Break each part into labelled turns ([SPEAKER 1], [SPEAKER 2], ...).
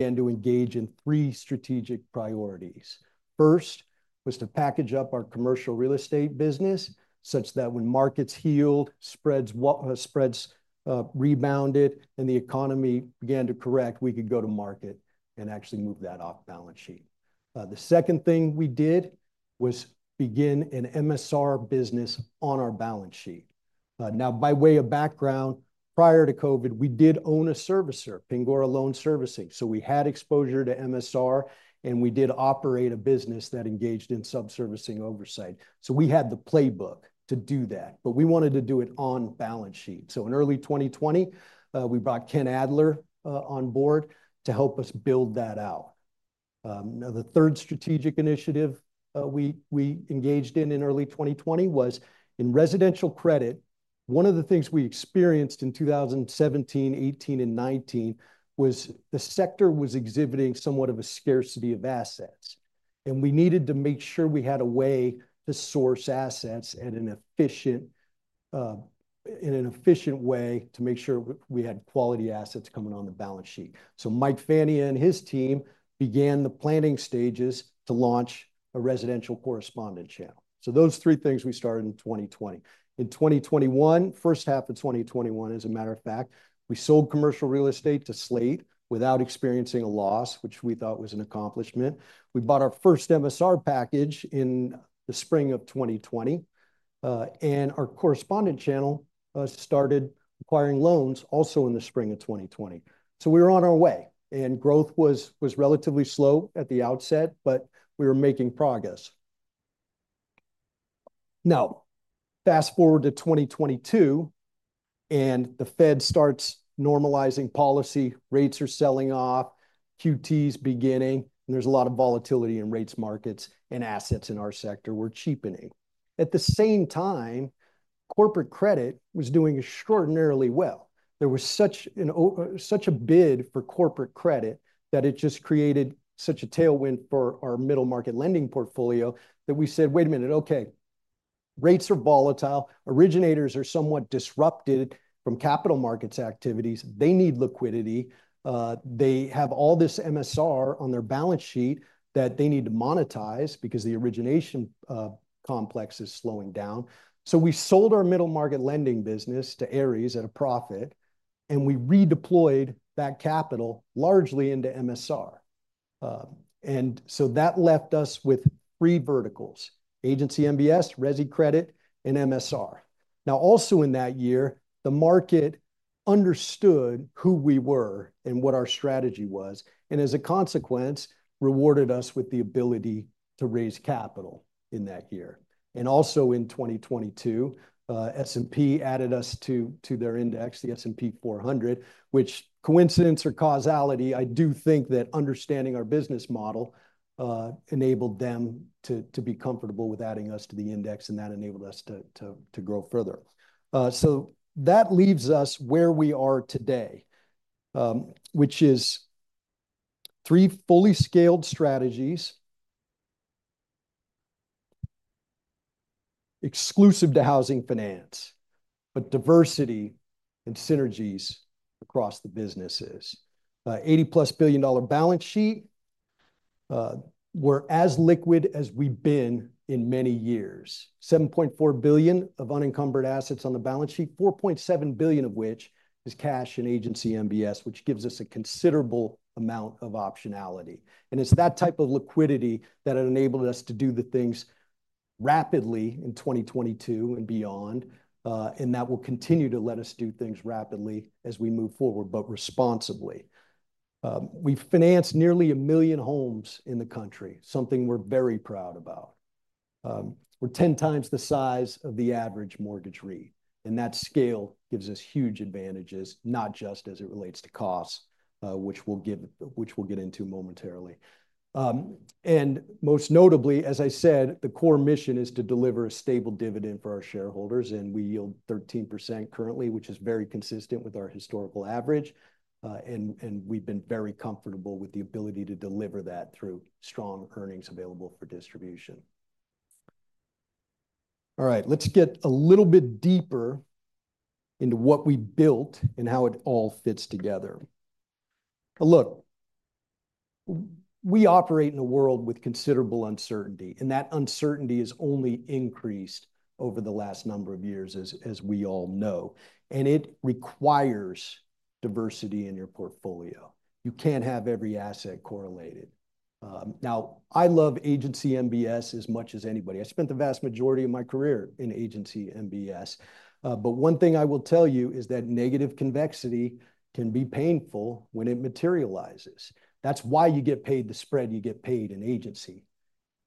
[SPEAKER 1] To engage in three strategic priorities. First was to package up our commercial real estate business such that when markets healed, spreads rebounded, and the economy began to correct, we could go to market and actually move that off balance sheet. The second thing we did was begin an MSR business on our balance sheet. Now, by way of background, prior to COVID, we did own a servicer, Pingora Loan Servicing, so we had exposure to MSR, and we did operate a business that engaged in sub-servicing oversight. So we had the playbook to do that, but we wanted to do it on balance sheet. So in early 2020, we brought Ken Adler on board to help us build that out. Now, the third strategic initiative we engaged in in early 2020 was in residential credit. One of the things we experienced in 2017, 2018, and 2019 was the sector was exhibiting somewhat of a scarcity of assets, and we needed to make sure we had a way to source assets in an efficient way to make sure we had quality assets coming on the balance sheet, so Mike Fania and his team began the planning stages to launch a residential correspondent channel, so those three things we started in 2020. In 2021, first half of 2021, as a matter of fact, we sold commercial real estate to Slate without experiencing a loss, which we thought was an accomplishment. We bought our first MSR package in the spring of 2020, and our correspondent channel started acquiring loans also in the spring of 2020, so we were on our way, and growth was relatively slow at the outset, but we were making progress. Now, fast forward to 2022, and the Fed starts normalizing policy, rates are selling off, QT's beginning, and there's a lot of volatility in rates markets and assets in our sector were cheapening. At the same time, corporate credit was doing extraordinarily well. There was such a bid for corporate credit that it just created such a tailwind for our middle market lending portfolio that we said, "Wait a minute, okay, rates are volatile, originators are somewhat disrupted from capital markets activities, they need liquidity, they have all this MSR on their balance sheet that they need to monetize because the origination complex is slowing down." So we sold our middle market lending business to Ares at a profit, and we redeployed that capital largely into MSR. And so that left us with three verticals: Agency MBS, resi credit, and MSR. Now, also in that year, the market understood who we were and what our strategy was, and as a consequence, rewarded us with the ability to raise capital in that year. And also in 2022, S&P added us to their index, the S&P 400, which, coincidence or causality, I do think that understanding our business model enabled them to be comfortable with adding us to the index, and that enabled us to grow further. So that leaves us where we are today, which is three fully scaled strategies exclusive to housing finance, but diversity and synergies across the businesses. $80-plus billion balance sheet, we're as liquid as we've been in many years. $7.4 billion of unencumbered assets on the balance sheet, $4.7 billion of which is cash and agency MBS, which gives us a considerable amount of optionality. It's that type of liquidity that enabled us to do the things rapidly in 2022 and beyond, and that will continue to let us do things rapidly as we move forward, but responsibly. We've financed nearly a million homes in the country, something we're very proud about. We're 10 times the size of the average mortgage REIT, and that scale gives us huge advantages, not just as it relates to costs, which we'll get into momentarily. And most notably, as I said, the core mission is to deliver a stable dividend for our shareholders, and we yield 13% currently, which is very consistent with our historical average, and we've been very comfortable with the ability to deliver that through strong earnings available for distribution. All right, let's get a little bit deeper into what we built and how it all fits together. Look, we operate in a world with considerable uncertainty, and that uncertainty has only increased over the last number of years, as we all know, and it requires diversity in your portfolio. You can't have every asset correlated. Now, I love Agency MBS as much as anybody. I spent the vast majority of my career in Agency MBS, but one thing I will tell you is that negative convexity can be painful when it materializes. That's why you get paid the spread you get paid in agency.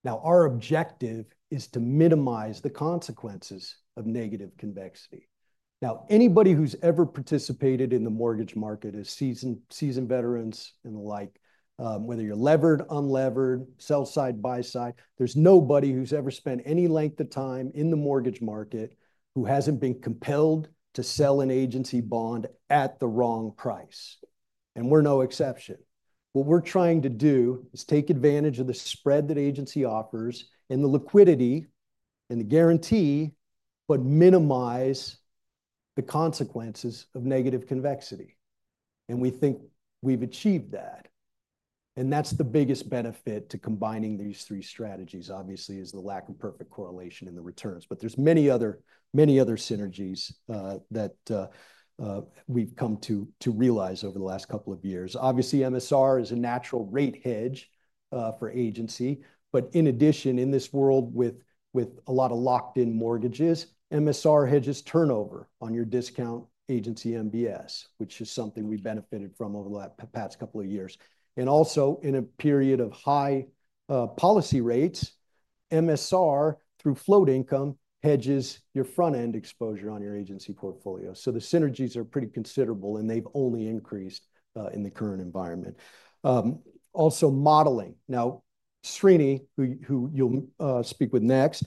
[SPEAKER 1] Now, our objective is to minimize the consequences of negative convexity. Now, anybody who's ever participated in the mortgage market, as seasoned veterans and the like, whether you're levered, unlevered, sell side, buy side, there's nobody who's ever spent any length of time in the mortgage market who hasn't been compelled to sell an agency bond at the wrong price, and we're no exception. What we're trying to do is take advantage of the spread that agency offers and the liquidity and the guarantee, but minimize the consequences of negative convexity, and we think we've achieved that. And that's the biggest benefit to combining these three strategies, obviously, is the lack of perfect correlation in the returns, but there's many other synergies that we've come to realize over the last couple of years. Obviously, MSR is a natural rate hedge for agency, but in addition, in this world with a lot of locked-in mortgages, MSR hedges turnover on your discount agency MBS, which is something we benefited from over the past couple of years. And also, in a period of high policy rates, MSR through float income hedges your front-end exposure on your agency portfolio. So the synergies are pretty considerable, and they've only increased in the current environment. Also, modeling. Now, Srini, who you'll speak with next,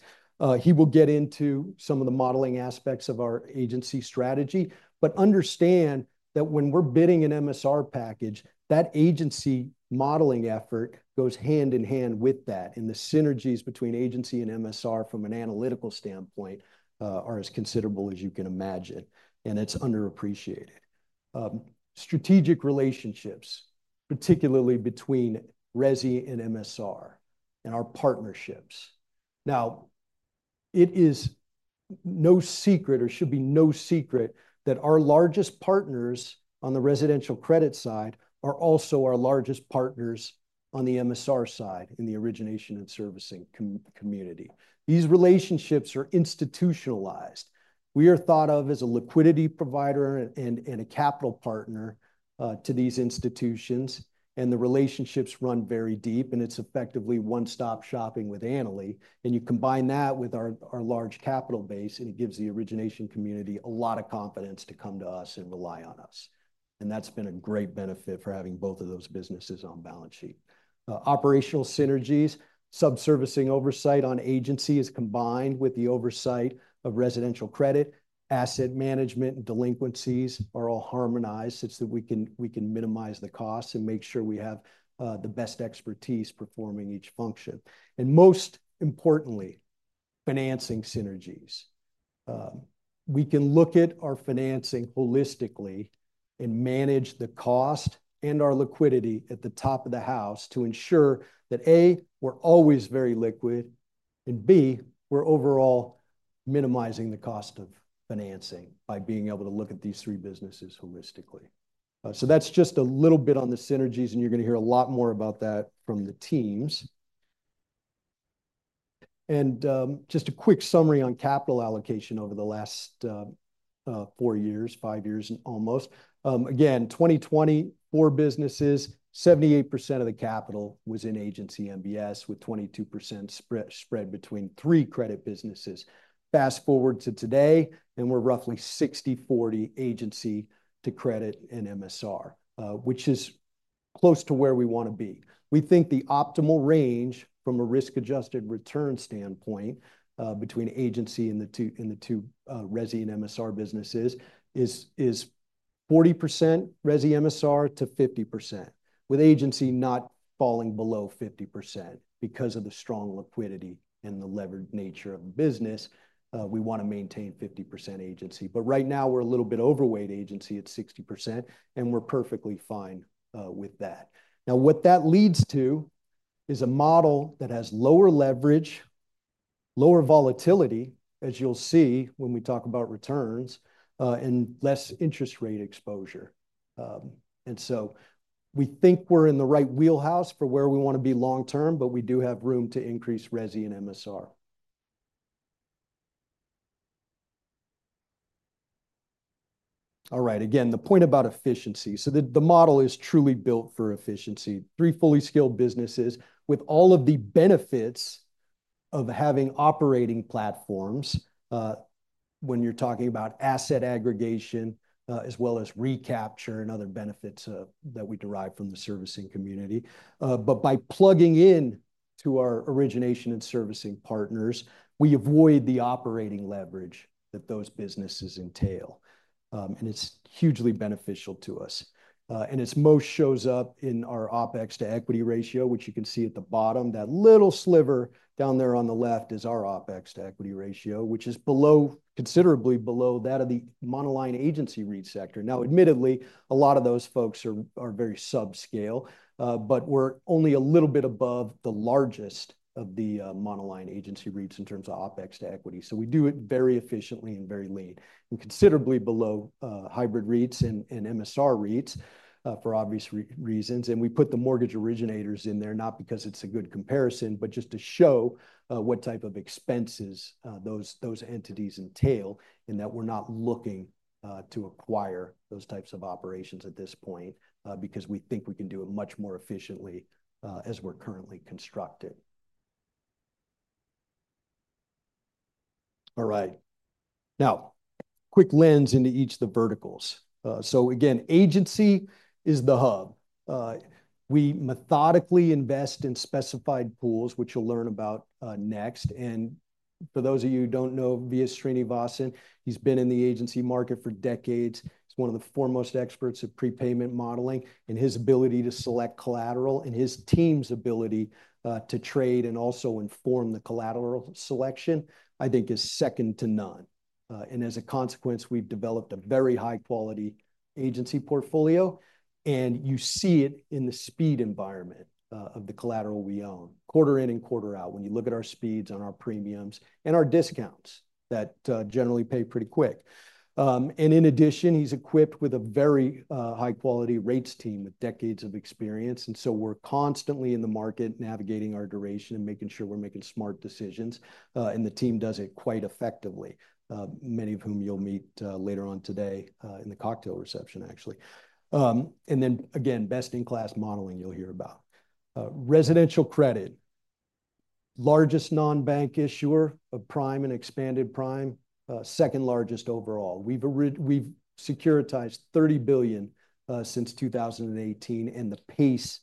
[SPEAKER 1] he will get into some of the modeling aspects of our agency strategy, but understand that when we're bidding an MSR package, that agency modeling effort goes hand in hand with that, and the synergies between agency and MSR from an analytical standpoint are as considerable as you can imagine, and it's underappreciated. Strategic relationships, particularly between resi and MSR and our partnerships. Now, it is no secret or should be no secret that our largest partners on the residential credit side are also our largest partners on the MSR side in the origination and servicing community. These relationships are institutionalized. We are thought of as a liquidity provider and a capital partner to these institutions, and the relationships run very deep, and it's effectively one-stop shopping with Annaly, and you combine that with our large capital base, and it gives the origination community a lot of confidence to come to us and rely on us, and that's been a great benefit for having both of those businesses on balance sheet. Operational synergies, sub-servicing oversight on agency is combined with the oversight of residential credit, asset management, and delinquencies, are all harmonized so that we can minimize the costs and make sure we have the best expertise performing each function. And most importantly, financing synergies. We can look at our financing holistically and manage the cost and our liquidity at the top of the house to ensure that, A, we're always very liquid, and B, we're overall minimizing the cost of financing by being able to look at these three businesses holistically. So that's just a little bit on the synergies, and you're going to hear a lot more about that from the teams. And just a quick summary on capital allocation over the last four years, five years almost. Again, 2020, four businesses, 78% of the capital was in Agency MBS with 22% spread between three credit businesses. Fast forward to today, and we're roughly 60-40 Agency to credit and MSR, which is close to where we want to be. We think the optimal range from a risk-adjusted return standpoint between agency and the two resi and MSR businesses is 40%-50% resi MSR, with agency not falling below 50% because of the strong liquidity and the levered nature of the business. We want to maintain 50% agency, but right now we're a little bit overweight agency at 60%, and we're perfectly fine with that. Now, what that leads to is a model that has lower leverage, lower volatility, as you'll see when we talk about returns and less interest rate exposure. And so we think we're in the right wheelhouse for where we want to be long term, but we do have room to increase resi and MSR. All right, again, the point about efficiency. So the model is truly built for efficiency. Three fully scaled businesses with all of the benefits of having operating platforms when you're talking about asset aggregation as well as recapture and other benefits that we derive from the servicing community. But by plugging in to our origination and servicing partners, we avoid the operating leverage that those businesses entail, and it's hugely beneficial to us. And it most shows up in our OpEx to equity ratio, which you can see at the bottom. That little sliver down there on the left is our OpEx to equity ratio, which is considerably below that of the monoline agency REIT sector. Now, admittedly, a lot of those folks are very subscale, but we're only a little bit above the largest of the monoline agency REITs in terms of OpEx to equity. So we do it very efficiently and very lean and considerably below hybrid REITs and MSR REITs for obvious reasons. And we put the mortgage originators in there, not because it's a good comparison, but just to show what type of expenses those entities entail and that we're not looking to acquire those types of operations at this point because we think we can do it much more efficiently as we're currently constructed. All right. Now, quick lens into each of the verticals. So again, agency is the hub. We methodically invest in specified pools, which you'll learn about next. And for those of you who don't know, V.S. Srinivasan, he's been in the agency market for decades. He's one of the foremost experts of prepayment modeling, and his ability to select collateral and his team's ability to trade and also inform the collateral selection, I think is second to none, and as a consequence, we've developed a very high-quality agency portfolio, and you see it in the speed environment of the collateral we own, quarter in and quarter out when you look at our speeds on our premiums and our discounts that generally pay pretty quick, and in addition, he's equipped with a very high-quality REITs team with decades of experience, and so we're constantly in the market navigating our duration and making sure we're making smart decisions, and the team does it quite effectively, many of whom you'll meet later on today in the cocktail reception, actually, and then again, best-in-class modeling you'll hear about. Residential Credit, largest non-bank issuer of prime and expanded prime, second largest overall. We've securitized $30 billion since 2018, and the pace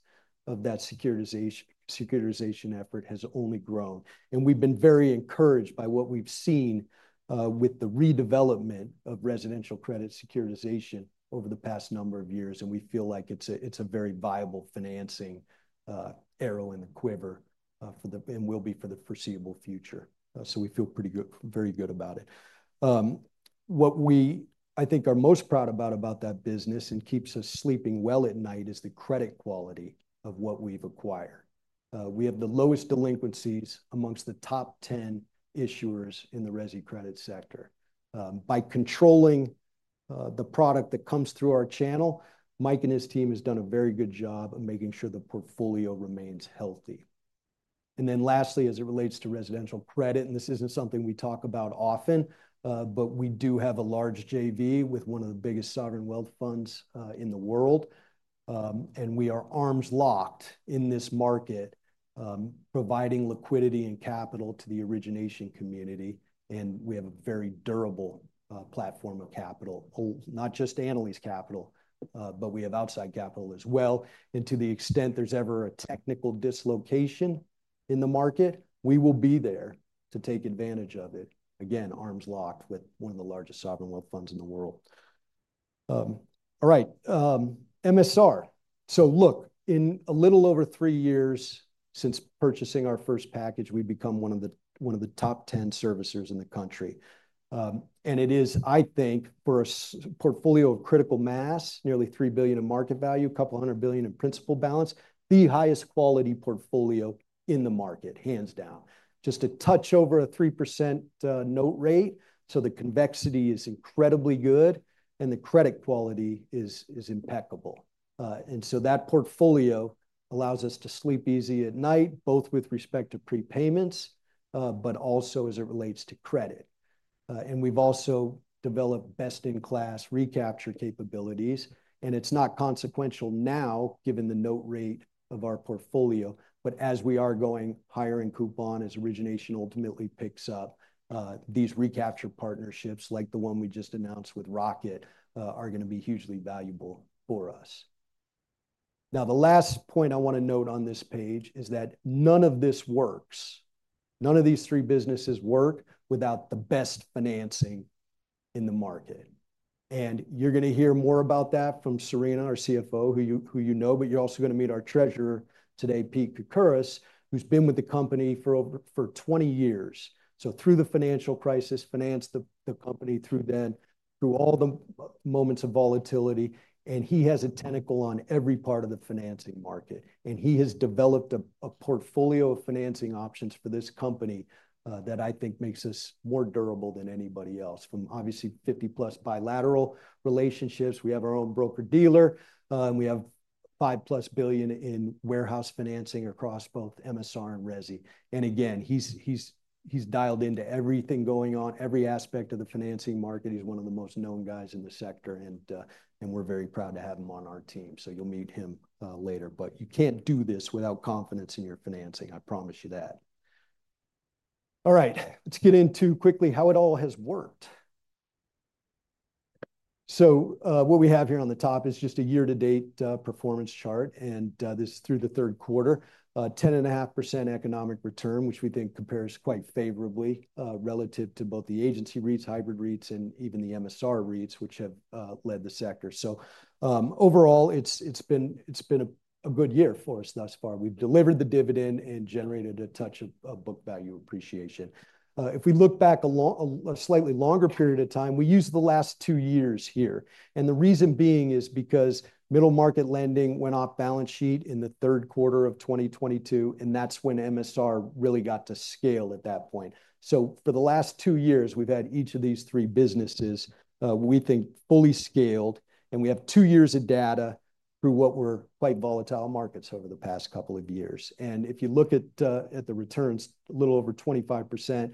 [SPEAKER 1] of that securitization effort has only grown. We've been very encouraged by what we've seen with the redevelopment of residential credit securitization over the past number of years, and we feel like it's a very viable financing arrow in the quiver for the and will be for the foreseeable future. We feel pretty good, very good about it. What I think we are most proud about that business and keeps us sleeping well at night is the credit quality of what we've acquired. We have the lowest delinquencies among the top 10 issuers in the resi credit sector. By controlling the product that comes through our channel, Mike and his team have done a very good job of making sure the portfolio remains healthy. And then lastly, as it relates to residential credit, and this isn't something we talk about often, but we do have a large JV with one of the biggest sovereign wealth funds in the world, and we are arms locked in this market providing liquidity and capital to the origination community, and we have a very durable platform of capital, not just Annaly's capital, but we have outside capital as well, and to the extent there's ever a technical dislocation in the market, we will be there to take advantage of it. Again, arms locked with one of the largest sovereign wealth funds in the world. All right, MSR, so look, in a little over three years since purchasing our first package, we've become one of the top 10 servicers in the country. It is, I think, for a portfolio of critical mass, nearly $3 billion in market value, $200 billion in principal balance, the highest quality portfolio in the market, hands down. Just a touch over a 3% note rate. So the convexity is incredibly good, and the credit quality is impeccable. And so that portfolio allows us to sleep easy at night, both with respect to prepayments, but also as it relates to credit. And we've also developed best-in-class recapture capabilities, and it's not consequential now given the note rate of our portfolio, but as we are going higher in coupon as origination ultimately picks up, these recapture partnerships like the one we just announced with Rocket are going to be hugely valuable for us. Now, the last point I want to note on this page is that none of this works. None of these three businesses work without the best financing in the market. And you're going to hear more about that from Serena, our CFO, who you know, but you're also going to meet our treasurer today, Pete Koukouvitis, who's been with the company for over 20 years, so through the financial crisis, he financed the company through that, through all the moments of volatility, and he has a handle on every part of the financing market. And he has developed a portfolio of financing options for this company that I think makes us more durable than anybody else with obviously 50-plus bilateral relationships. We have our own broker-dealer, and we have $5-plus billion in warehouse financing across both MSR and resi. And again, he's dialed into everything going on, every aspect of the financing market. He's one of the most known guys in the sector, and we're very proud to have him on our team. So you'll meet him later, but you can't do this without confidence in your financing. I promise you that. All right, let's get into quickly how it all has worked. So what we have here on the top is just a year-to-date performance chart, and this is through the third quarter, 10.5% economic return, which we think compares quite favorably relative to both the agency REITs, hybrid REITs, and even the MSR REITs, which have led the sector. So overall, it's been a good year for us thus far. We've delivered the dividend and generated a touch of book value appreciation. If we look back a slightly longer period of time, we use the last two years here. The reason being is because middle market lending went off balance sheet in the third quarter of 2022, and that's when MSR really got to scale at that point. So for the last two years, we've had each of these three businesses, we think, fully scaled, and we have two years of data through what were quite volatile markets over the past couple of years. If you look at the returns, a little over 25%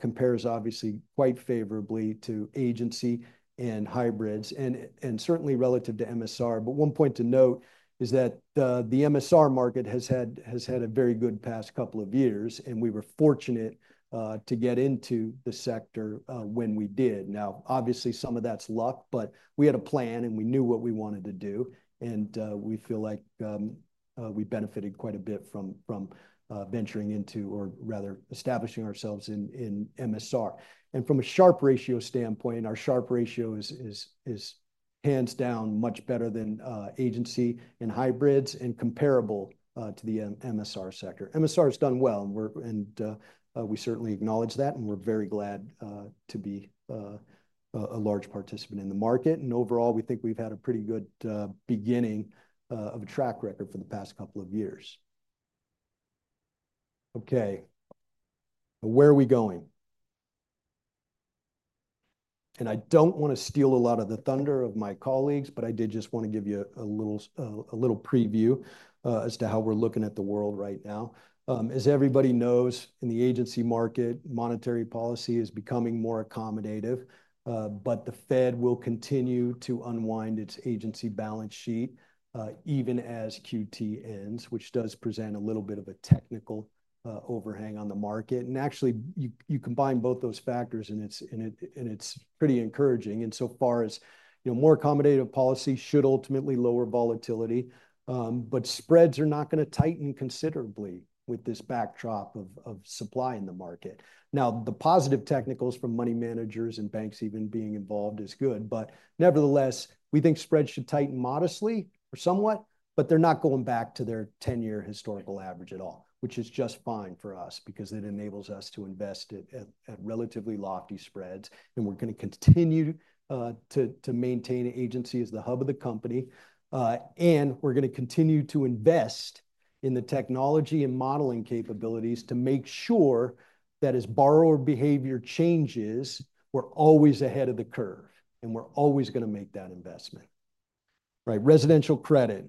[SPEAKER 1] compares obviously quite favorably to agency and hybrids and certainly relative to MSR. One point to note is that the MSR market has had a very good past couple of years, and we were fortunate to get into the sector when we did. Now, obviously, some of that's luck, but we had a plan, and we knew what we wanted to do, and we feel like we benefited quite a bit from venturing into or rather establishing ourselves in MSR. And from a Sharpe ratio standpoint, our Sharpe ratio is hands down much better than agency and hybrids and comparable to the MSR sector. MSR has done well, and we certainly acknowledge that, and we're very glad to be a large participant in the market. And overall, we think we've had a pretty good beginning of a track record for the past couple of years. Okay, where are we going? And I don't want to steal a lot of the thunder of my colleagues, but I did just want to give you a little preview as to how we're looking at the world right now. As everybody knows, in the agency market, monetary policy is becoming more accommodative, but the Fed will continue to unwind its agency balance sheet even as QT ends, which does present a little bit of a technical overhang on the market, and actually, you combine both those factors, and it's pretty encouraging insofar as more accommodative policy should ultimately lower volatility, but spreads are not going to tighten considerably with this backdrop of supply in the market. Now, the positive technicals from money managers and banks even being involved is good, but nevertheless, we think spreads should tighten modestly or somewhat, but they're not going back to their 10-year historical average at all, which is just fine for us because it enables us to invest at relatively lofty spreads. And we're going to continue to maintain agency as the hub of the company, and we're going to continue to invest in the technology and modeling capabilities to make sure that as borrower behavior changes, we're always ahead of the curve, and we're always going to make that investment. Right, residential credit.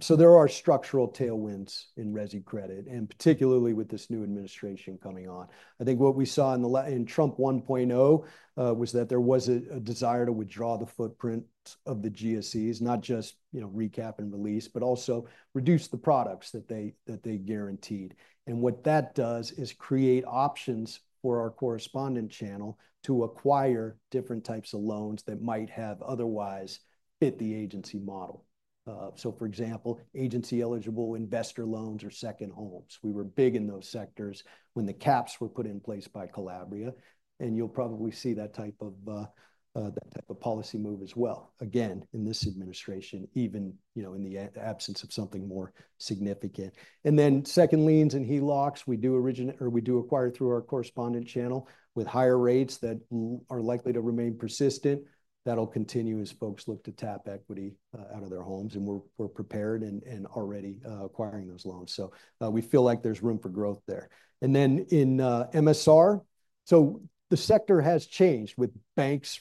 [SPEAKER 1] So there are structural tailwinds in resi credit, and particularly with this new administration coming on. I think what we saw in Trump 1.0 was that there was a desire to withdraw the footprint of the GSEs, not just recap and release, but also reduce the products that they guaranteed. And what that does is create options for our correspondent channel to acquire different types of loans that might have otherwise fit the agency model. So for example, agency eligible investor loans or second homes. We were big in those sectors when the caps were put in place by Calabria, and you'll probably see that type of policy move as well. Again, in this administration, even in the absence of something more significant. And then second liens and HELOCs, we do acquire through our correspondent channel with higher rates that are likely to remain persistent. That'll continue as folks look to tap equity out of their homes, and we're prepared and already acquiring those loans. So we feel like there's room for growth there. And then in MSR, so the sector has changed with banks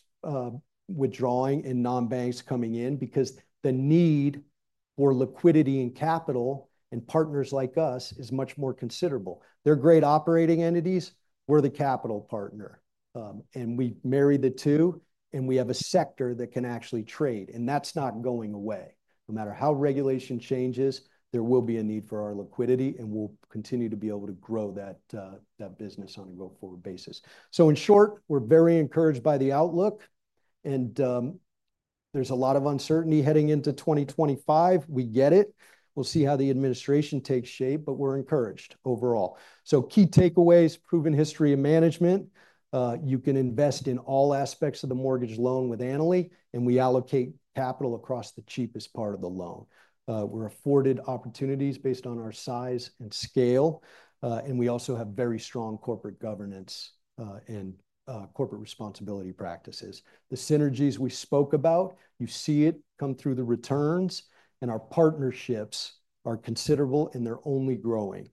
[SPEAKER 1] withdrawing and non-banks coming in because the need for liquidity and capital and partners like us is much more considerable. They're great operating entities. We're the capital partner, and we marry the two, and we have a sector that can actually trade, and that's not going away. No matter how regulation changes, there will be a need for our liquidity, and we'll continue to be able to grow that business on a go-forward basis. So in short, we're very encouraged by the outlook, and there's a lot of uncertainty heading into 2025. We get it. We'll see how the administration takes shape, but we're encouraged overall. So, key takeaways: proven history of management. You can invest in all aspects of the mortgage loan with Annaly, and we allocate capital across the cheapest part of the loan. We're afforded opportunities based on our size and scale, and we also have very strong corporate governance and corporate responsibility practices. The synergies we spoke about, you see it come through the returns, and our partnerships are considerable, and they're only growing.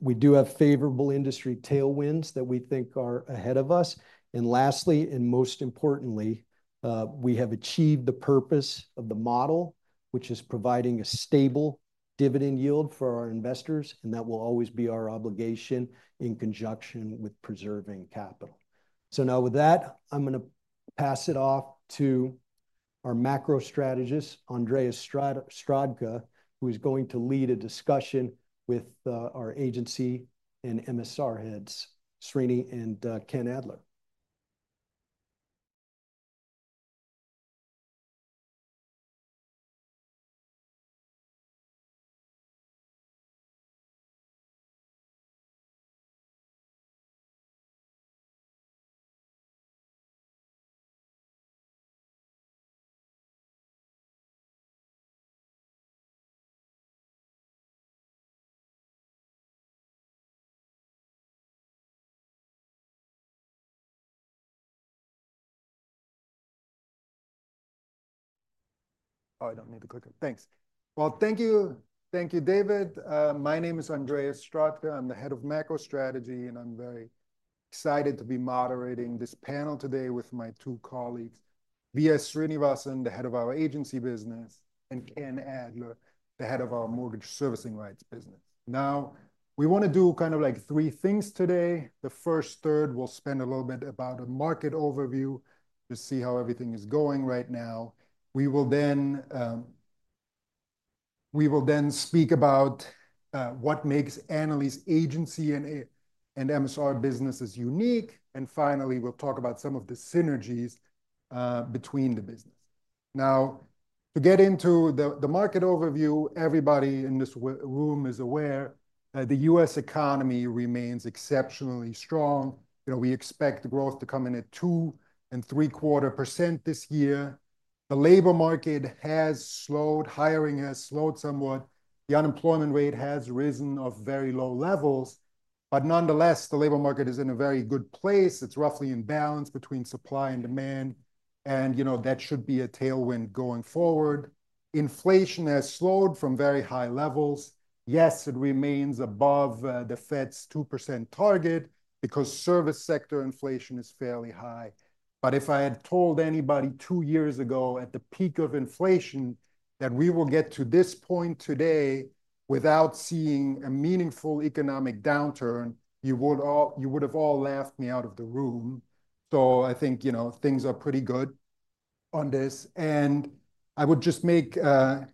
[SPEAKER 1] We do have favorable industry tailwinds that we think are ahead of us. And lastly, and most importantly, we have achieved the purpose of the model, which is providing a stable dividend yield for our investors, and that will always be our obligation in conjunction with preserving capital. So now with that, I'm going to pass it off to our macro strategist, Andreas Strzodka, who is going to lead a discussion with our agency and MSR heads, Srini and Ken Adler. Oh, I don't need the clicker. Thanks.
[SPEAKER 2] Well, thank you. Thank you, David. My name is Andreas Strzodka. I'm the head of macro strategy, and I'm very excited to be moderating this panel today with my two colleagues, V.S. Srinivasan, the head of our agency business, and Ken Adler, the head of our mortgage servicing rights business. Now, we want to do kind of like three things today. The first third, we'll spend a little bit about a market overview to see how everything is going right now. We will then speak about what makes Annaly's agency and MSR businesses unique, and finally, we'll talk about some of the synergies between the businesses. Now, to get into the market overview, everybody in this room is aware, the U.S. economy remains exceptionally strong. We expect growth to come in at 2.75% this year. The labor market has slowed. Hiring has slowed somewhat. The unemployment rate has risen off very low levels, but nonetheless, the labor market is in a very good place. It's roughly in balance between supply and demand, and that should be a tailwind going forward. Inflation has slowed from very high levels. Yes, it remains above the Fed's 2% target because service sector inflation is fairly high. But if I had told anybody two years ago at the peak of inflation that we will get to this point today without seeing a meaningful economic downturn, you would have all laughed me out of the room. So I think things are pretty good on this. And I would just make the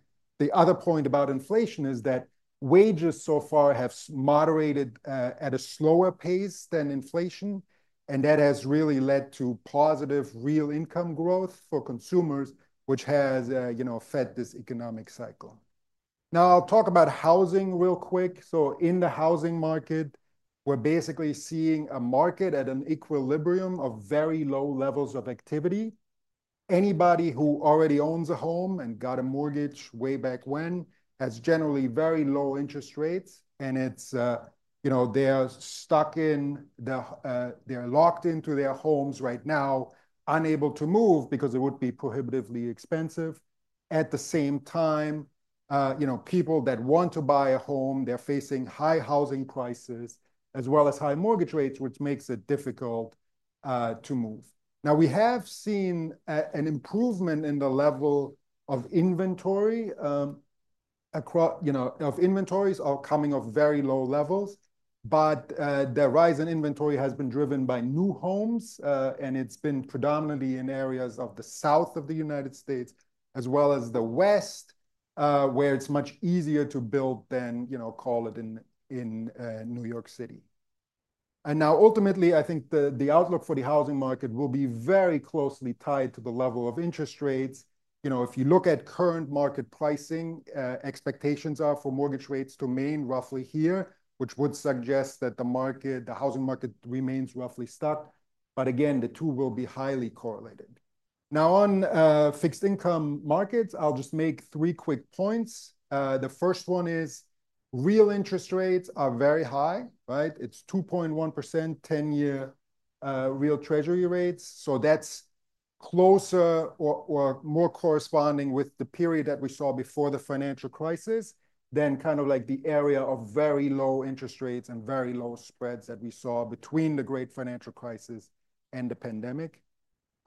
[SPEAKER 2] other point about inflation is that wages so far have moderated at a slower pace than inflation, and that has really led to positive real income growth for consumers, which has fed this economic cycle. Now, I'll talk about housing real quick. So in the housing market, we're basically seeing a market at an equilibrium of very low levels of activity. Anybody who already owns a home and got a mortgage way back when has generally very low interest rates, and they're stuck, they're locked into their homes right now, unable to move because it would be prohibitively expensive. At the same time, people that want to buy a home, they're facing high housing prices as well as high mortgage rates, which makes it difficult to move. Now, we have seen an improvement in the level of inventories coming off very low levels, but the rise in inventory has been driven by new homes, and it's been predominantly in areas of the South of the United States as well as the West, where it's much easier to build than, call it, in New York City. Ultimately, I think the outlook for the housing market will be very closely tied to the level of interest rates. If you look at current market pricing, expectations are for mortgage rates to remain roughly here, which would suggest that the housing market remains roughly stuck. But again, the two will be highly correlated. Now, on fixed income markets, I'll just make three quick points. The first one is real interest rates are very high. It's 2.1% 10-year real Treasury rates. So that's closer or more corresponding with the period that we saw before the financial crisis than kind of like the area of very low interest rates and very low spreads that we saw between the great financial crisis and the pandemic.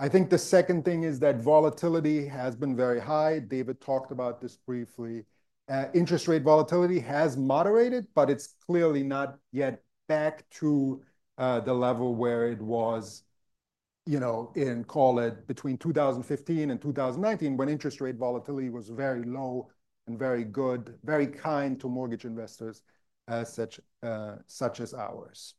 [SPEAKER 2] I think the second thing is that volatility has been very high. David talked about this briefly. Interest rate volatility has moderated, but it's clearly not yet back to the level where it was in, call it, between 2015 and 2019, when interest rate volatility was very low and very good, very kind to mortgage investors such as ours.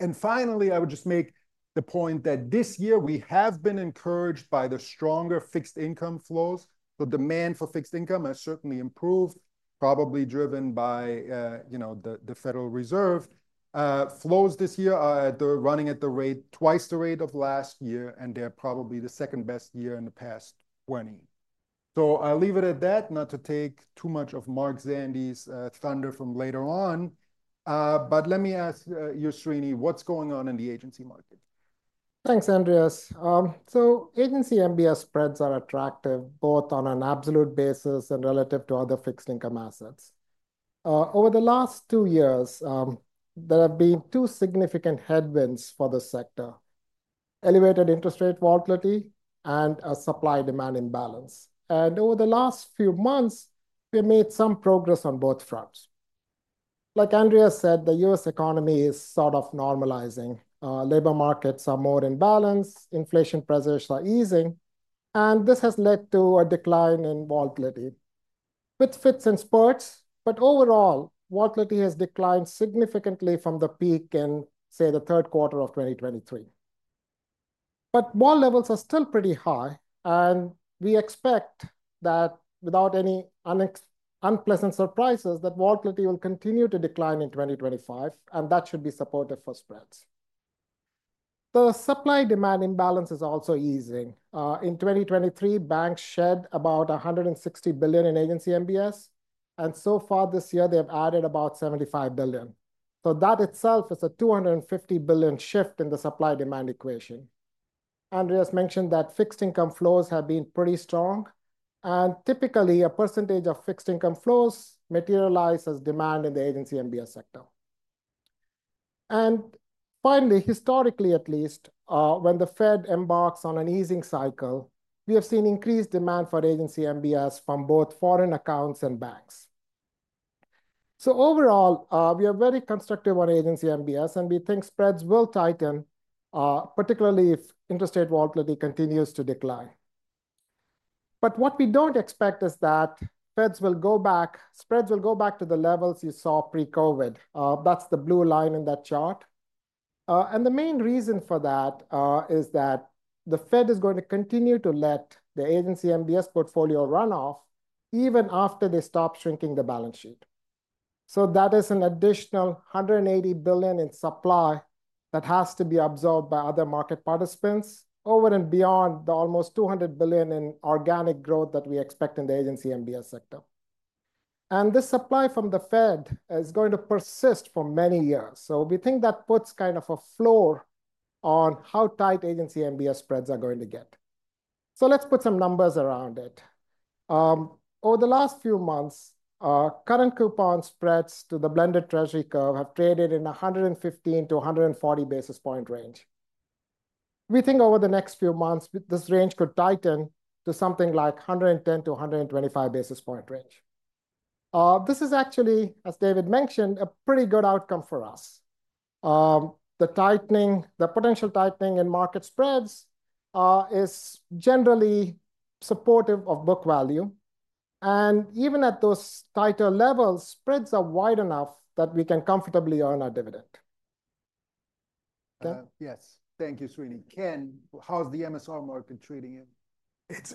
[SPEAKER 2] And finally, I would just make the point that this year we have been encouraged by the stronger fixed income flows. The demand for fixed income has certainly improved, probably driven by the Federal Reserve. Flows this year are running at the rate twice the rate of last year, and they're probably the second best year in the past 20. So I'll leave it at that, not to take too much of Mark Zandi's thunder from later on. But let me ask you, Srini, what's going on in the agency market?
[SPEAKER 3] Thanks, Andreas. Agency MBS spreads are attractive both on an absolute basis and relative to other fixed income assets. Over the last two years, there have been two significant headwinds for the sector: elevated interest rate volatility and a supply-demand imbalance. Over the last few months, we have made some progress on both fronts. Like Andreas said, the U.S. economy is sort of normalizing. Labor markets are more in balance. Inflation pressures are easing, and this has led to a decline in volatility, which fits in spurts. Overall, volatility has declined significantly from the peak in, say, the third quarter of 2023. Vol levels are still pretty high, and we expect that without any unpleasant surprises, that volatility will continue to decline in 2025, and that should be supportive for spreads. The supply-demand imbalance is also easing. In 2023, banks shed about $160 billion in Agency MBS, and so far this year, they have added about $75 billion. So that itself is a $250 billion shift in the supply-demand equation. Andreas mentioned that fixed income flows have been pretty strong, and typically, a percentage of fixed income flows materialize as demand in the Agency MBS sector, and finally, historically at least, when the Fed embarks on an easing cycle, we have seen increased demand for Agency MBS from both foreign accounts and banks, so overall, we are very constructive on Agency MBS, and we think spreads will tighten, particularly if interest rate volatility continues to decline, but what we don't expect is that spreads will go back to the levels you saw pre-COVID. That's the blue line in that chart. The main reason for that is that the Fed is going to continue to let the agency MBS portfolio run off even after they stop shrinking the balance sheet. So that is an additional $180 billion in supply that has to be absorbed by other market participants over and beyond the almost $200 billion in organic growth that we expect in the agency MBS sector. And this supply from the Fed is going to persist for many years. So we think that puts kind of a floor on how tight agency MBS spreads are going to get. So let's put some numbers around it. Over the last few months, current coupon spreads to the blended Treasury curve have traded in 115-140 basis point range. We think over the next few months, this range could tighten to something like 110-125 basis point range. This is actually, as David mentioned, a pretty good outcome for us. The potential tightening in market spreads is generally supportive of book value. And even at those tighter levels, spreads are wide enough that we can comfortably earn our dividend.
[SPEAKER 2] Yes. Thank you, Srini. Ken, how's the MSR market treating it?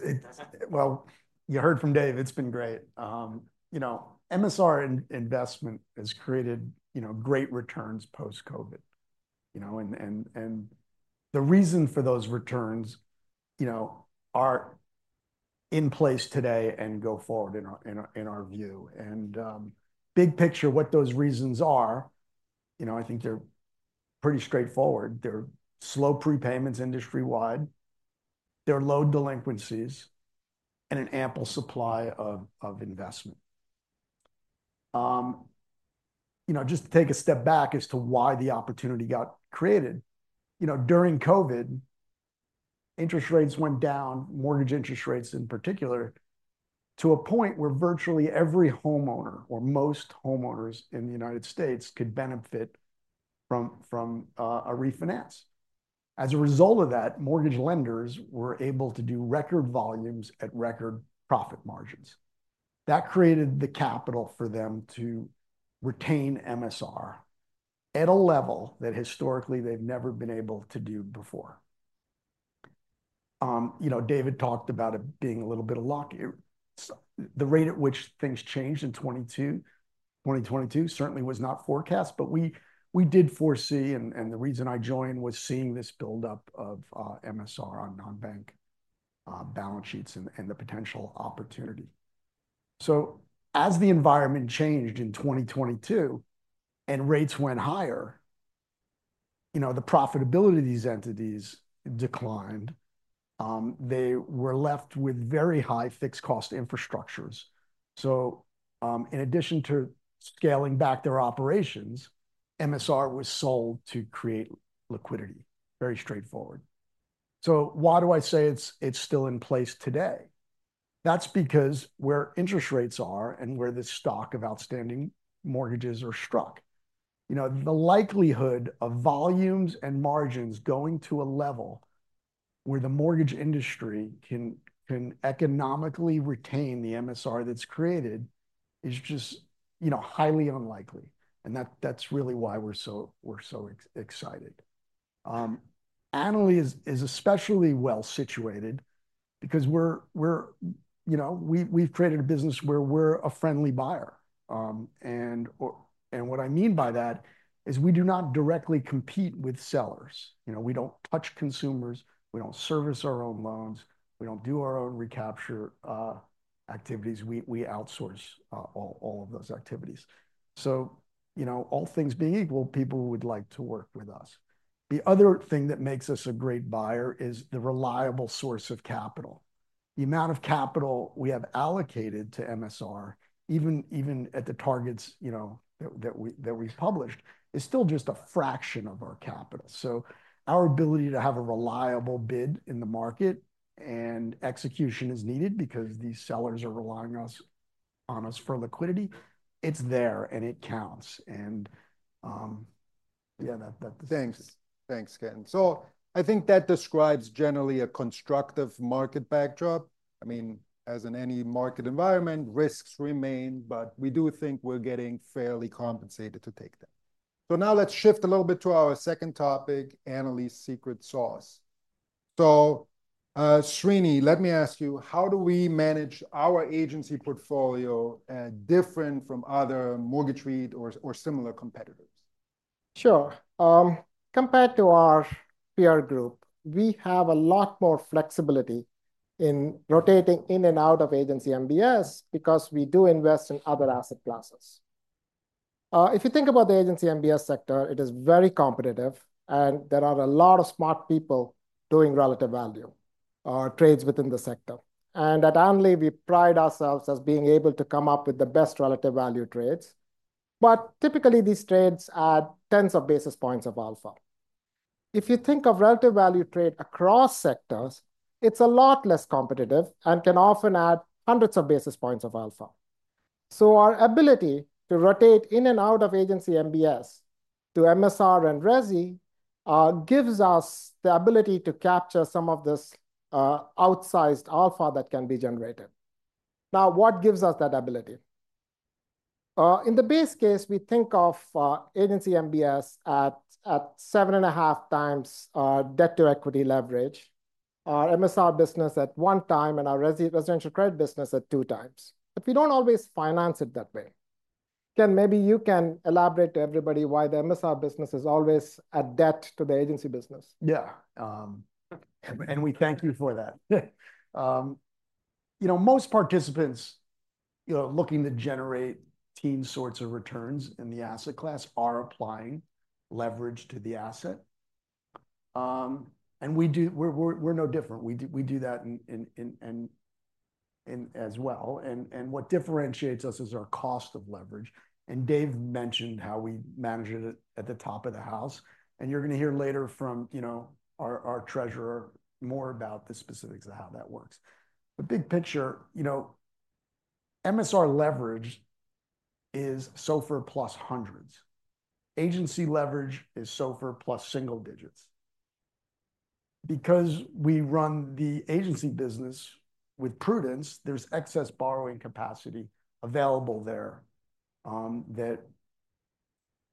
[SPEAKER 4] Well, you heard from David. It's been great. You know, MSR investment has created great returns post-COVID. And the reason for those returns are in place today and go forward in our view. And big picture, what those reasons are, I think they're pretty straightforward. They're slow prepayments industry-wide. There are low delinquencies and an ample supply of investment. Just to take a step back as to why the opportunity got created, during COVID, interest rates went down, mortgage interest rates in particular, to a point where virtually every homeowner or most homeowners in the United States could benefit from a refinance. As a result of that, mortgage lenders were able to do record volumes at record profit margins. That created the capital for them to retain MSR at a level that historically they've never been able to do before. David talked about it being a little bit of luck. The rate at which things changed in 2022 certainly was not forecast, but we did foresee, and the reason I joined was seeing this buildup of MSR on non-bank balance sheets and the potential opportunity. So as the environment changed in 2022 and rates went higher, the profitability of these entities declined. They were left with very high fixed cost infrastructures, so in addition to scaling back their operations, MSR was sold to create liquidity, very straightforward, so why do I say it's still in place today? That's because where interest rates are and where the stock of outstanding mortgages are struck, the likelihood of volumes and margins going to a level where the mortgage industry can economically retain the MSR that's created is just highly unlikely, and that's really why we're so excited. Annaly is especially well situated because we've created a business where we're a friendly buyer, and what I mean by that is we do not directly compete with sellers. We don't touch consumers. We don't service our own loans. We don't do our own recapture activities. We outsource all of those activities, so all things being equal, people would like to work with us. The other thing that makes us a great buyer is the reliable source of capital. The amount of capital we have allocated to MSR, even at the targets that we've published, is still just a fraction of our capital. So our ability to have a reliable bid in the market and execution is needed because these sellers are relying on us for liquidity. It's there, and it counts. And yeah, that's the thing.
[SPEAKER 2] Thanks, Ken. So I think that describes generally a constructive market backdrop. I mean, as in any market environment, risks remain, but we do think we're getting fairly compensated to take them. So now let's shift a little bit to our second topic, Annaly's secret sauce. So Srini, let me ask you, how do we manage our agency portfolio different from other mortgage REIT or similar competitors? Sure.
[SPEAKER 3] Compared to our peer group, we have a lot more flexibility in rotating in and out of agency MBS because we do invest in other asset classes. If you think about the agency MBS sector, it is very competitive, and there are a lot of smart people doing relative value trades within the sector. And at Annaly, we pride ourselves as being able to come up with the best relative value trades. But typically, these trades add tens of basis points of alpha. If you think of relative value trade across sectors, it's a lot less competitive and can often add hundreds of basis points of alpha. So our ability to rotate in and out of agency MBS to MSR and Resi gives us the ability to capture some of this outsized alpha that can be generated. Now, what gives us that ability? In the base case, we think of Agency MBS at 7.5 times debt-to-equity leverage, our MSR business at one time, and our residential credit business at two times. But we don't always finance it that way. Ken, maybe you can elaborate to everybody why the MSR business is always at debt to the agency business.
[SPEAKER 4] Yeah. And we thank you for that. Most participants looking to generate teen sorts of returns in the asset class are applying leverage to the asset. And we're no different. We do that as well. And what differentiates us is our cost of leverage. And Dave mentioned how we manage it at the top of the house. And you're going to hear later from our treasurer more about the specifics of how that works. The big picture, MSR leverage is SOFR plus hundreds. Agency leverage is SOFR plus single digits. Because we run the agency business with prudence, there's excess borrowing capacity available there that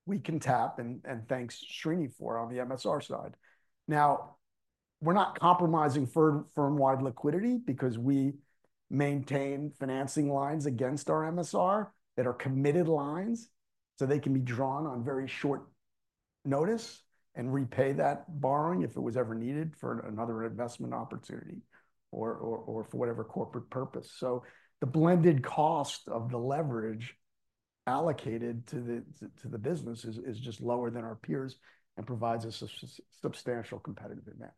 [SPEAKER 4] we can tap, and thanks Srini for on the MSR side. Now, we're not compromising firm-wide liquidity because we maintain financing lines against our MSR that are committed lines. So they can be drawn on very short notice and repay that borrowing if it was ever needed for another investment opportunity or for whatever corporate purpose. So the blended cost of the leverage allocated to the business is just lower than our peers and provides us a substantial competitive advantage.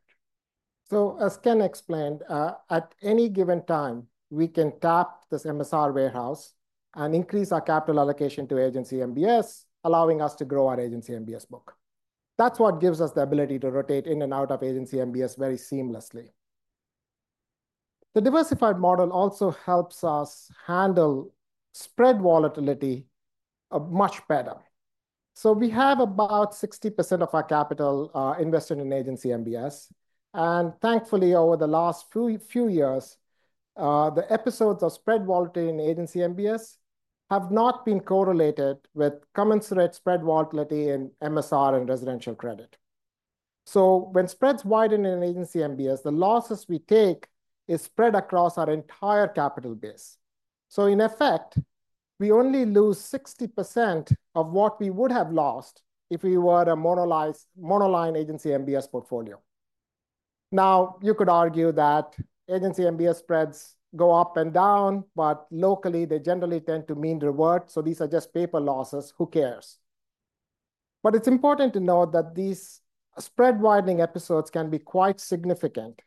[SPEAKER 3] So as Ken explained, at any given time, we can tap this MSR warehouse and increase our capital allocation to agency MBS, allowing us to grow our agency MBS book. That's what gives us the ability to rotate in and out of agency MBS very seamlessly. The diversified model also helps us handle spread volatility much better. So we have about 60% of our capital invested in agency MBS. And thankfully, over the last few years, the episodes of spread volatility in agency MBS have not been correlated with common spread volatility in MSR and residential credit. So when spreads widen in agency MBS, the losses we take are spread across our entire capital base. So in effect, we only lose 60% of what we would have lost if we were a monoline agency MBS portfolio. Now, you could argue that agency MBS spreads go up and down, but locally, they generally tend to mean revert. So these are just paper losses. Who cares? But it's important to note that these spread widening episodes can be quite significant,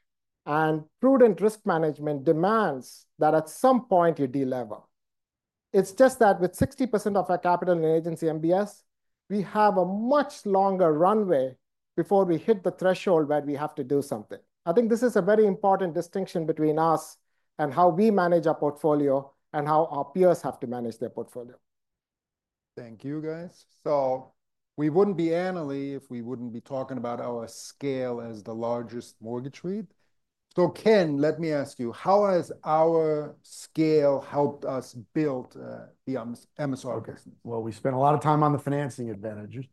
[SPEAKER 3] and prudent risk management demands that at some point, you delevel. It's just that with 60% of our capital in agency MBS, we have a much longer runway before we hit the threshold where we have to do something. I think this is a very important distinction between us and how we manage our portfolio and how our peers have to manage their portfolio.
[SPEAKER 2] Thank you, guys. So we wouldn't be Annaly if we wouldn't be
[SPEAKER 4] talking about our scale as the largest mortgage REIT. So Ken, let me ask you, how has our scale helped us build the MSR business? Well, we spent a lot of time on the financing advantage.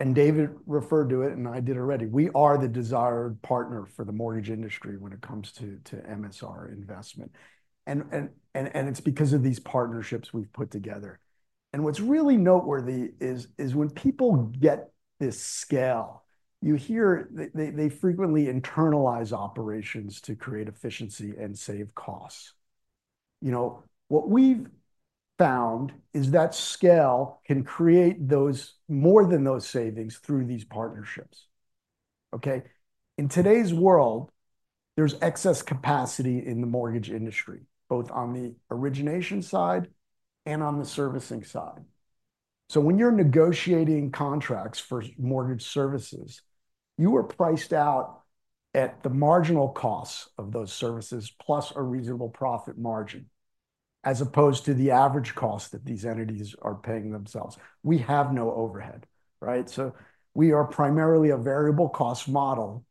[SPEAKER 4] And David referred to it, and I did already. We are the desired partner for the mortgage industry when it comes to MSR investment. And it's because of these partnerships we've put together. And what's really noteworthy is when people get this scale, you hear they frequently internalize operations to create efficiency and save costs. What we've found is that scale can create more than those savings through these partnerships. Okay? In today's world, there's excess capacity in the mortgage industry, both on the origination side and on the servicing side. So when you're negotiating contracts for mortgage services, you are priced out at the marginal costs of those services plus a reasonable profit margin as opposed to the average cost that these entities are paying themselves. We have no overhead, right? So we are primarily a variable cost model,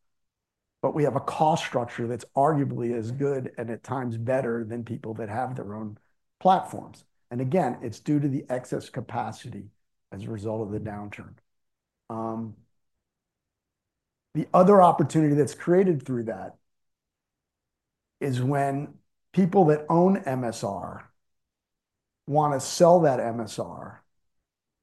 [SPEAKER 4] but we have a cost structure that's arguably as good and at times better than people that have their own platforms. And again, it's due to the excess capacity as a result of the downturn. The other opportunity that's created through that is when people that own MSR want to sell that MSR,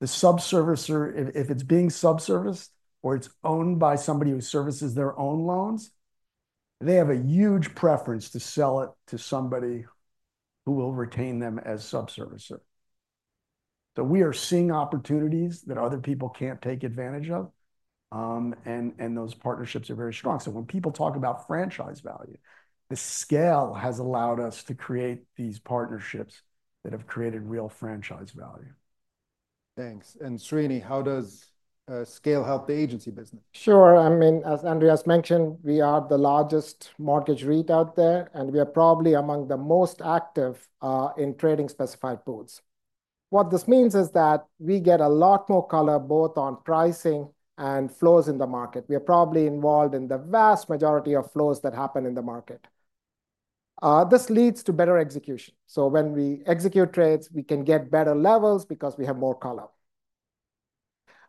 [SPEAKER 4] the sub-servicer, if it's being sub-serviced or it's owned by somebody who services their own loans, they have a huge preference to sell it to somebody who will retain them as sub-servicer. So we are seeing opportunities that other people can't take advantage of. And those partnerships are very strong. So when people talk about franchise value, the scale has allowed us to create these partnerships that have created real franchise value. Thanks. And Srini, how does scale help the agency business?
[SPEAKER 3] Sure. I mean, as Andreas mentioned, we are the largest mortgage REIT out there, and we are probably among the most active in trading specified pools. What this means is that we get a lot more color both on pricing and flows in the market. We are probably involved in the vast majority of flows that happen in the market. This leads to better execution. So when we execute trades, we can get better levels because we have more color.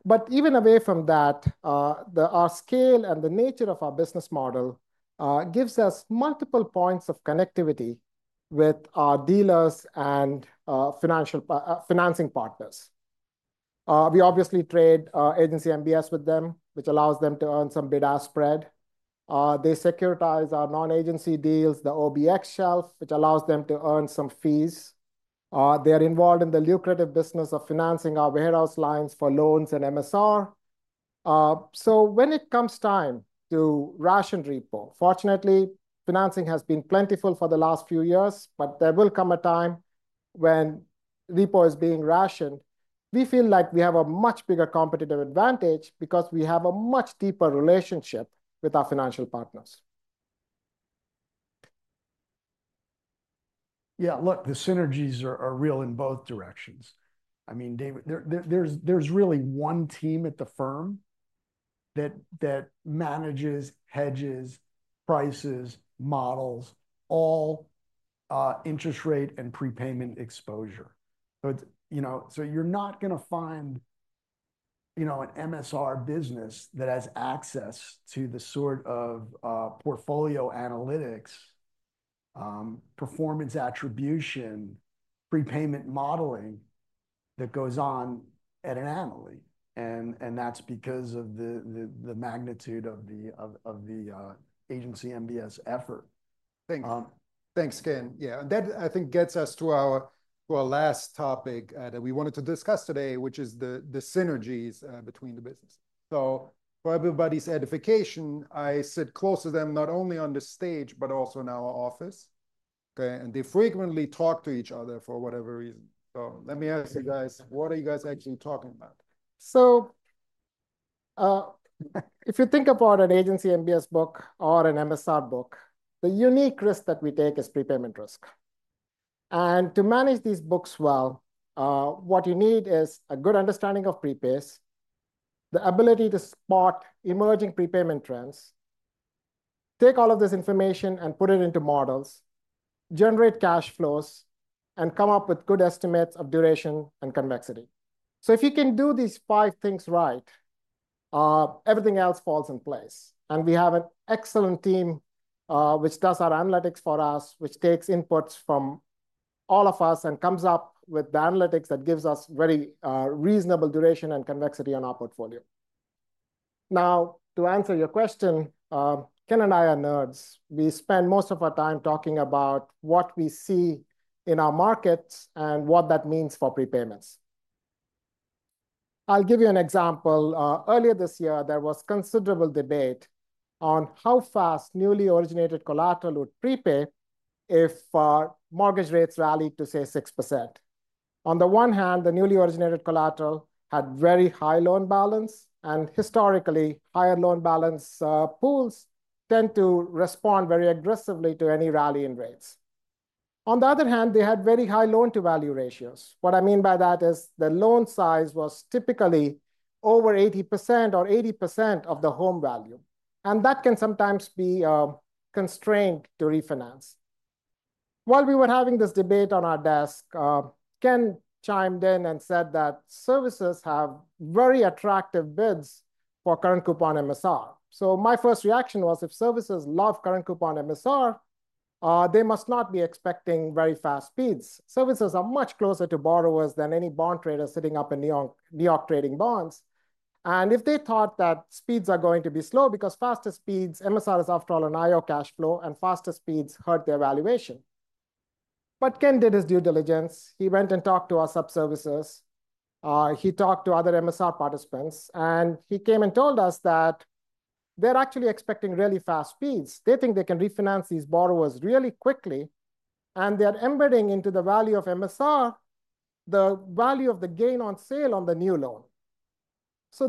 [SPEAKER 3] But even away from that, our scale and the nature of our business model gives us multiple points of connectivity with our dealers and financing partners. We obviously trade Agency MBS with them, which allows them to earn some bid-ask spread. They securitize our non-agency deals, the OBX shelf, which allows them to earn some fees. They are involved in the lucrative business of financing our warehouse lines for loans and MSR. So when it comes time to ration repo, fortunately, financing has been plentiful for the last few years, but there will come a time when repo is being rationed. We feel like we have a much bigger competitive advantage because we have a much deeper relationship with our financial partners.
[SPEAKER 4] Yeah, look, the synergies are real in both directions. I mean, there's really one team at the firm that manages hedges, prices, models, all interest rate and prepayment exposure. So you're not going to find an MSR business that has access to the sort of portfolio analytics, performance attribution, prepayment modeling that goes on at Annaly. And that's because of the magnitude of the agency MBS effort. Thanks.
[SPEAKER 2] Thanks, Ken. Yeah. That, I think, gets us to our last topic that we wanted to discuss today, which is the synergies between the business. So for everybody's edification, I sit close to them not only on the stage, but also in our office. And they frequently talk to each other for whatever reason. So let me ask you guys, what are you guys actually talking about?
[SPEAKER 3] So if you think about an Agency MBS book or an MSR book, the unique risk that we take is prepayment risk. And to manage these books well, what you need is a good understanding of prepays, the ability to spot emerging prepayment trends, take all of this information and put it into models, generate cash flows, and come up with good estimates of duration and convexity. So if you can do these five things right, everything else falls in place. And we have an excellent team which does our analytics for us, which takes inputs from all of us and comes up with the analytics that gives us very reasonable duration and convexity on our portfolio. Now, to answer your question, Ken and I are nerds. We spend most of our time talking about what we see in our markets and what that means for prepayments. I'll give you an example. Earlier this year, there was considerable debate on how fast newly originated collateral would prepay if mortgage rates rallied to, say, 6%. On the one hand, the newly originated collateral had very high loan balance, and historically, higher loan balance pools tend to respond very aggressively to any rally in rates. On the other hand, they had very high loan-to-value ratios. What I mean by that is the loan size was typically over 80% or 80% of the home value, and that can sometimes be constrained to refinance. While we were having this debate on our desk, Ken chimed in and said that servicers have very attractive bids for current coupon MSR. My first reaction was, if services love current coupon MSR, they must not be expecting very fast speeds. Services are much closer to borrowers than any bond trader sitting up in New York trading bonds. If they thought that speeds are going to be slow because fast speeds, MSR is after all an IO cash flow, and fast speeds hurt their valuation. Ken did his due diligence. He went and talked to our subservicers. He talked to other MSR participants. He came and told us that they're actually expecting really fast speeds. They think they can refinance these borrowers really quickly. They're embedding into the value of MSR the value of the gain on sale on the new loan.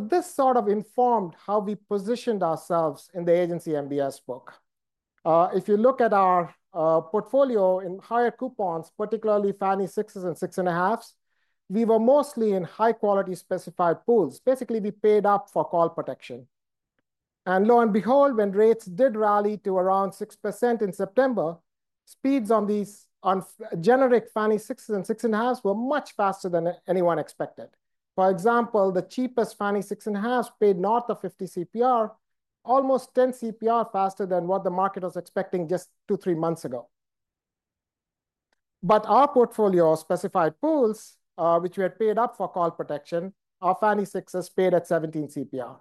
[SPEAKER 3] This sort of informed how we positioned ourselves in the Agency MBS book. If you look at our portfolio in higher coupons, particularly Fannie Sixes and Six and a Halves, we were mostly in high-quality specified pools. Basically, we paid up for call protection. And lo and behold, when rates did rally to around 6% in September, speeds on these generic Fannie Sixes and Six and a Halves were much faster than anyone expected. For example, the cheapest Fannie Six and a Halves paid north of 50 CPR, almost 10 CPR faster than what the market was expecting just two, three months ago. But our portfolio of specified pools, which we had paid up for call protection, our Fannie Sixes paid at 17 CPR.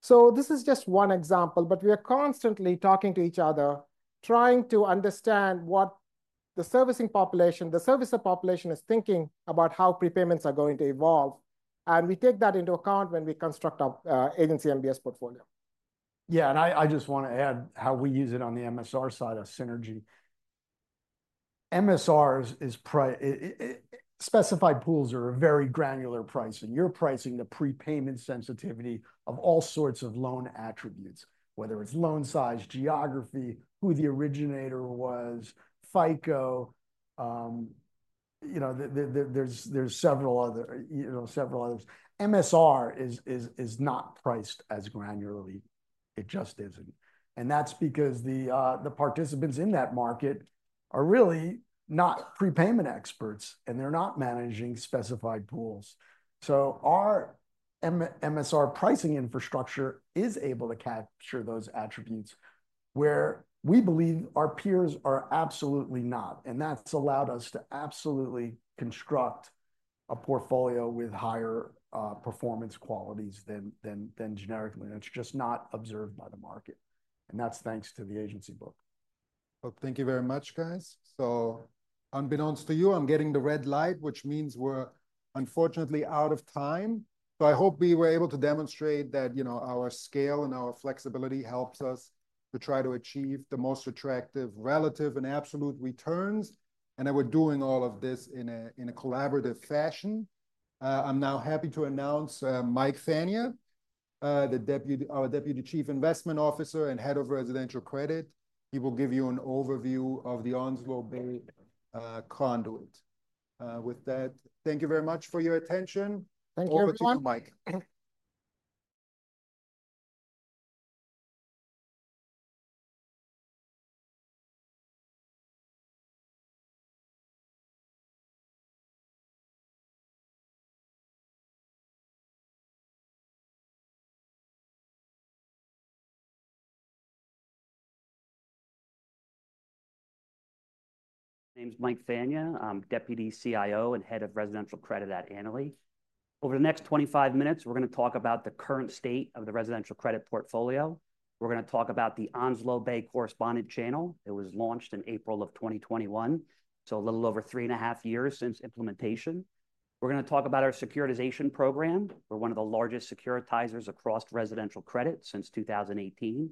[SPEAKER 3] So this is just one example, but we are constantly talking to each other, trying to understand what the servicing population, the servicer population is thinking about how prepayments are going to evolve. And we take that into account when we construct our Agency MBS portfolio.
[SPEAKER 2] Yeah, and I just want to add how we use it on the MSR side of synergy. MSR, specified pools are a very granular pricing. You're pricing the prepayment sensitivity of all sorts of loan attributes, whether it's loan size, geography, who the originator was, FICO. There's several others. MSR is not priced as granularly. It just isn't. And that's because the participants in that market are really not prepayment experts, and they're not managing specified pools. So our MSR pricing infrastructure is able to capture those attributes where we believe our peers are absolutely not. And that's allowed us to absolutely construct a portfolio with higher performance qualities than generically. And it's just not observed by the market. And that's thanks to the agency book.
[SPEAKER 1] Well, thank you very much, guys. Unbeknownst to you, I'm getting the red light, which means we're unfortunately out of time. I hope we were able to demonstrate that our scale and our flexibility helps us to try to achieve the most attractive relative and absolute returns. We're doing all of this in a collaborative fashion. I'm now happy to announce Mike Fania, our Deputy Chief Investment Officer and Head of Residential Credit. He will give you an overview of the Onslow Bay conduit. With that, thank you very much for your attention. Thank you very much, Mike.
[SPEAKER 5] My name is Mike Fania. I'm Deputy CIO and Head of Residential Credit at Annaly. Over the next 25 minutes, we're going to talk about the current state of the residential credit portfolio. We're going to talk about the Onslow Bay correspondent channel. It was launched in April of 2021, so a little over three and a half years since implementation. We're going to talk about our securitization program. We're one of the largest securitizers across residential credit since 2018.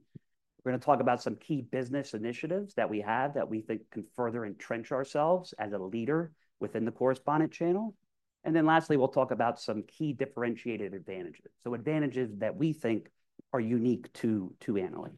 [SPEAKER 5] We're going to talk about some key business initiatives that we have that we think can further entrench ourselves as a leader within the correspondent channel. And then lastly, we'll talk about some key differentiated advantages, so advantages that we think are unique to Annaly.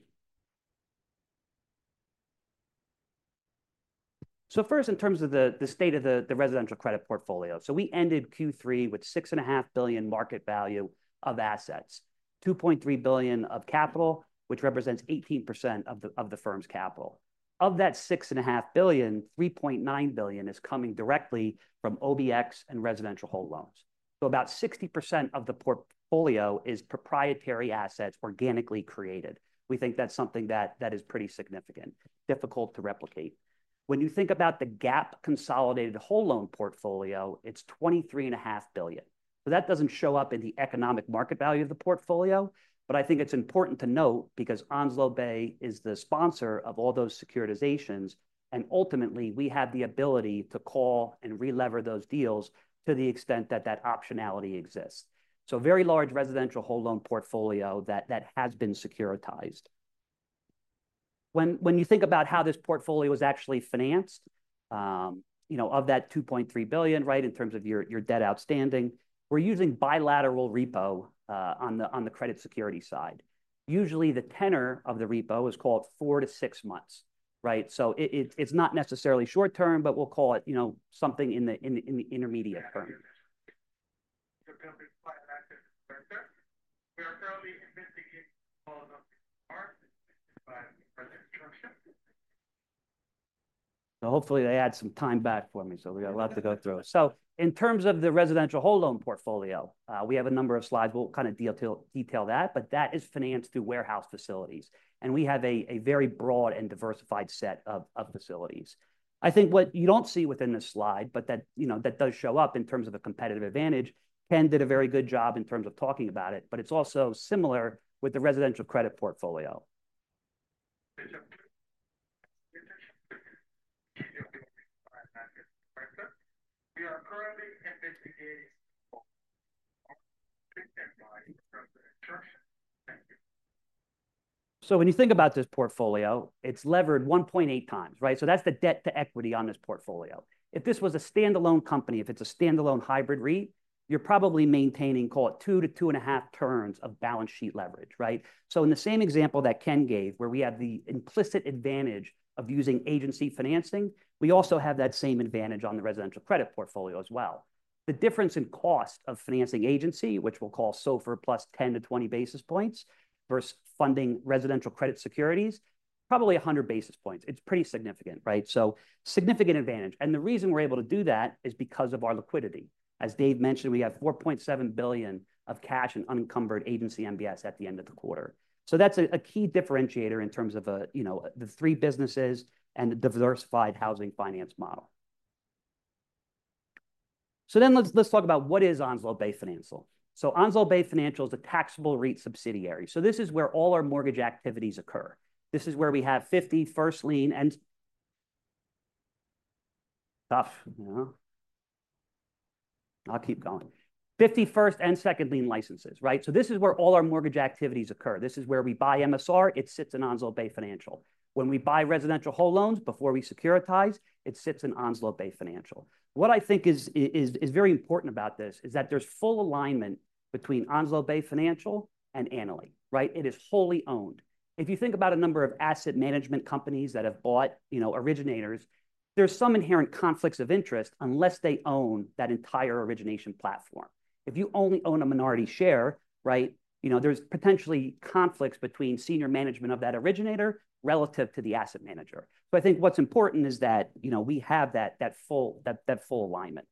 [SPEAKER 5] So first, in terms of the state of the residential credit portfolio, so we ended Q3 with $6.5 billion market value of assets, $2.3 billion of capital, which represents 18% of the firm's capital. Of that $6.5 billion, $3.9 billion is coming directly from OBX and residential whole loans. So about 60% of the portfolio is proprietary assets organically created. We think that's something that is pretty significant, difficult to replicate. When you think about the GAAP consolidated whole loan portfolio, it's $23.5 billion. So that doesn't show up in the economic market value of the portfolio, but I think it's important to note because Onslow Bay is the sponsor of all those securitizations. Ultimately, we have the ability to call and re-lever those deals to the extent that that optionality exists. Very large residential whole loan portfolio that has been securitized. When you think about how this portfolio is actually financed, of that $2.3 billion, right, in terms of your debt outstanding, we're using bilateral repo on the credit security side. Usually, the tenor of the repo is called four-to-six months, right? It's not necessarily short term, but we'll call it something in the intermediate term. Hopefully, they add some time back for me. We got a lot to go through. In terms of the residential whole loan portfolio, we have a number of slides. We'll kind of detail that, but that is financed through warehouse facilities. We have a very broad and diversified set of facilities. I think what you don't see within this slide, but that does show up in terms of a competitive advantage. Ken did a very good job in terms of talking about it, but it's also similar with the residential credit portfolio. When you think about this portfolio, it's levered 1.8 times, right? That's the debt to equity on this portfolio. If this was a standalone company, if it's a standalone hybrid REIT, you're probably maintaining, call it two to two and a half turns of balance sheet leverage, right? So in the same example that Ken gave, where we have the implicit advantage of using agency financing, we also have that same advantage on the residential credit portfolio as well. The difference in cost of financing agency, which we'll call SOFR plus 10-20 basis points versus funding residential credit securities, probably 100 basis points. It's pretty significant, right? So significant advantage. And the reason we're able to do that is because of our liquidity. As Dave mentioned, we have $4.7 billion of cash and unencumbered agency MBS at the end of the quarter. So that's a key differentiator in terms of the three businesses and the diversified housing finance model. So then let's talk about what is Onslow Bay Financial. So Onslow Bay Financial is a taxable REIT subsidiary. So this is where all our mortgage activities occur. This is where we have first lien and tough. I'll keep going. First and second lien licenses, right? So this is where all our mortgage activities occur. This is where we buy MSR. It sits in Onslow Bay Financial. When we buy residential whole loans before we securitize, it sits in Onslow Bay Financial. What I think is very important about this is that there's full alignment between Onslow Bay Financial and Annaly, right? It is wholly owned. If you think about a number of asset management companies that have bought originators, there's some inherent conflicts of interest unless they own that entire origination platform. If you only own a minority share, right, there's potentially conflicts between senior management of that originator relative to the asset manager. So I think what's important is that we have that full alignment.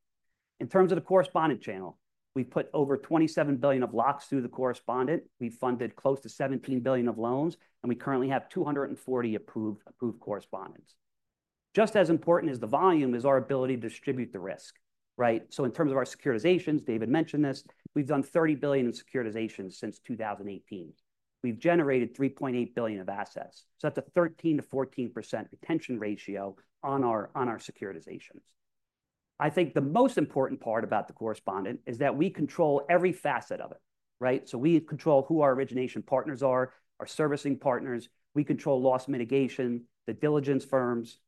[SPEAKER 5] In terms of the correspondent channel, we put over $27 billion of locks through the correspondent. We funded close to $17 billion of loans, and we currently have 240 approved correspondents. Just as important as the volume is our ability to distribute the risk, right? So in terms of our securitizations, David mentioned this. We've done $30 billion in securitization since 2018. We've generated $3.8 billion of assets. So that's a 13%-14% retention ratio on our securitizations. I think the most important part about the correspondent is that we control every facet of it, right? So we control who our origination partners are, our servicing partners. We control loss mitigation, the diligence firms.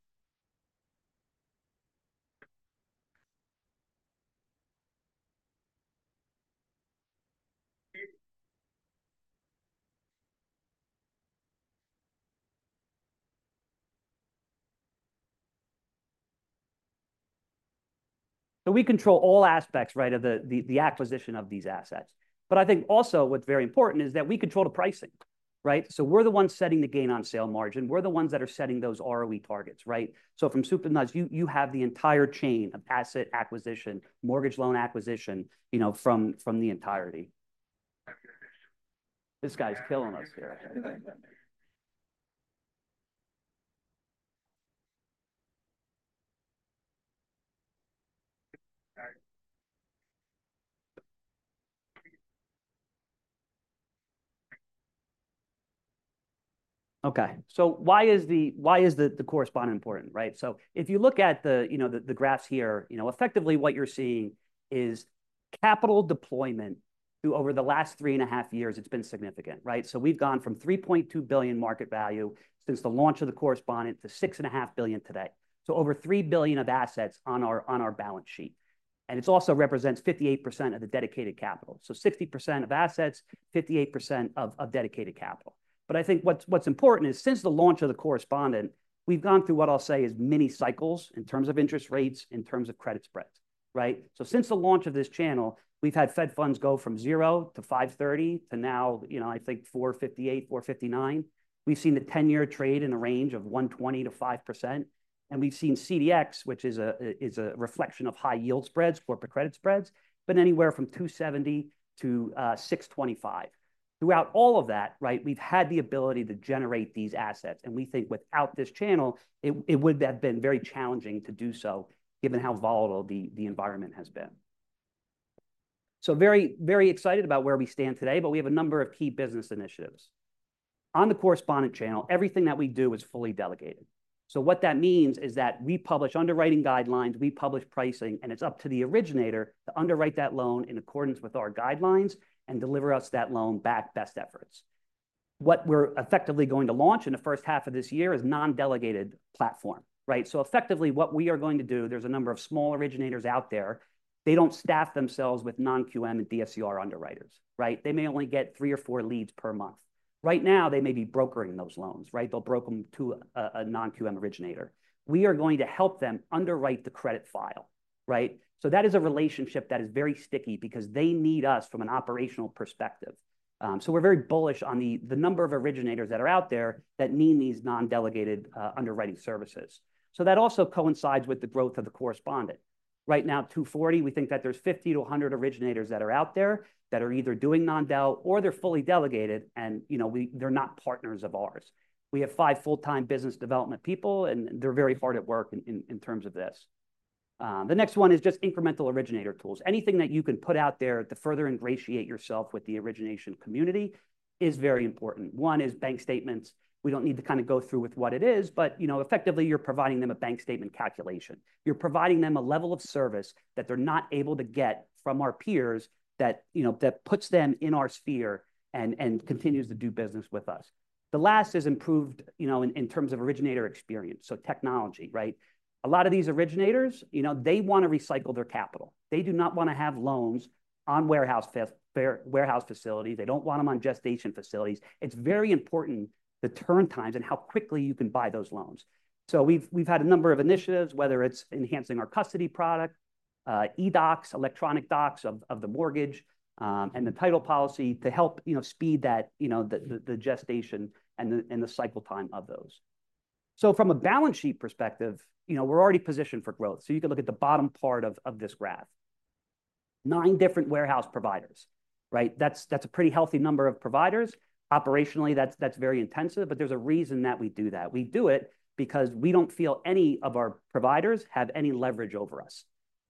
[SPEAKER 5] So we control all aspects, right, of the acquisition of these assets. But I think also what's very important is that we control the pricing, right? So we're the ones setting the gain on sale margin. We're the ones that are setting those ROE targets, right? From soup to nuts, you have the entire chain of asset acquisition, mortgage loan acquisition from the entirety. This guy's killing us here. Okay. Why is the correspondent important, right? If you look at the graphs here, effectively what you're seeing is capital deployment over the last three and a half years. It's been significant, right? We've gone from $3.2 billion market value since the launch of the correspondent to $6.5 billion today. Over $3 billion of assets on our balance sheet. It also represents 58% of the dedicated capital. 60% of assets, 58% of dedicated capital. But I think what's important is since the launch of the correspondent, we've gone through what I'll say is many cycles in terms of interest rates, in terms of credit spreads, right? So since the launch of this channel, we've had Fed funds go from zero to 530 to now, I think, 458, 459. We've seen the 10-year trade in a range of 120 to 5%. And we've seen CDX, which is a reflection of high yield spreads, corporate credit spreads, but anywhere from 270 to 625. Throughout all of that, right, we've had the ability to generate these assets. And we think without this channel, it would have been very challenging to do so given how volatile the environment has been. So very excited about where we stand today, but we have a number of key business initiatives. On the correspondent channel, everything that we do is fully delegated. So what that means is that we publish underwriting guidelines, we publish pricing, and it's up to the originator to underwrite that loan in accordance with our guidelines and deliver us that loan back best efforts. What we're effectively going to launch in the first half of this year is a non-delegated platform, right? So effectively, what we are going to do, there's a number of small originators out there. They don't staff themselves with non-QM and DSCR underwriters, right? They may only get three or four leads per month. Right now, they may be brokering those loans, right? They'll broker them to a non-QM originator. We are going to help them underwrite the credit file, right? So that is a relationship that is very sticky because they need us from an operational perspective. So we're very bullish on the number of originators that are out there that need these non-delegated underwriting services. So that also coincides with the growth of the correspondent. Right now, 240, we think that there's 50-100 originators that are out there that are either doing non-del or they're fully delegated, and they're not partners of ours. We have five full-time business development people, and they're very hard at work in terms of this. The next one is just incremental originator tools. Anything that you can put out there to further ingratiate yourself with the origination community is very important. One is bank statements. We don't need to kind of go through with what it is, but effectively, you're providing them a bank statement calculation. You're providing them a level of service that they're not able to get from our peers that puts them in our sphere and continues to do business with us. The last is improved in terms of originator experience, so technology, right? A lot of these originators, they want to recycle their capital. They do not want to have loans on warehouse facilities. They don't want them on gestation facilities. It's very important the turn times and how quickly you can buy those loans. So we've had a number of initiatives, whether it's enhancing our custody product, eDocs, electronic docs of the mortgage, and the title policy to help speed that, the gestation and the cycle time of those. So from a balance sheet perspective, we're already positioned for growth. So you can look at the bottom part of this graph. Nine different warehouse providers, right? That's a pretty healthy number of providers. Operationally, that's very intensive, but there's a reason that we do that. We do it because we don't feel any of our providers have any leverage over us.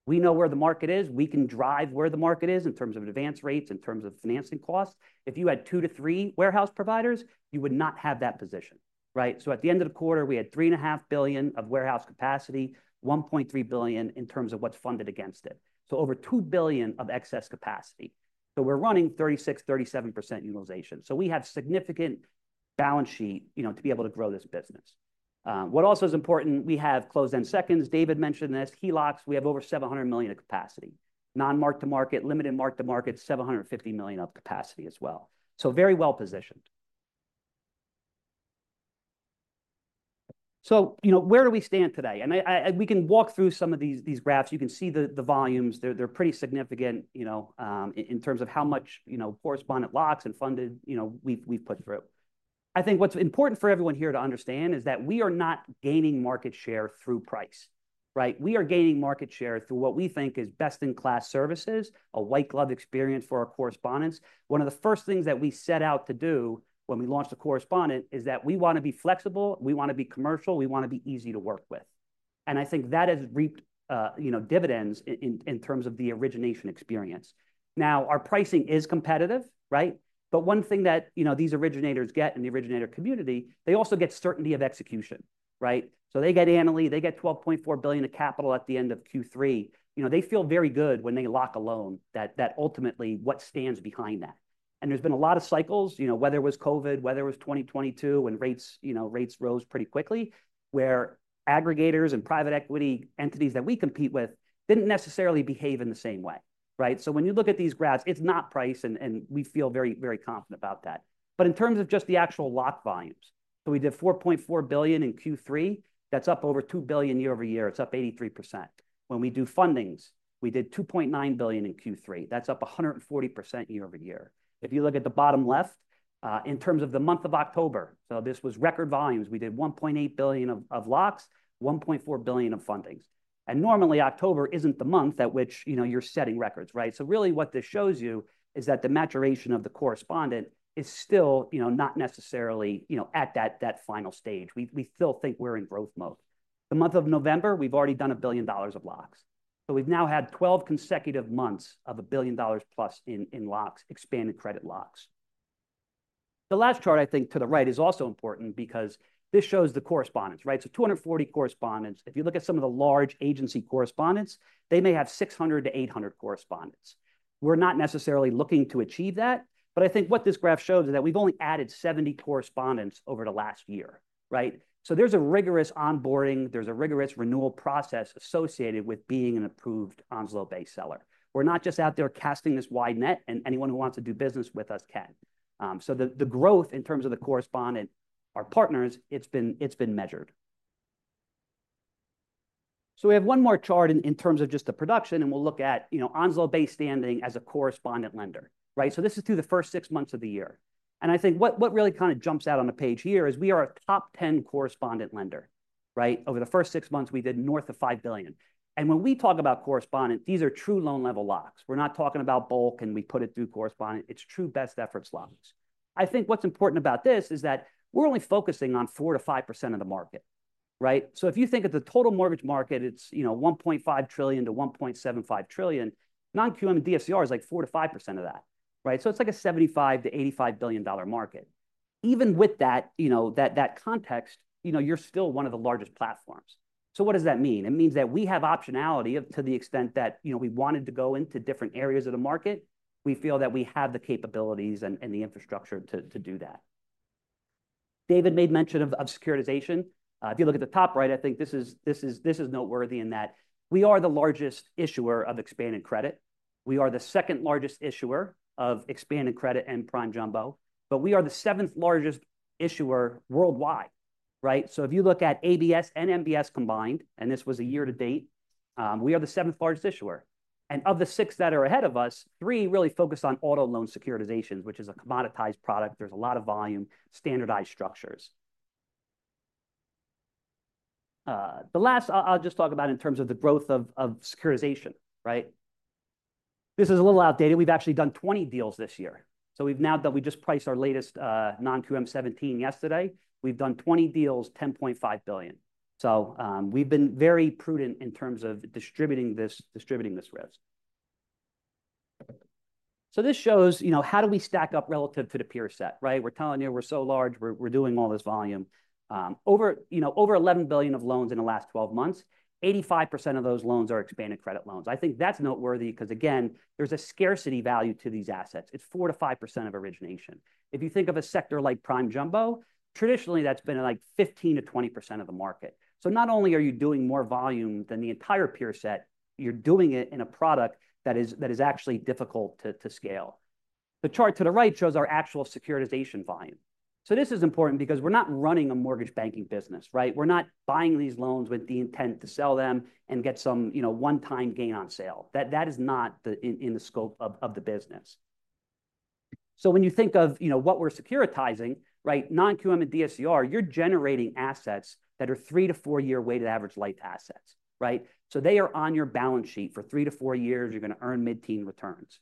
[SPEAKER 5] We know where the market is. We can drive where the market is in terms of advance rates, in terms of financing costs. If you had two to three warehouse providers, you would not have that position, right? So at the end of the quarter, we had $3.5 billion of warehouse capacity, $1.3 billion in terms of what's funded against it. So over $2 billion of excess capacity. So we're running 36-37% utilization. So we have significant balance sheet to be able to grow this business. What also is important, we have closed-end seconds. David mentioned this. HELOCs, we have over $700 million of capacity. Non-marked to market, limited marked to market, $750 million of capacity as well. So very well positioned. So where do we stand today, and we can walk through some of these graphs. You can see the volumes. They're pretty significant in terms of how much correspondent locks and funded we've put through. I think what's important for everyone here to understand is that we are not gaining market share through price, right? We are gaining market share through what we think is best-in-class services, a white-glove experience for our correspondents. One of the first things that we set out to do when we launched a correspondent is that we want to be flexible. We want to be commercial. We want to be easy to work with, and I think that has reaped dividends in terms of the origination experience. Now, our pricing is competitive, right? But one thing that these originators get in the originator community, they also get certainty of execution, right? So they get Annaly, they get $12.4 billion of capital at the end of Q3. They feel very good when they lock a loan that ultimately what stands behind that. And there's been a lot of cycles, whether it was COVID, whether it was 2022, when rates rose pretty quickly, where aggregators and private equity entities that we compete with didn't necessarily behave in the same way, right? So when you look at these graphs, it's not price, and we feel very, very confident about that. But in terms of just the actual lock volumes, so we did $4.4 billion in Q3. That's up over $2 billion year over year. It's up 83%. When we do fundings, we did $2.9 billion in Q3. That's up 140% year over year. If you look at the bottom left, in terms of the month of October, so this was record volumes. We did $1.8 billion of locks, $1.4 billion of fundings. And normally, October isn't the month at which you're setting records, right? So really, what this shows you is that the maturation of the correspondent is still not necessarily at that final stage. We still think we're in growth mode. The month of November, we've already done $1 billion of locks. So we've now had 12 consecutive months of $1 billion plus in locks, expanded credit locks. The last chart, I think, to the right is also important because this shows the correspondents, right? So 240 correspondents. If you look at some of the large agency correspondents, they may have 600 to 800 correspondents. We're not necessarily looking to achieve that, but I think what this graph shows is that we've only added 70 correspondents over the last year, right? So there's a rigorous onboarding. There's a rigorous renewal process associated with being an approved Onslow Bay seller. We're not just out there casting this wide net, and anyone who wants to do business with us can. So the growth in terms of the correspondent, our partners, it's been measured. So we have one more chart in terms of just the production, and we'll look at Onslow Bay standing as a correspondent lender, right? So this is through the first six months of the year. And I think what really kind of jumps out on the page here is we are a top 10 correspondent lender, right? Over the first six months, we did north of $5 billion. And when we talk about correspondents, these are true loan-level locks. We're not talking about bulk, and we put it through correspondent. It's true best efforts locks. I think what's important about this is that we're only focusing on 4%-5% of the market, right? So if you think of the total mortgage market, it's $1.5 trillion-$1.75 trillion. Non-QM and DSCR is like 4%-5% of that, right? So it's like a $75 billion-$85 billion market. Even with that context, you're still one of the largest platforms. So what does that mean? It means that we have optionality to the extent that we wanted to go into different areas of the market. We feel that we have the capabilities and the infrastructure to do that. David made mention of securitization. If you look at the top right, I think this is noteworthy in that we are the largest issuer of expanded credit. We are the second largest issuer of expanded credit and prime jumbo, but we are the seventh largest issuer worldwide, right? So if you look at ABS and MBS combined, and this was a year to date, we are the seventh largest issuer. And of the six that are ahead of us, three really focus on auto loan securitization, which is a commoditized product. There's a lot of volume, standardized structures. The last I'll just talk about in terms of the growth of securitization, right? This is a little outdated. We've actually done 20 deals this year. So we've now done we just priced our latest non-QM 17 yesterday. We've done 20 deals, $10.5 billion. So we've been very prudent in terms of distributing this risk. This shows how we stack up relative to the peer set, right? We're telling you we're so large. We're doing all this volume. Over $11 billion of loans in the last 12 months, 85% of those loans are expanded credit loans. I think that's noteworthy because, again, there's a scarcity value to these assets. It's 4%-5% of origination. If you think of a sector like prime jumbo, traditionally, that's been like 15%-20% of the market. Not only are you doing more volume than the entire peer set, you're doing it in a product that is actually difficult to scale. The chart to the right shows our actual securitization volume. This is important because we're not running a mortgage banking business, right? We're not buying these loans with the intent to sell them and get some one-time gain on sale. That is not in the scope of the business. So when you think of what we're securitizing, right, non-QM and DSCR, you're generating assets that are three- to four-year weighted average life assets, right? So they are on your balance sheet for three to four years. You're going to earn mid-teen returns.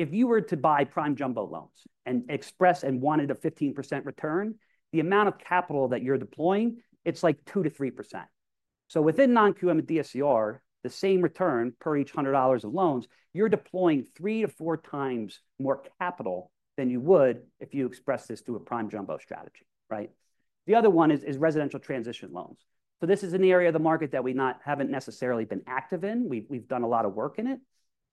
[SPEAKER 5] If you were to buy prime jumbo loans and express and wanted a 15% return, the amount of capital that you're deploying, it's like 2%-3%. So within non-QM and DSCR, the same return per each $100 of loans, you're deploying three to four times more capital than you would if you express this through a prime jumbo strategy, right? The other one is residential transition loans. So this is an area of the market that we haven't necessarily been active in. We've done a lot of work in it.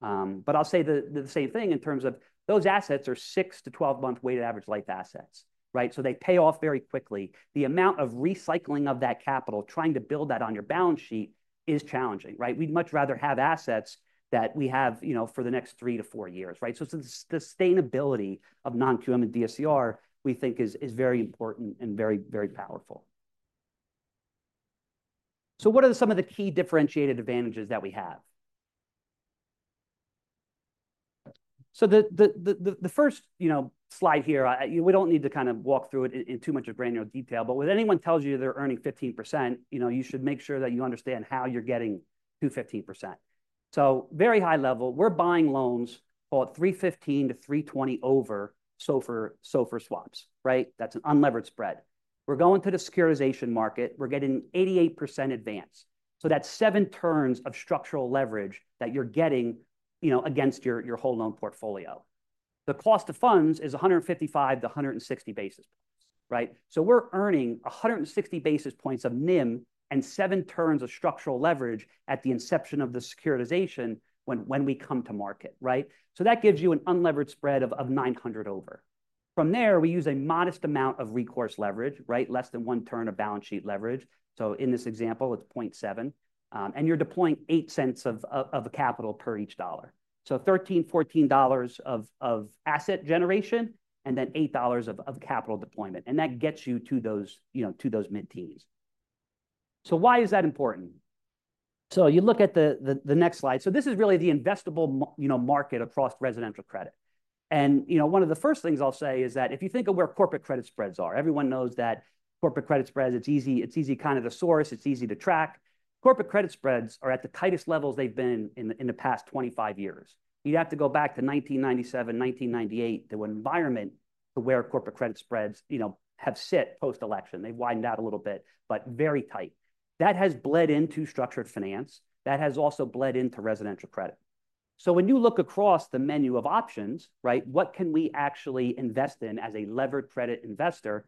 [SPEAKER 5] But I'll say the same thing in terms of those assets are six to 12-month weighted average life assets, right? So they pay off very quickly. The amount of recycling of that capital, trying to build that on your balance sheet is challenging, right? We'd much rather have assets that we have for the next three to four years, right? So it's the sustainability of non-QM and DSCR we think is very important and very, very powerful. So what are some of the key differentiated advantages that we have? So the first slide here, we don't need to kind of walk through it in too much of granular detail, but when anyone tells you they're earning 15%, you should make sure that you understand how you're getting to 15%. So very high level, we're buying loans called 315-320 over SOFR swaps, right? That's an unleveraged spread. We're going to the securitization market. We're getting 88% advance. So that's seven turns of structural leverage that you're getting against your whole loan portfolio. The cost of funds is 155 to 160 basis points, right? So we're earning 160 basis points of NIM and seven turns of structural leverage at the inception of the securitization when we come to market, right? So that gives you an unleveraged spread of 900 over. From there, we use a modest amount of recourse leverage, right? Less than one turn of balance sheet leverage. So in this example, it's 0.7. And you're deploying eight cents of capital per each dollar. So $13-$14 of asset generation and then $8 of capital deployment. And that gets you to those mid-teens. So why is that important? So you look at the next slide. So this is really the investable market across residential credit. And one of the first things I'll say is that if you think of where corporate credit spreads are, everyone knows that corporate credit spreads, it's easy kind of the source. It's easy to track. Corporate credit spreads are at the tightest levels they've been in the past 25 years. You'd have to go back to 1997, 1998, the environment to where corporate credit spreads have sit post-election. They've widened out a little bit, but very tight. That has bled into structured finance. That has also bled into residential credit. So when you look across the menu of options, right, what can we actually invest in as a levered credit investor?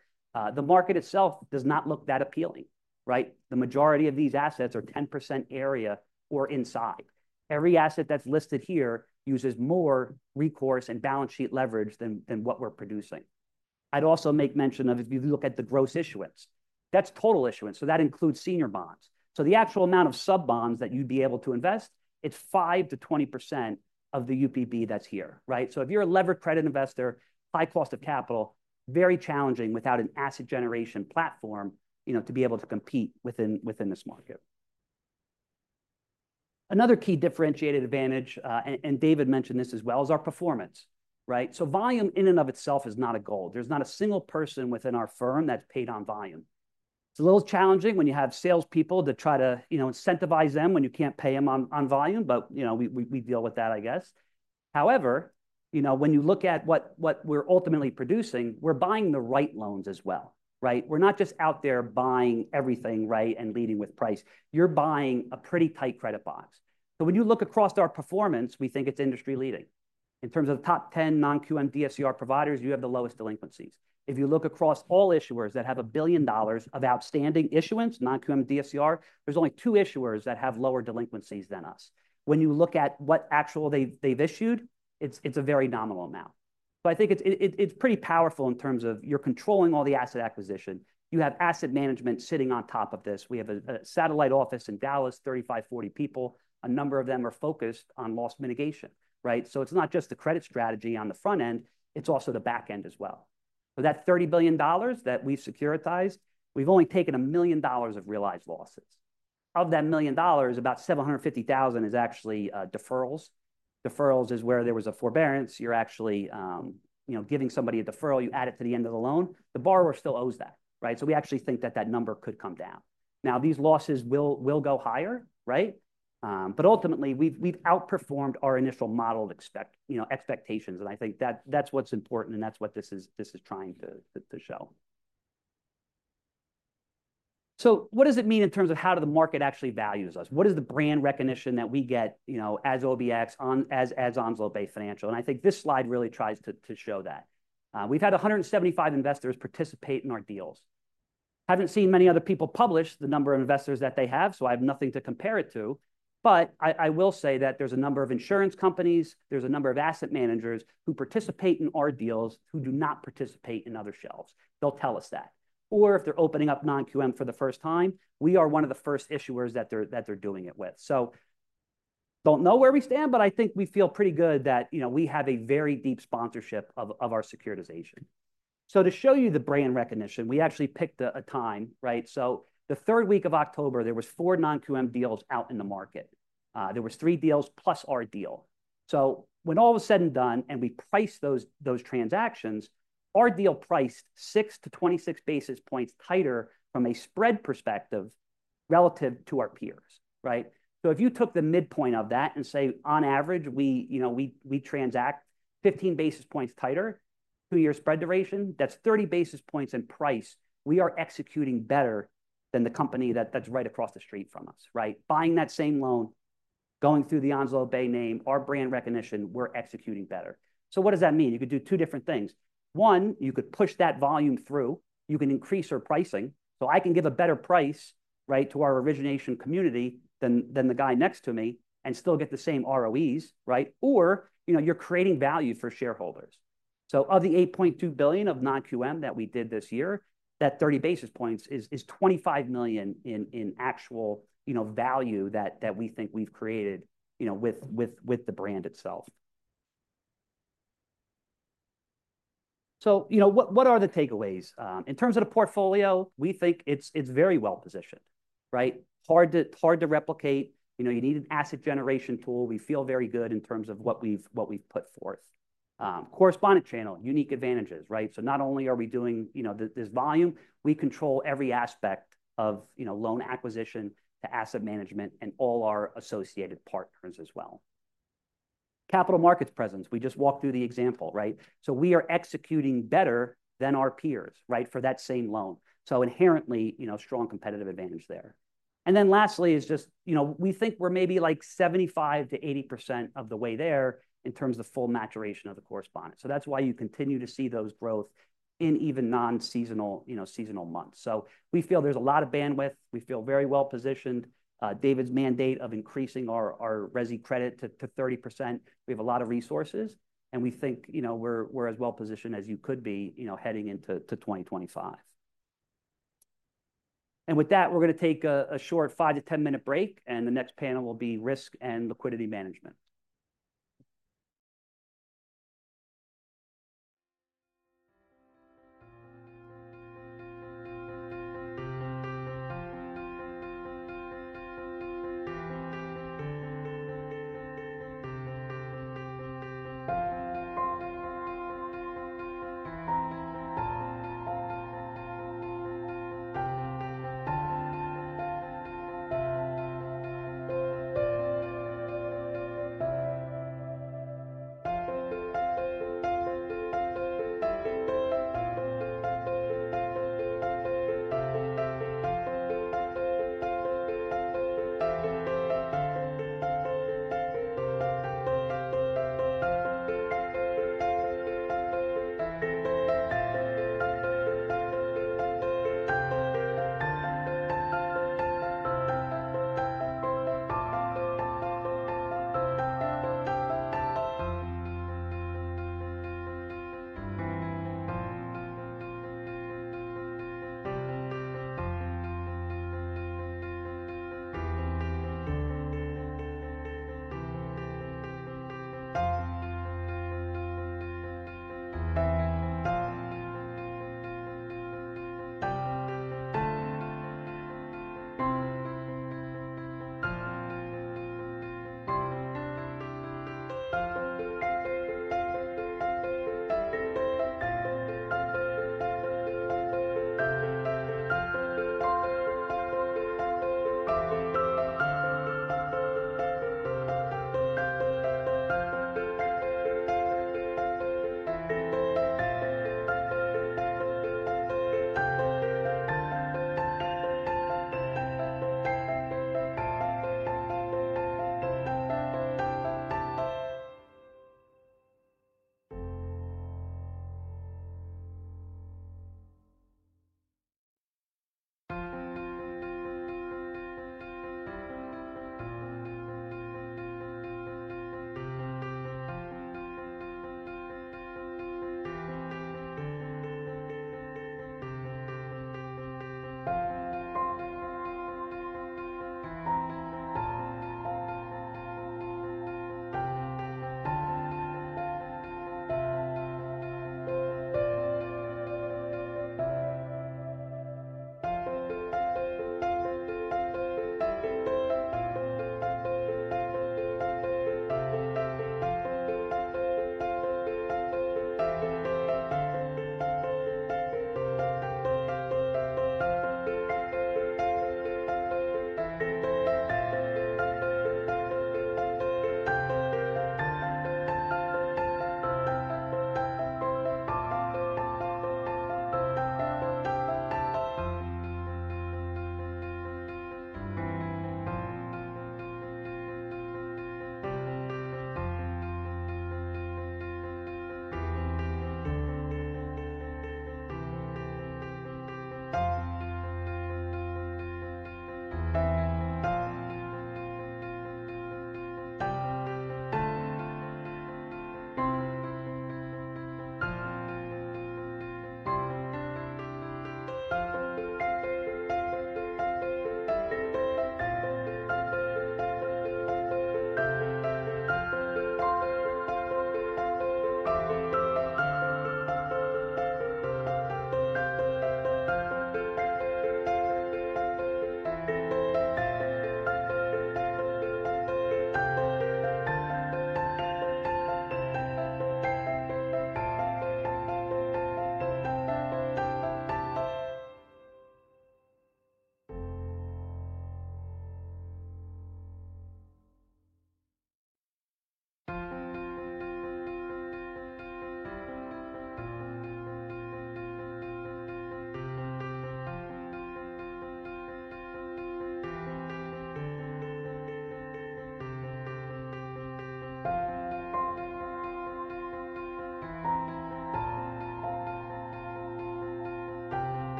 [SPEAKER 5] The market itself does not look that appealing, right? The majority of these assets are 10% area or inside. Every asset that's listed here uses more recourse and balance sheet leverage than what we're producing. I'd also make mention of if you look at the gross issuance, that's total issuance. So that includes senior bonds. So the actual amount of sub-bonds that you'd be able to invest, it's 5%-20% of the UPB that's here, right? So if you're a levered credit investor, high cost of capital, very challenging without an asset generation platform to be able to compete within this market. Another key differentiated advantage, and David mentioned this as well, is our performance, right? So volume in and of itself is not a goal. There's not a single person within our firm that's paid on volume. It's a little challenging when you have salespeople to try to incentivize them when you can't pay them on volume, but we deal with that, I guess. However, when you look at what we're ultimately producing, we're buying the right loans as well, right? We're not just out there buying everything right and leading with price. You're buying a pretty tight credit box. So when you look across our performance, we think it's industry leading. In terms of the top 10 non-QM DSCR providers, you have the lowest delinquencies. If you look across all issuers that have a billion dollars of outstanding issuance, non-QM DSCR, there's only two issuers that have lower delinquencies than us. When you look at what they've actually issued, it's a very nominal amount. But I think it's pretty powerful in terms of you're controlling all the asset acquisition. You have asset management sitting on top of this. We have a satellite office in Dallas, 35-40 people. A number of them are focused on loss mitigation, right? So it's not just the credit strategy on the front end, it's also the back end as well. So that $30 billion that we've securitized, we've only taken a million dollars of realized losses. Of that million dollars, about 750,000 is actually deferrals. Deferrals is where there was a forbearance. You're actually giving somebody a deferral. You add it to the end of the loan. The borrower still owes that, right? So we actually think that that number could come down. Now, these losses will go higher, right? But ultimately, we've outperformed our initial modeled expectations. And I think that's what's important and that's what this is trying to show. So what does it mean in terms of how the market actually values us? What is the brand recognition that we get as OBX or as Onslow Bay Financial? And I think this slide really tries to show that. We've had 175 investors participate in our deals. Haven't seen many other people publish the number of investors that they have, so I have nothing to compare it to. But I will say that there's a number of insurance companies. There's a number of asset managers who participate in our deals who do not participate in other shelves. They'll tell us that. Or if they're opening up non-QM for the first time, we are one of the first issuers that they're doing it with. So don't know where we stand, but I think we feel pretty good that we have a very deep sponsorship of our securitization. So to show you the brand recognition, we actually picked a time, right? So the third week of October, there were four non-QM deals out in the market. There were three deals plus our deal. So when all was said and done and we priced those transactions, our deal priced 6-26 basis points tighter from a spread perspective relative to our peers, right? So if you took the midpoint of that and say, on average, we transact 15 basis points tighter, two-year spread duration, that's 30 basis points in price, we are executing better than the company that's right across the street from us, right? Buying that same loan, going through the Onslow Bay name, our brand recognition, we're executing better. So what does that mean? You could do two different things. One, you could push that volume through. You can increase your pricing. So I can give a better price, right, to our origination community than the guy next to me and still get the same ROEs, right? Or you're creating value for shareholders. Of the $8.2 billion of non-QM that we did this year, that 30 basis points is $25 million in actual value that we think we've created with the brand itself. What are the takeaways? In terms of the portfolio, we think it's very well positioned, right? Hard to replicate. You need an asset generation tool. We feel very good in terms of what we've put forth. Correspondent channel, unique advantages, right? So not only are we doing this volume, we control every aspect of loan acquisition to asset management and all our associated partners as well. Capital markets presence, we just walked through the example, right? So we are executing better than our peers, right, for that same loan. So inherently, strong competitive advantage there. And then lastly is just we think we're maybe like 75%-80% of the way there in terms of full maturation of the correspondent. So that's why you continue to see those growths in even non-seasonal months. So we feel there's a lot of bandwidth. We feel very well positioned. David's mandate of increasing our resi credit to 30%. We have a lot of resources. And we think we're as well positioned as you could be heading into 2025. And with that, we're going to take a short 5-10 minute break. And the next panel will be risk and liquidity management.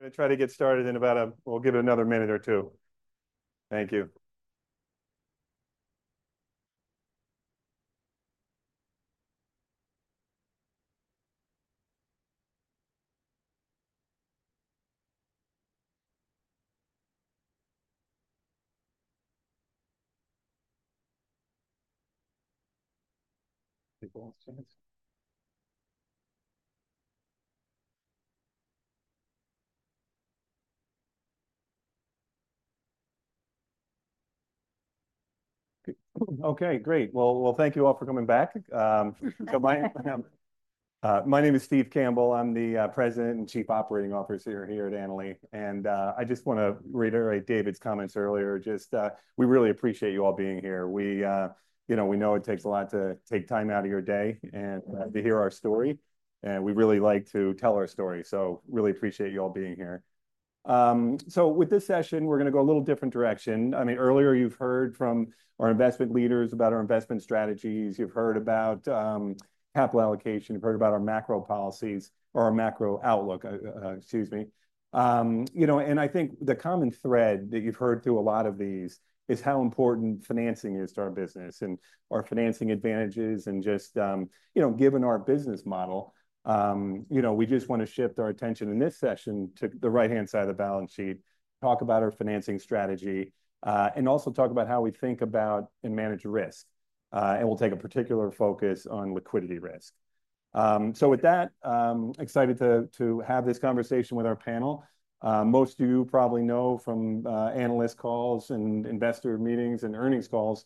[SPEAKER 6] I'm going to try to get started in about a, we'll give it another minute or two. Thank you. Okay, great. Well, thank you all for coming back. My name is Steve Campbell. I'm the President and Chief Operating Officer here at Annaly. I just want to reiterate David's comments earlier. Just we really appreciate you all being here. We know it takes a lot to take time out of your day and to hear our story. And we really like to tell our story. We really appreciate you all being here. With this session, we're going to go a little different direction. I mean, earlier you've heard from our investment leaders about our investment strategies. You've heard about capital allocation. You've heard about our macro policies or our macro outlook, excuse me. And I think the common thread that you've heard through a lot of these is how important financing is to our business and our financing advantages and just given our business model, we just want to shift our attention in this session to the right-hand side of the balance sheet, talk about our financing strategy, and also talk about how we think about and manage risk. And we'll take a particular focus on liquidity risk. So with that, excited to have this conversation with our panel. Most of you probably know from analyst calls and investor meetings and earnings calls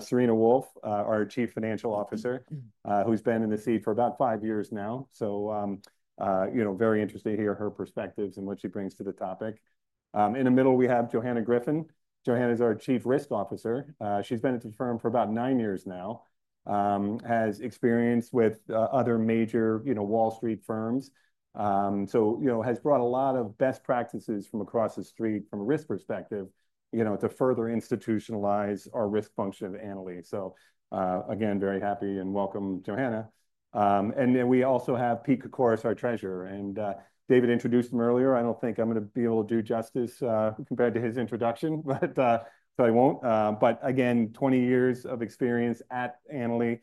[SPEAKER 6] Serena Wolfe, our Chief Financial Officer, who's been in the seat for about five years now. So very interested to hear her perspectives and what she brings to the topic. In the middle, we have Johanna Griffin. Johanna is our Chief Risk Officer. She's been at the firm for about nine years now, has experience with other major Wall Street firms, so has brought a lot of best practices from across the street from a risk perspective to further institutionalize our risk function of Annaly. So again, very happy and welcome, Johanna. And then we also have Pete Koukouvitis, our treasurer. And David introduced him earlier. I don't think I'm going to be able to do justice compared to his introduction, but I won't. But again, 20 years of experience at Annaly,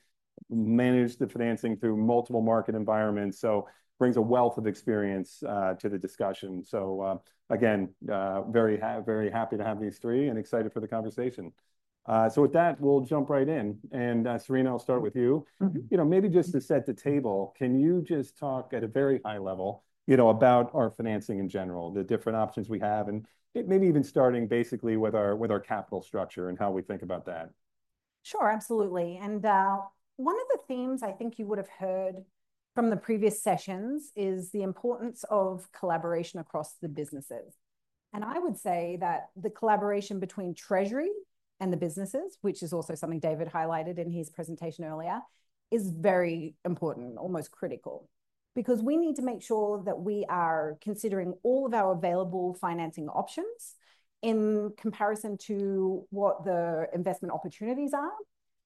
[SPEAKER 6] managed the financing through multiple market environments. So brings a wealth of experience to the discussion. So again, very happy to have these three and excited for the conversation. So with that, we'll jump right in. And Serena, I'll start with you. Maybe just to set the table, can you just talk at a very high level about our financing in general, the different options we have, and maybe even starting basically with our capital structure and how we think about that?
[SPEAKER 7] Sure, absolutely, and one of the themes I think you would have heard from the previous sessions is the importance of collaboration across the businesses, and I would say that the collaboration between Treasury and the businesses, which is also something David highlighted in his presentation earlier, is very important, almost critical, because we need to make sure that we are considering all of our available financing options in comparison to what the investment opportunities are,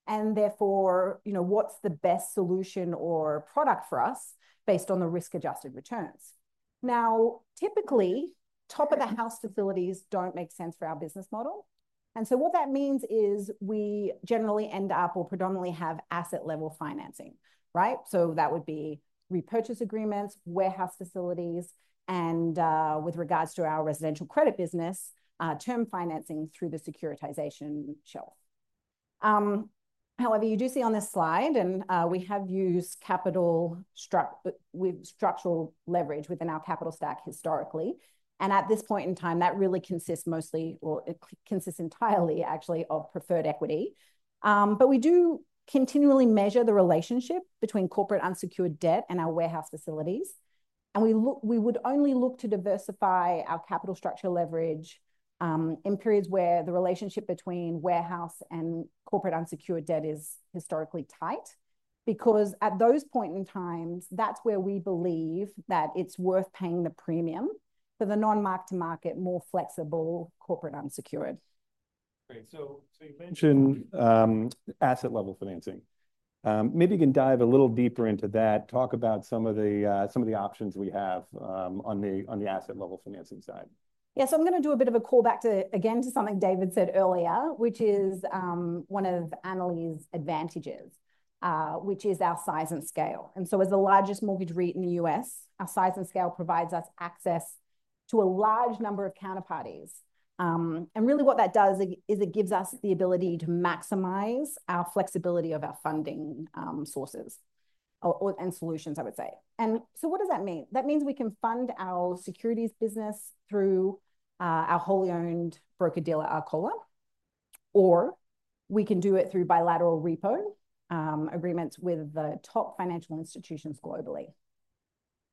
[SPEAKER 7] and therefore, what's the best solution or product for us based on the risk-adjusted returns. Now, typically, top-of-the-house facilities don't make sense for our business model. And so what that means is we generally end up or predominantly have asset-level financing, right? So that would be repurchase agreements, warehouse facilities, and with regards to our residential credit business, term financing through the securitization shelf. However, you do see on this slide, and we have used capital with structural leverage within our capital stack historically. And at this point in time, that really consists mostly or consists entirely, actually, of preferred equity. But we do continually measure the relationship between corporate unsecured debt and our warehouse facilities. And we would only look to diversify our capital structure leverage in periods where the relationship between warehouse and corporate unsecured debt is historically tight, because at those points in time, that's where we believe that it's worth paying the premium for the non-mark-to-market, more flexible corporate unsecured.
[SPEAKER 6] Great. So you mentioned asset-level financing. Maybe you can dive a little deeper into that, talk about some of the options we have on the asset-level financing side.
[SPEAKER 7] Yeah, so I'm going to do a bit of a callback to, again, to something David said earlier, which is one of Annaly's advantages, which is our size and scale. And so as the largest mortgage REIT in the U.S., our size and scale provides us access to a large number of counterparties. And really what that does is it gives us the ability to maximize our flexibility of our funding sources and solutions, I would say. And so what does that mean? That means we can fund our securities business through our wholly owned broker-dealer, our RCap, or we can do it through bilateral repo agreements with the top financial institutions globally.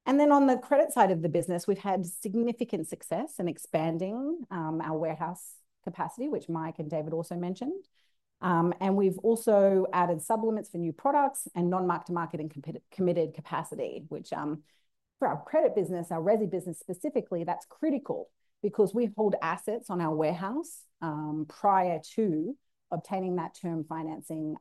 [SPEAKER 7] Then on the credit side of the business, we've had significant success in expanding our warehouse capacity, which Mike and David also mentioned. We've also added sublimits for new products and non-mark-to-market and committed capacity, which for our credit business, our resi business specifically, that's critical because we hold assets on our warehouse prior to obtaining that term financing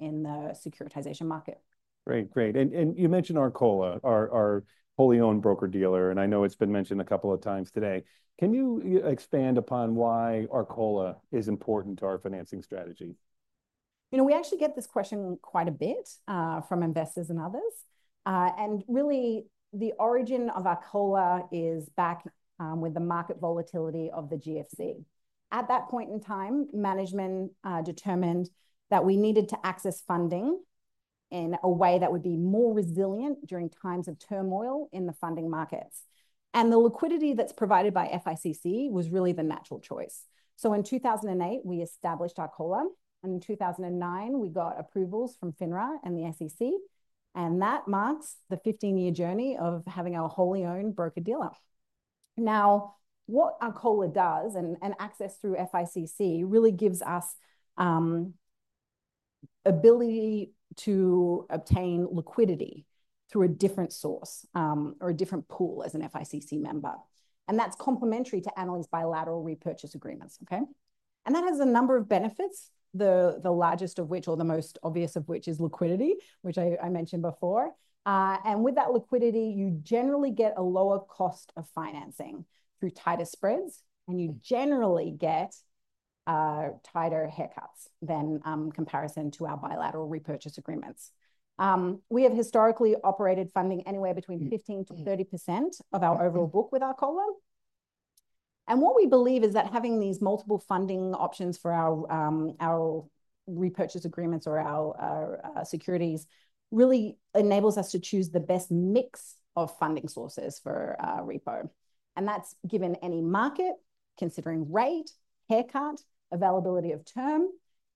[SPEAKER 7] in the securitization market.
[SPEAKER 6] Great, great. You mentioned our RCap, our wholly owned broker-dealer, and I know it's been mentioned a couple of times today. Can you expand upon why our RCap is important to our financing strategy?
[SPEAKER 7] We actually get this question quite a bit from investors and others. Really, the origin of our RCap is back with the market volatility of the GFC. At that point in time, management determined that we needed to access funding in a way that would be more resilient during times of turmoil in the funding markets. And the liquidity that's provided by FICC was really the natural choice. So in 2008, we established our RCap. And in 2009, we got approvals from FINRA and the SEC. And that marks the 15-year journey of having our wholly owned broker-dealer. Now, what our RCap does and access through FICC really gives us ability to obtain liquidity through a different source or a different pool as an FICC member. And that's complementary to Annaly's bilateral repurchase agreements, okay? And that has a number of benefits, the largest of which, or the most obvious of which, is liquidity, which I mentioned before. With that liquidity, you generally get a lower cost of financing through tighter spreads, and you generally get tighter haircuts in comparison to our bilateral repurchase agreements. We have historically operated funding anywhere between 15%-30% of our overall book with our RCap. What we believe is that having these multiple funding options for our repurchase agreements or our securities really enables us to choose the best mix of funding sources for repo. That's given in any market, considering rate, haircut, availability of term,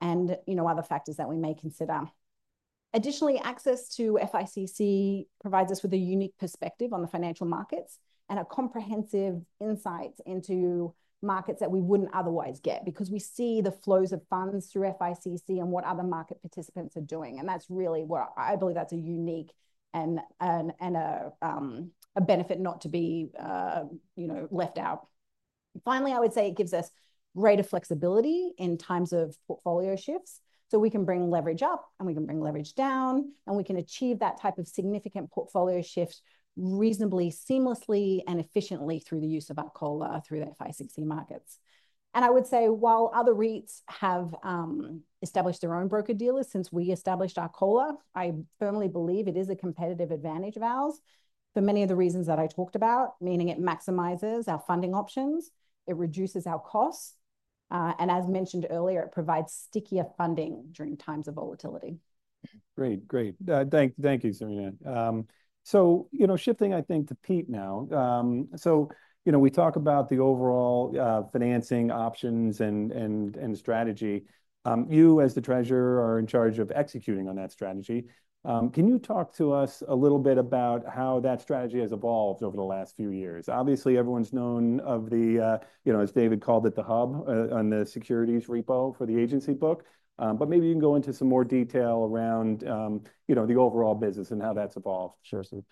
[SPEAKER 7] and other factors that we may consider. Additionally, access to FICC provides us with a unique perspective on the financial markets and a comprehensive insight into markets that we wouldn't otherwise get because we see the flows of funds through FICC and what other market participants are doing. That's really what I believe that's a unique and a benefit not to be left out. Finally, I would say it gives us greater flexibility in times of portfolio shifts. We can bring leverage up, and we can bring leverage down, and we can achieve that type of significant portfolio shift reasonably, seamlessly, and efficiently through the use of our RCap through the FICC markets. I would say while other REITs have established their own broker-dealers since we established our RCap, I firmly believe it is a competitive advantage of ours for many of the reasons that I talked about, meaning it maximizes our funding options, it reduces our costs, and as mentioned earlier, it provides stickier funding d
[SPEAKER 6] uring times of volatility. Great, great. Thank you, Serena. Shifting, I think, to Pete now. We talk about the overall financing options and strategy. You, as the treasurer, are in charge of executing on that strategy. Can you talk to us a little bit about how that strategy has evolved over the last few years? Obviously, everyone's known of the, as David called it, the hub on the securities repo for the agency book. But maybe you can go into some more detail around the overall business and how that's evolved.
[SPEAKER 8] Sure, sir.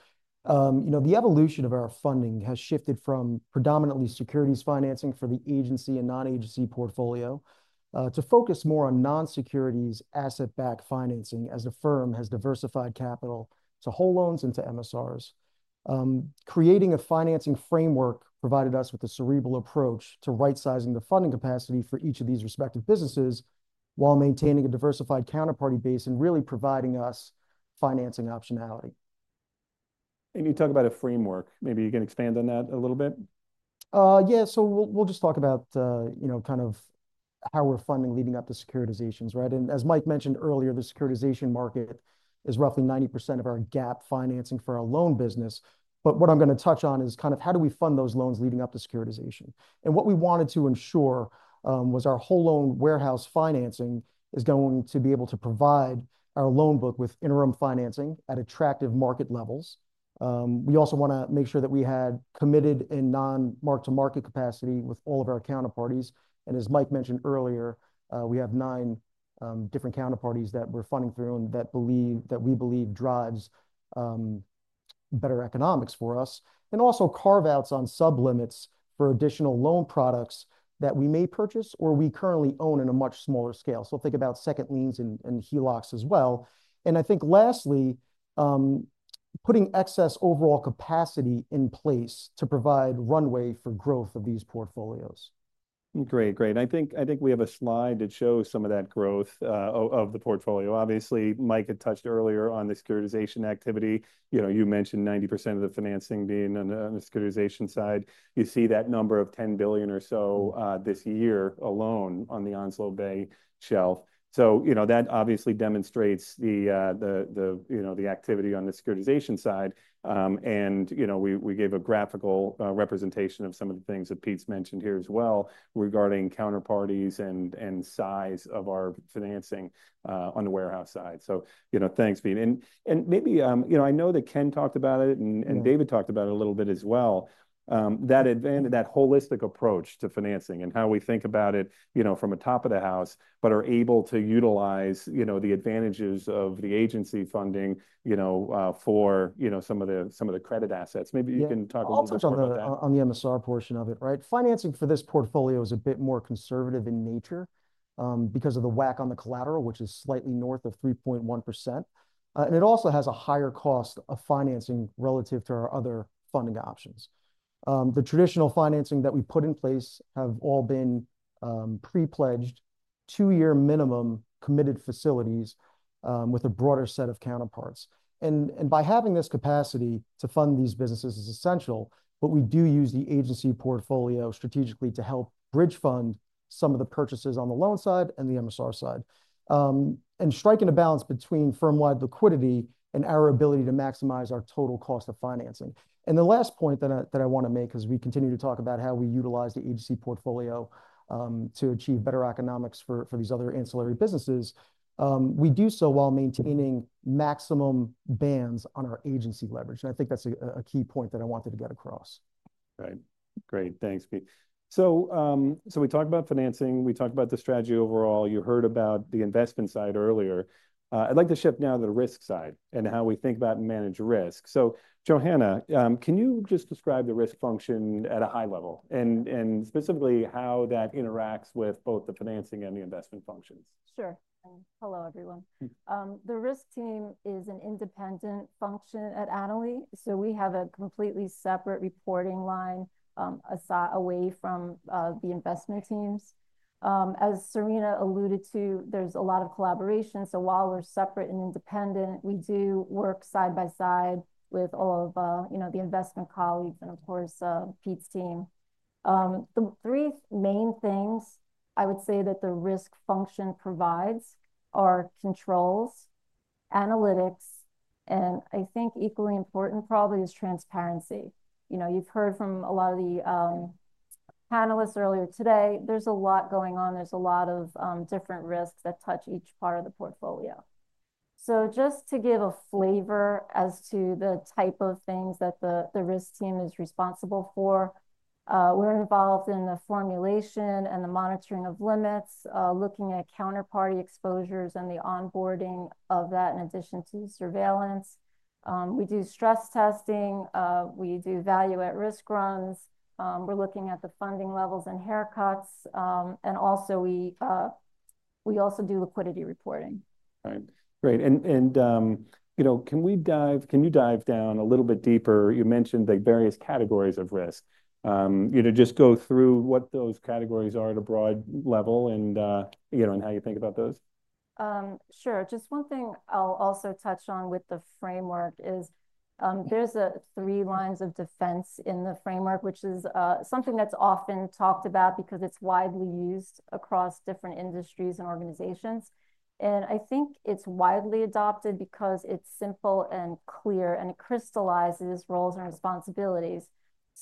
[SPEAKER 8] The evolution of our funding has shifted from predominantly securities financing for the agency and non-agency portfolio to focus more on non-securities asset-backed financing as the firm has diversified capital to whole loans and to MSRs. Creating a financing framework provided us with a cerebral approach to right-sizing the funding capacity for each of these respective businesses while maintaining a diversified counterparty base and really providing us financing optionality.
[SPEAKER 6] And you talk about a framework. Maybe you can expand on that a little bit.
[SPEAKER 8] Yeah, so we'll just talk about kind of how we're funding leading up to securitizations, right, and as Mike mentioned earlier, the securitization market is roughly 90% of our gap financing for our loan business, but what I'm going to touch on is kind of how do we fund those loans leading up to securitization, and what we wanted to ensure was our whole loan warehouse financing is going to be able to provide our loan book with interim financing at attractive market levels. We also want to make sure that we had committed and non-mark-to-market capacity with all of our counterparties, and as Mike mentioned earlier, we have nine different counterparties that we're funding through and that we believe drives better economics for us. And also carve-outs on sublimits for additional loan products that we may purchase or we currently own in a much smaller scale. So think about second liens and HELOCs as well. And I think lastly, putting excess overall capacity in place to provide runway for growth of these portfolios.
[SPEAKER 6] Great, great. I think we have a slide that shows some of that growth of the portfolio. Obviously, Mike had touched earlier on the securitization activity. You mentioned 90% of the financing being on the securitization side. You see that number of $10 billion or so this year alone on the Onslow Bay shelf. So that obviously demonstrates the activity on the securitization side. And we gave a graphical representation of some of the things that Pete's mentioned here as well regarding counterparties and size of our financing on the warehouse side. So thanks, Pete. And maybe I know that Ken talked about it and David talked about it a little bit as well, that holistic approach to financing and how we think about it from a top of the house, but are able to utilize the advantages of the agency funding for some of the credit assets. Maybe you can talk a little bit about that.
[SPEAKER 8] I'll touch on the MSR portion of it, right? Financing for this portfolio is a bit more conservative in nature because of the WAC on the collateral, which is slightly north of 3.1%. And it also has a higher cost of financing relative to our other funding options. The traditional financing that we put in place have all been pre-pledged two-year minimum committed facilities with a broader set of counterparties. By having this capacity to fund these businesses is essential, but we do use the agency portfolio strategically to help bridge fund some of the purchases on the loan side and the MSR side. Striking a balance between firm-wide liquidity and our ability to maximize our total cost of financing. The last point that I want to make as we continue to talk about how we utilize the agency portfolio to achieve better economics for these other ancillary businesses, we do so while maintaining maximum bands on our agency leverage. I think that's a key point that I wanted to get across.
[SPEAKER 6] Right. Great. Thanks, Pete. We talked about financing. We talked about the strategy overall. You heard about the investment side earlier. I'd like to shift now to the risk side and how we think about and manage risk. Johanna, can you just describe the risk function at a high level and specifically how that interacts with both the financing and the investment functions?
[SPEAKER 9] Sure. Hello, everyone. The risk team is an independent function at Annaly. We have a completely separate reporting line away from the investment teams. As Serena alluded to, there's a lot of collaboration. While we're separate and independent, we do work side by side with all of the investment colleagues and, of course, Pete's team. The three main things I would say that the risk function provides are controls, analytics, and I think equally important probably is transparency. You've heard from a lot of the panelists earlier today. There's a lot going on. There's a lot of different risks that touch each part of the portfolio. So just to give a flavor as to the type of things that the risk team is responsible for, we're involved in the formulation and the monitoring of limits, looking at counterparty exposures and the onboarding of that in addition to surveillance. We do stress testing. We do value-at-risk runs. We're looking at the funding levels and haircuts. And also we do liquidity reporting.
[SPEAKER 6] Right. Great. And can we dive down a little bit deeper? You mentioned the various categories of risk. Just go through what those categories are at a broad level and how you think about those.
[SPEAKER 9] Sure. Just one thing I'll also touch on with the framework is there's three lines of defense in the framework, which is something that's often talked about because it's widely used across different industries and organizations. I think it's widely adopted because it's simple and clear, and it crystallizes roles and responsibilities.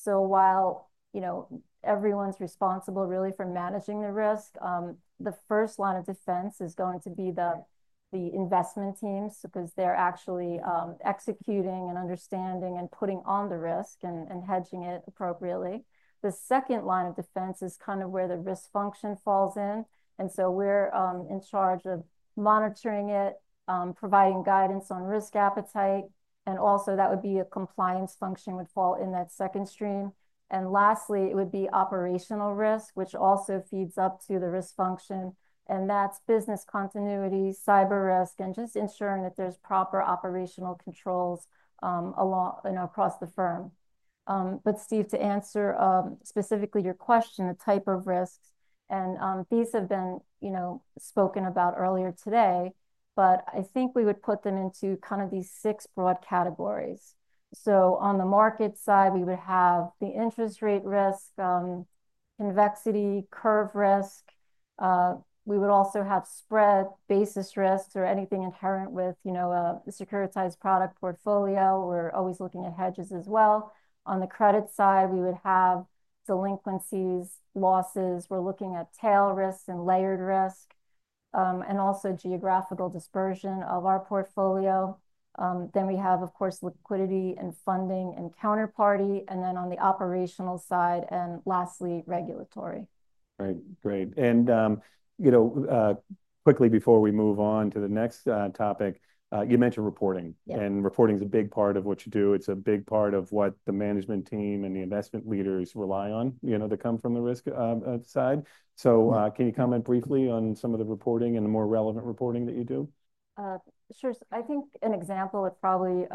[SPEAKER 9] While everyone's responsible really for managing the risk, the first line of defense is going to be the investment teams because they're actually executing and understanding and putting on the risk and hedging it appropriately. The second line of defense is kind of where the risk function falls in. We're in charge of monitoring it, providing guidance on risk appetite. That would be a compliance function would fall in that second stream. Lastly, it would be operational risk, which also feeds up to the risk function. That's business continuity, cyber risk, and just ensuring that there's proper operational controls across the firm. But Steve, to answer specifically your question, the type of risks, and these have been spoken about earlier today, but I think we would put them into kind of these six broad categories. So on the market side, we would have the interest rate risk, convexity, curve risk. We would also have spread basis risks or anything inherent with a securitized product portfolio. We're always looking at hedges as well. On the credit side, we would have delinquencies, losses. We're looking at tail risks and layered risk, and also geographical dispersion of our portfolio. Then we have, of course, liquidity and funding and counterparty. And then on the operational side and lastly, regulatory.
[SPEAKER 6] Right. Great. And quickly before we move on to the next topic, you mentioned reporting. And reporting is a big part of what you do. It's a big part of what the management team and the investment leaders rely on that come from the risk side. So can you comment briefly on some of the reporting and the more relevant reporting that you do?
[SPEAKER 9] Sure. I think an example would probably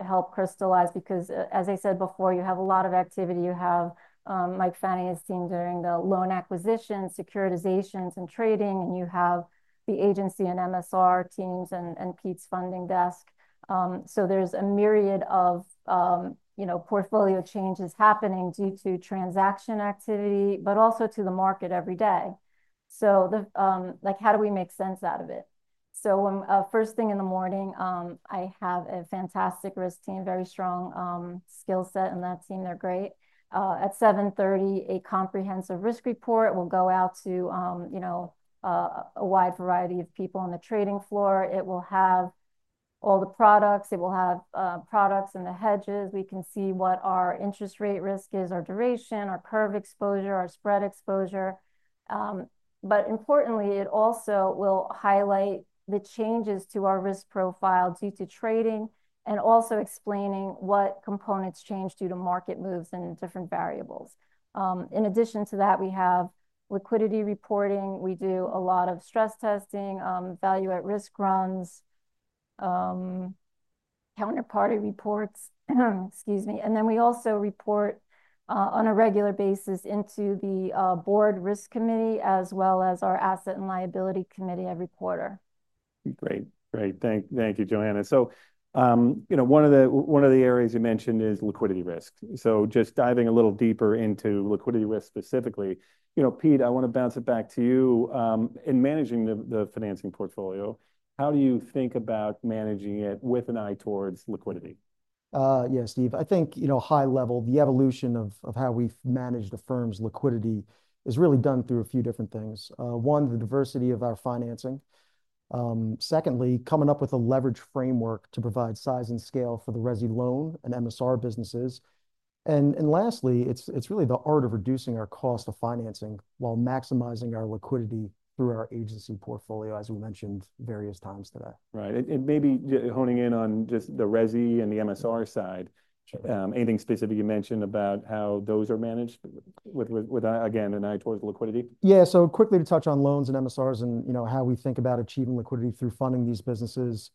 [SPEAKER 9] help crystallize because, as I said before, you have a lot of activity. You have Mike Fania's team during the loan acquisition, securitizations, and trading, and you have the agency and MSR teams and Pete's funding desk. So there's a myriad of portfolio changes happening due to transaction activity, but also to the market every day. So how do we make sense out of it? So first thing in the morning, I have a fantastic risk team, very strong skill set in that team. They're great. At 7:30, a comprehensive risk report will go out to a wide variety of people on the trading floor. It will have all the products. It will have products and the hedges. We can see what our interest rate risk is, our duration, our curve exposure, our spread exposure. But importantly, it also will highlight the changes to our risk profile due to trading and also explaining what components change due to market moves and different variables. In addition to that, we have liquidity reporting. We do a lot of stress testing, Value-at-Risk runs, counterparty reports, excuse me. And then we also report on a regular basis into the Board Risk Committee as well as our Asset and Liability Committee every quarter.
[SPEAKER 6] Great. Great. Thank you, Johanna. So one of the areas you mentioned is liquidity risk. So just diving a little deeper into liquidity risk specifically, Pete, I want to bounce it back to you. In managing the financing portfolio, how do you think about managing it with an eye towards liquidity?
[SPEAKER 8] Yes, Steve. I think high level, the evolution of how we've managed the firm's liquidity is really done through a few different things. One, the diversity of our financing. Secondly, coming up with a leverage framework to provide size and scale for the resi loan and MSR businesses. And lastly, it's really the art of reducing our cost of financing while maximizing our liquidity through our agency portfolio, as we mentioned various times today.
[SPEAKER 6] Right. And maybe honing in on just the resi and the MSR side. Anything specific you mentioned about how those are managed with, again, an eye towards liquidity? Yeah.
[SPEAKER 8] So quickly to touch on loans and MSRs and how we think about achieving liquidity through funding these businesses.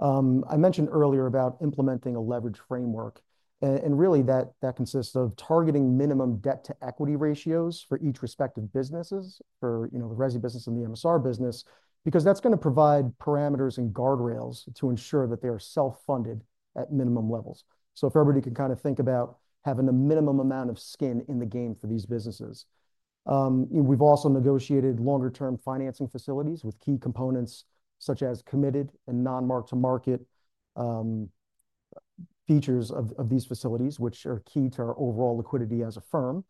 [SPEAKER 8] I mentioned earlier about implementing a leverage framework. And really, that consists of targeting minimum debt-to-equity ratios for each respective businesses, for the resi business and the MSR business, because that's going to provide parameters and guardrails to ensure that they are self-funded at minimum levels. So if everybody can kind of think about having a minimum amount of skin in the game for these businesses. We've also negotiated longer-term financing facilities with key components such as committed and non-mark-to-market features of these facilities, which are key to our overall liquidity as a firm.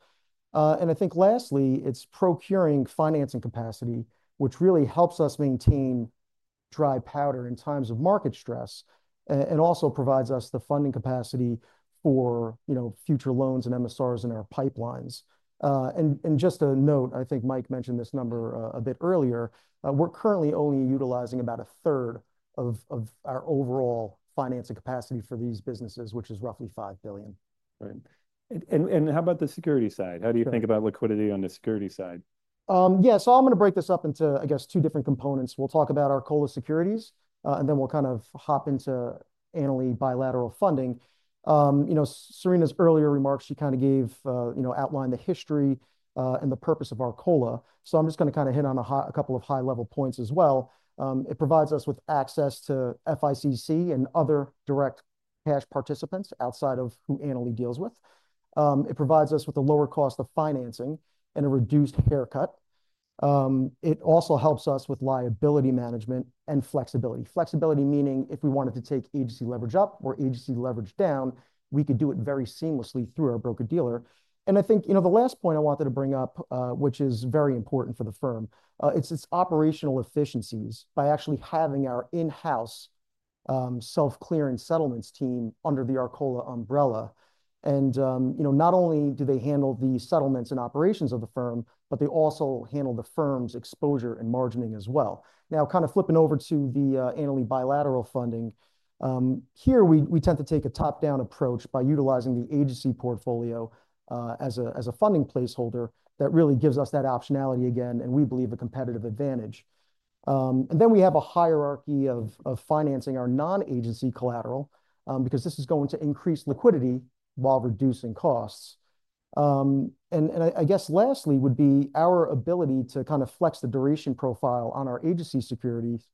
[SPEAKER 8] And I think lastly, it's procuring financing capacity, which really helps us maintain dry powder in times of market stress and also provides us the funding capacity for future loans and MSRs in our pipelines. Just to note, I think Mike mentioned this number a bit earlier. We're currently only utilizing about a third of our overall financing capacity for these businesses, which is roughly $5 billion.
[SPEAKER 6] Right. And how about the security side? How do you think about liquidity on the security side?
[SPEAKER 8] Yeah. So I'm going to break this up into, I guess, two different components. We'll talk about our Arcola Securities, and then we'll kind of hop into Annaly bilateral funding. Serena's earlier remarks, she kind of outlined the history and the purpose of our RCap. So I'm just going to kind of hit on a couple of high-level points as well. It provides us with access to FICC and other direct cash participants outside of who Annaly deals with. It provides us with a lower cost of financing and a reduced haircut. It also helps us with liability management and flexibility. Flexibility meaning if we wanted to take agency leverage up or agency leverage down, we could do it very seamlessly through our broker-dealer, and I think the last point I wanted to bring up, which is very important for the firm, it's operational efficiencies by actually having our in-house self-clearing settlements team under the RCap umbrella, and not only do they handle the settlements and operations of the firm, but they also handle the firm's exposure and margining as well. Now, kind of flipping over to the Annaly bilateral funding, here we tend to take a top-down approach by utilizing the agency portfolio as a funding placeholder that really gives us that optionality again, and we believe a competitive advantage, and then we have a hierarchy of financing our non-agency collateral because this is going to increase liquidity while reducing costs. And I guess lastly would be our ability to kind of flex the duration profile on our agency securities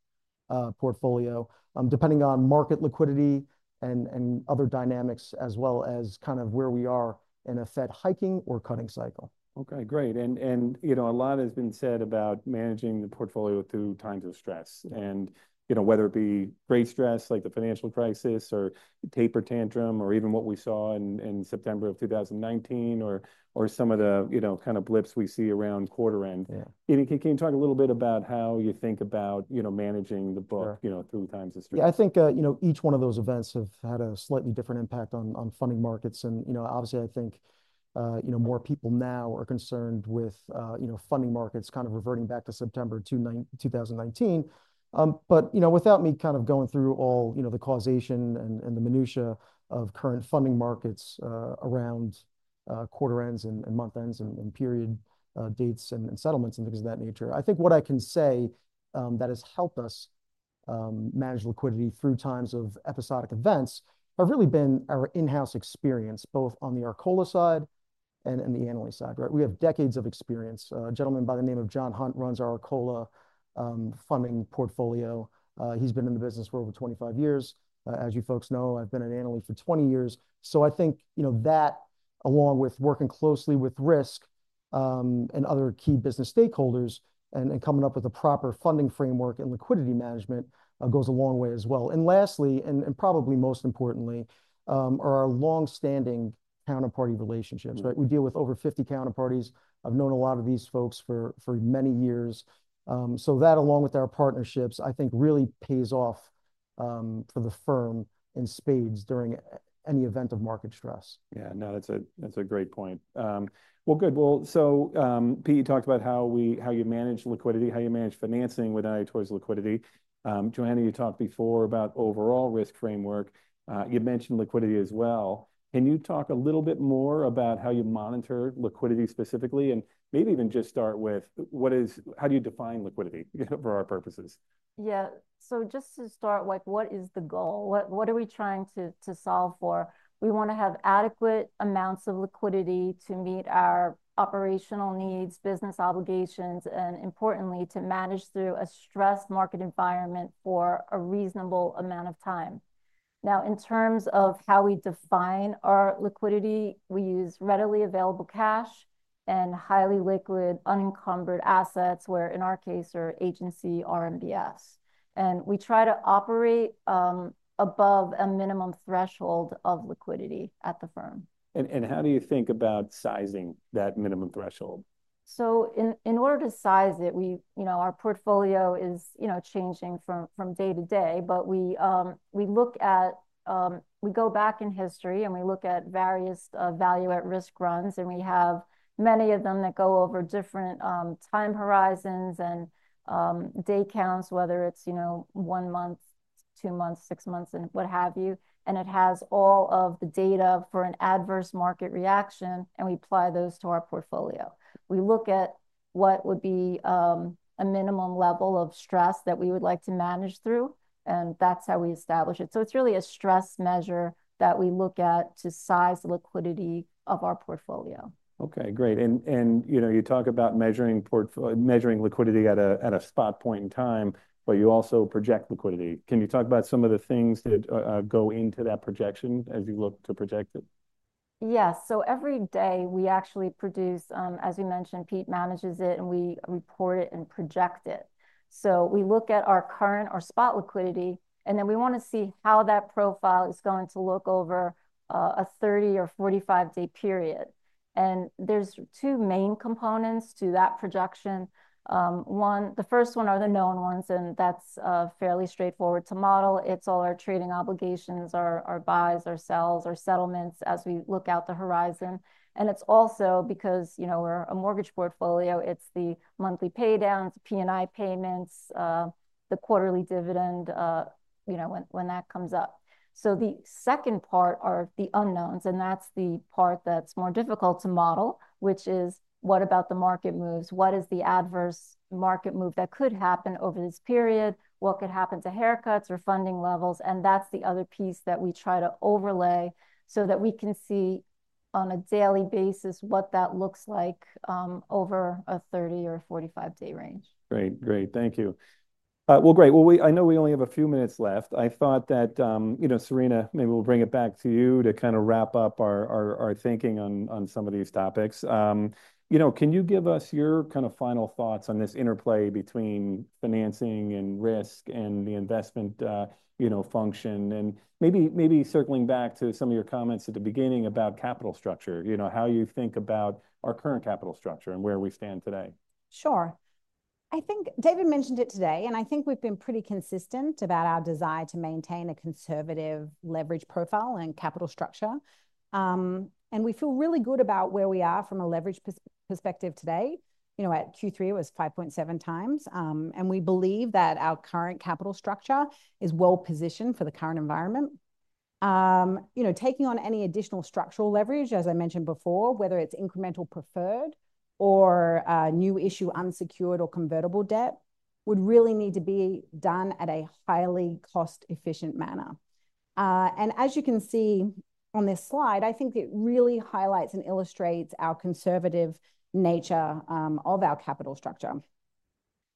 [SPEAKER 8] portfolio depending on market liquidity and other dynamics as well as kind of where we are in a Fed hiking or cutting cycle.
[SPEAKER 6] Okay. Great. And a lot has been said about managing the portfolio through times of stress. And whether it be great stress like the financial crisis or taper tantrum or even what we saw in September of 2019 or some of the kind of blips we see around quarter end. Can you talk a little bit about how you think about managing the book through times of stress?
[SPEAKER 8] Yeah. I think each one of those events have had a slightly different impact on funding markets. And obviously, I think more people now are concerned with funding markets kind of reverting back to September 2019. But without me kind of going through all the causation and the minutia of current funding markets around quarter ends and month ends and period dates and settlements and things of that nature, I think what I can say that has helped us manage liquidity through times of episodic events have really been our in-house experience both on the RCap side and the Annaly side. We have decades of experience. A gentleman by the name of John Hunt runs our RCap funding portfolio. He's been in the business for over 25 years. As you folks know, I've been at Annaly for 20 years. I think that along with working closely with risk and other key business stakeholders and coming up with a proper funding framework and liquidity management goes a long way as well. Lastly, and probably most importantly, are our long-standing counterparty relationships. We deal with over 50 counterparties. I've known a lot of these folks for many years. So that along with our partnerships, I think really pays off for the firm in spades during any event of market stress.
[SPEAKER 6] Yeah. No, that's a great point. Well, good. Well, so Pete, you talked about how you manage liquidity, how you manage financing with an eye towards liquidity. Johanna, you talked before about overall risk framework. You've mentioned liquidity as well. Can you talk a little bit more about how you monitor liquidity specifically? And maybe even just start with how do you define liquidity for our purposes?
[SPEAKER 9] Yeah. So just to start, what is the goal? What are we trying to solve for? We want to have adequate amounts of liquidity to meet our operational needs, business obligations, and importantly, to manage through a stressed market environment for a reasonable amount of time. Now, in terms of how we define our liquidity, we use readily available cash and highly liquid unencumbered assets, where, in our case, are Agency MBS. And we try to operate above a minimum threshold of liquidity at the firm. And how do you think about sizing that minimum threshold? So in order to size it, our portfolio is changing from day to day, but we look at we go back in history and we look at various value-at-risk runs. And we have many of them that go over different time horizons and day counts, whether it's one month, two months, six months, and what have you. And it has all of the data for an adverse market reaction, and we apply those to our portfolio. We look at what would be a minimum level of stress that we would like to manage through, and that's how we establish it. So it's really a stress measure that we look at to size the liquidity of our portfolio.
[SPEAKER 6] Okay. Great. And you talk about measuring liquidity at a spot point in time, but you also project liquidity. Can you talk about some of the things that go into that projection as you look to project it?
[SPEAKER 9] Yes. So every day we actually produce, as we mentioned, Pete manages it, and we report it and project it. So we look at our current or spot liquidity, and then we want to see how that profile is going to look over a 30 or 45-day period. There's two main components to that projection. The first one are the known ones, and that's fairly straightforward to model. It's all our trading obligations, our buys, our sales, our settlements as we look out to the horizon. And it's also because we're a mortgage portfolio. It's the monthly paydowns, P&I payments, the quarterly dividend when that comes up. So the second part are the unknowns, and that's the part that's more difficult to model, which is what about the market moves? What is the adverse market move that could happen over this period? What could happen to haircuts or funding levels? And that's the other piece that we try to overlay so that we can see on a daily basis what that looks like over a 30 or 45-day range.
[SPEAKER 6] Great. Great. Thank you. Well, great. Well, I know we only have a few minutes left. I thought that, Serena, maybe we'll bring it back to you to kind of wrap up our thinking on some of these topics. Can you give us your kind of final thoughts on this interplay between financing and risk and the investment function? And maybe circling back to some of your comments at the beginning about capital structure, how you think about our current capital structure and where we stand today.
[SPEAKER 7] Sure. I think David mentioned it today, and I think we've been pretty consistent about our desire to maintain a conservative leverage profile and capital structure. And we feel really good about where we are from a leverage perspective today. At Q3, it was 5.7 times. And we believe that our current capital structure is well-positioned for the current environment. Taking on any additional structural leverage, as I mentioned before, whether it's incremental preferred or new issue unsecured or convertible debt, would really need to be done at a highly cost-efficient manner. And as you can see on this slide, I think it really highlights and illustrates our conservative nature of our capital structure.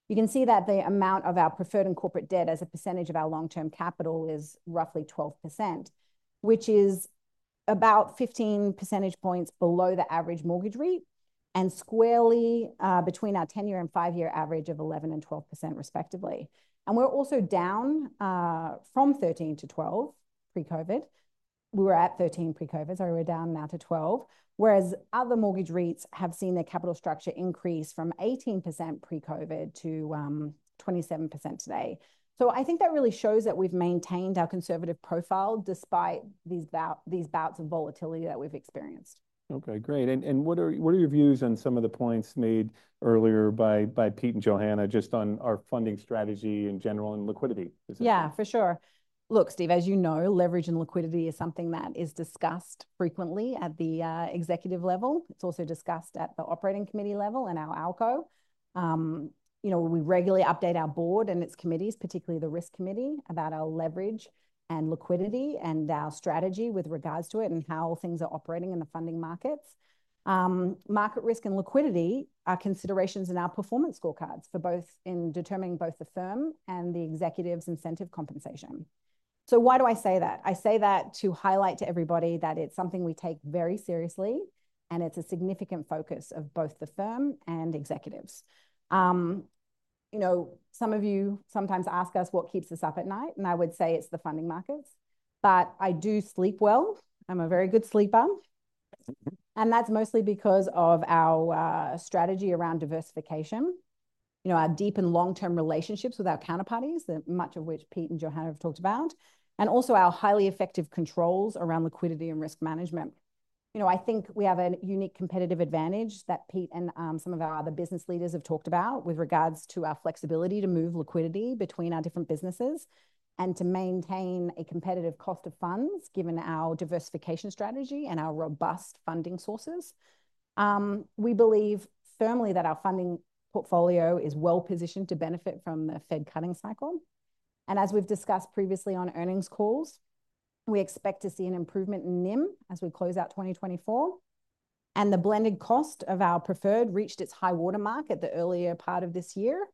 [SPEAKER 7] You can see that the amount of our preferred and corporate debt as a percentage of our long-term capital is roughly 12%, which is about 15 percentage points below the average mortgage REIT and squarely between our 10-year and 5-year average of 11% and 12% respectively. And we're also down from 13% to 12% pre-COVID. We were at 13% pre-COVID, so we're down now to 12%, whereas other mortgage REITs have seen their capital structure increase from 18% pre-COVID to 27% today. So I think that really shows that we've maintained our conservative profile despite these bouts of volatility that we've experienced.
[SPEAKER 6] Okay. Great. And what are your views on some of the points made earlier by Pete and Johanna just on our funding strategy in general and liquidity?
[SPEAKER 7] Yeah, for sure. Look, Steve, as you know, leverage and liquidity is something that is discussed frequently at the executive level. It's also discussed at the operating committee level and our ALCO. We regularly update our board and its committees, particularly the risk committee, about our leverage and liquidity and our strategy with regards to it and how things are operating in the funding markets. Market risk and liquidity are considerations in our performance scorecards for both in determining both the firm and the executives' incentive compensation. So why do I say that? I say that to highlight to everybody that it's something we take very seriously, and it's a significant focus of both the firm and executives. Some of you sometimes ask us what keeps us up at night, and I would say it's the funding markets, but I do sleep well. I'm a very good sleeper, and that's mostly because of our strategy around diversification, our deep and long-term relationships with our counterparties, much of which Pete and Johanna have talked about, and also our highly effective controls around liquidity and risk management. I think we have a unique competitive advantage that Pete and some of our other business leaders have talked about with regards to our flexibility to move liquidity between our different businesses and to maintain a competitive cost of funds given our diversification strategy and our robust funding sources. We believe firmly that our funding portfolio is well-positioned to benefit from the Fed cutting cycle. And as we've discussed previously on earnings calls, we expect to see an improvement in NIM as we close out 2024. And the blended cost of our preferred reached its high watermark at the earlier part of this year.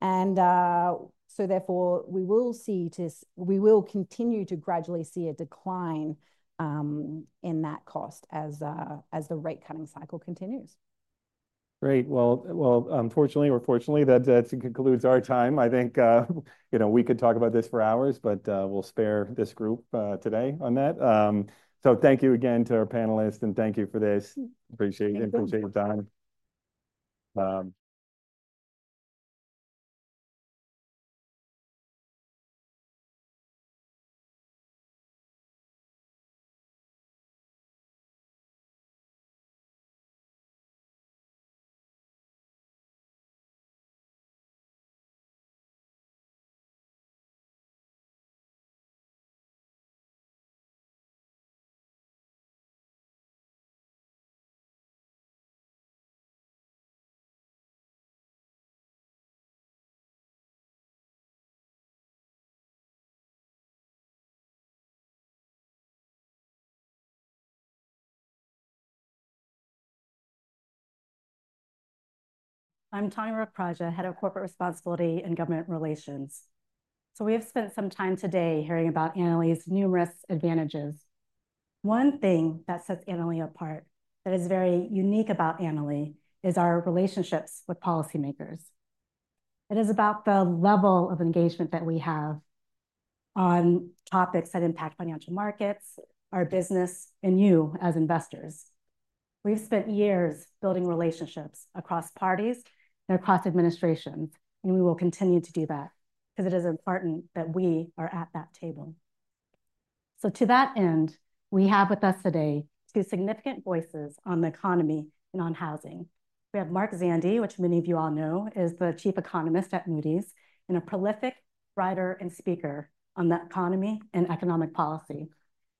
[SPEAKER 7] And so therefore, we will continue to gradually see a decline in that cost as the rate cutting cycle continues.
[SPEAKER 6] Great. Well, unfortunately or fortunately, that concludes our time. I think we could talk about this for hours, but we'll spare this group today on that. So thank you again to our panelists, and thank you for this. Appreciate your time.
[SPEAKER 10] I'm Tanya Rakpraja, head of corporate responsibility and government relations. So we have spent some time today hearing about Annaly's numerous advantages. One thing that sets Annaly apart that is very unique about Annaly is our relationships with policymakers. It is about the level of engagement that we have on topics that impact financial markets, our business, and you as investors. We've spent years building relationships across parties and across administrations, and we will continue to do that because it is important that we are at that table. So to that end, we have with us today two significant voices on the economy and on housing. We have Mark Zandi, which many of you all know, is the chief economist at Moody's and a prolific writer and speaker on the economy and economic policy.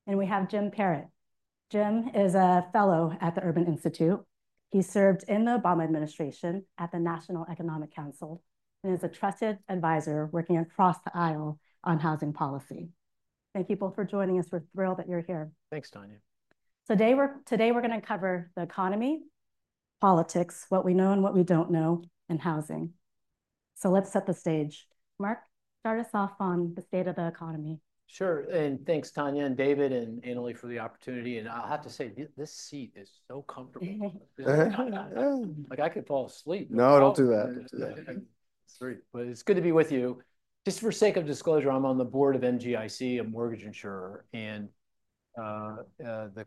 [SPEAKER 10] And we have Jim Parrott. Jim is a fellow at the Urban Institute. He served in the Obama administration at the National Economic Council and is a trusted advisor working across the aisle on housing policy. Thank you both for joining us. We're thrilled that you're here.
[SPEAKER 11] Thanks, Tanya.
[SPEAKER 10] Today, we're going to cover the economy, politics, what we know and what we don't know in housing. So let's set the stage. Mark, start us off on the state of the economy.
[SPEAKER 11] Sure. And thanks, Tanya and David and Annaly for the opportunity. And I'll have to say this seat is so comfortable. I could fall asleep. No,
[SPEAKER 1] don't do that.
[SPEAKER 11] It's great. But it's good to be with you. Just for the sake of disclosure, I'm on the board of MGIC, a mortgage insurer, and the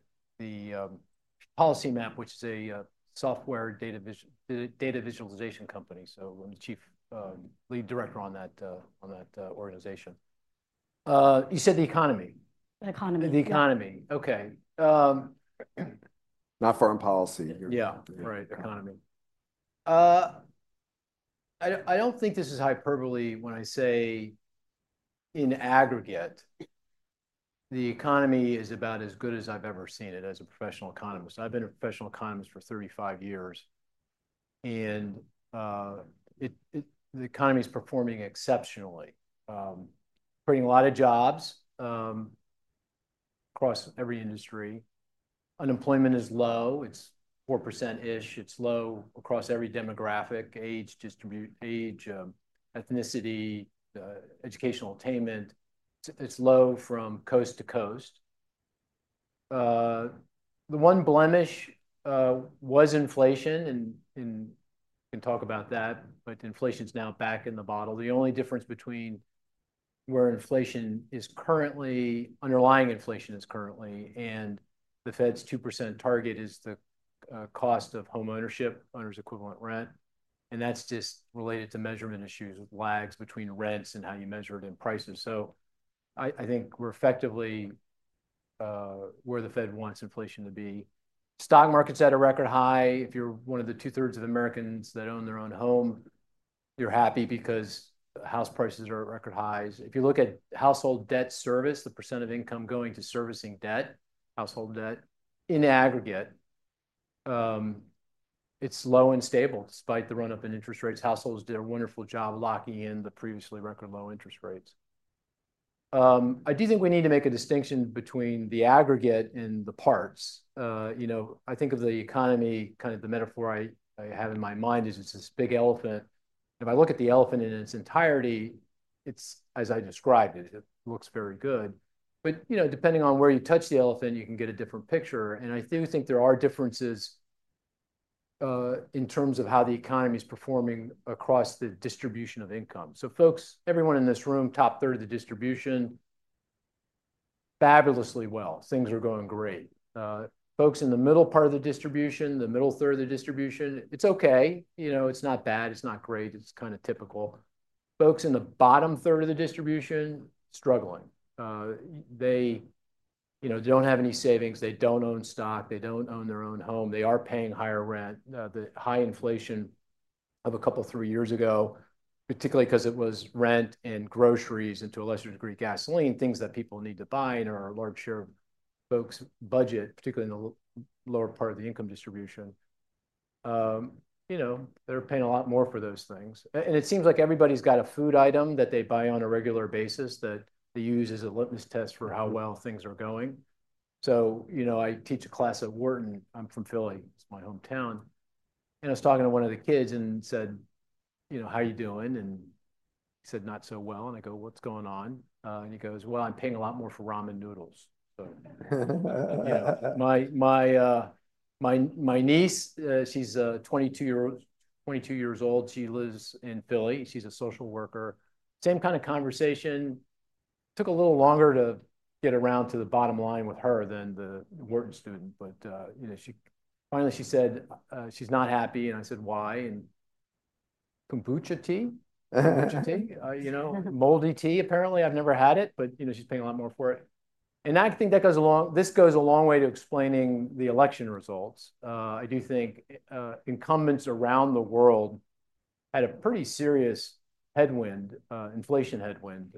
[SPEAKER 11] PolicyMap, which is a software data visualization company. So I'm the chief lead director on that organization. You said the economy.
[SPEAKER 10] The economy.
[SPEAKER 11] The economy. Okay. Not foreign policy. Yeah, right. Economy. I don't think this is hyperbole when I say in aggregate, the economy is about as good as I've ever seen it as a professional economist. I've been a professional economist for 35 years, and the economy is performing exceptionally, creating a lot of jobs across every industry. Unemployment is low. It's 4%-ish. It's low across every demographic, age, ethnicity, educational attainment. It's low from coast to coast. The one blemish was inflation, and we can talk about that, but inflation's now back in the bottle. The only difference between where inflation is currently, underlying inflation is currently, and the Fed's 2% target is the cost of homeownership, owner's equivalent rent. And that's just related to measurement issues with lags between rents and how you measure it in prices. So I think we're effectively where the Fed wants inflation to be. Stock market's at a record high. If you're one of the two-thirds of Americans that own their own home, you're happy because house prices are at record highs. If you look at household debt service, the percent of income going to servicing debt, household debt, in aggregate, it's low and stable despite the run-up in interest rates. Households did a wonderful job locking in the previously record low interest rates. I do think we need to make a distinction between the aggregate and the parts. I think of the economy, kind of the metaphor I have in my mind is it's this big elephant. If I look at the elephant in its entirety, it's, as I described, it looks very good. But depending on where you touch the elephant, you can get a different picture. And I do think there are differences in terms of how the economy is performing across the distribution of income. So folks, everyone in this room, top third of the distribution, fabulously well. Things are going great. Folks in the middle part of the distribution, the middle third of the distribution, it's okay. It's not bad. It's not great. It's kind of typical. Folks in the bottom third of the distribution, struggling. They don't have any savings. They don't own stock. They don't own their own home. They are paying higher rent. The high inflation of a couple of three years ago, particularly because it was rent and groceries and to a lesser degree, gasoline, things that people need to buy in our large share of folks' budget, particularly in the lower part of the income distribution, they're paying a lot more for those things. It seems like everybody's got a food item that they buy on a regular basis that they use as a litmus test for how well things are going. So I teach a class at Wharton. I'm from Philly. It's my hometown. And I was talking to one of the kids and said, "How are you doing?" And he said, "Not so well." And I go, "What's going on?" And he goes, "Well, I'm paying a lot more for ramen noodles." My niece, she's 22 years old. She lives in Philly. She's a social worker. Same kind of conversation. Took a little longer to get around to the bottom line with her than the Wharton student. But finally, she said she's not happy. And I said, "Why?" And kombucha tea? Kombucha tea? Moldy tea, apparently. I've never had it, but she's paying a lot more for it. I think this goes a long way to explaining the election results. I do think incumbents around the world had a pretty serious headwind, inflation headwind,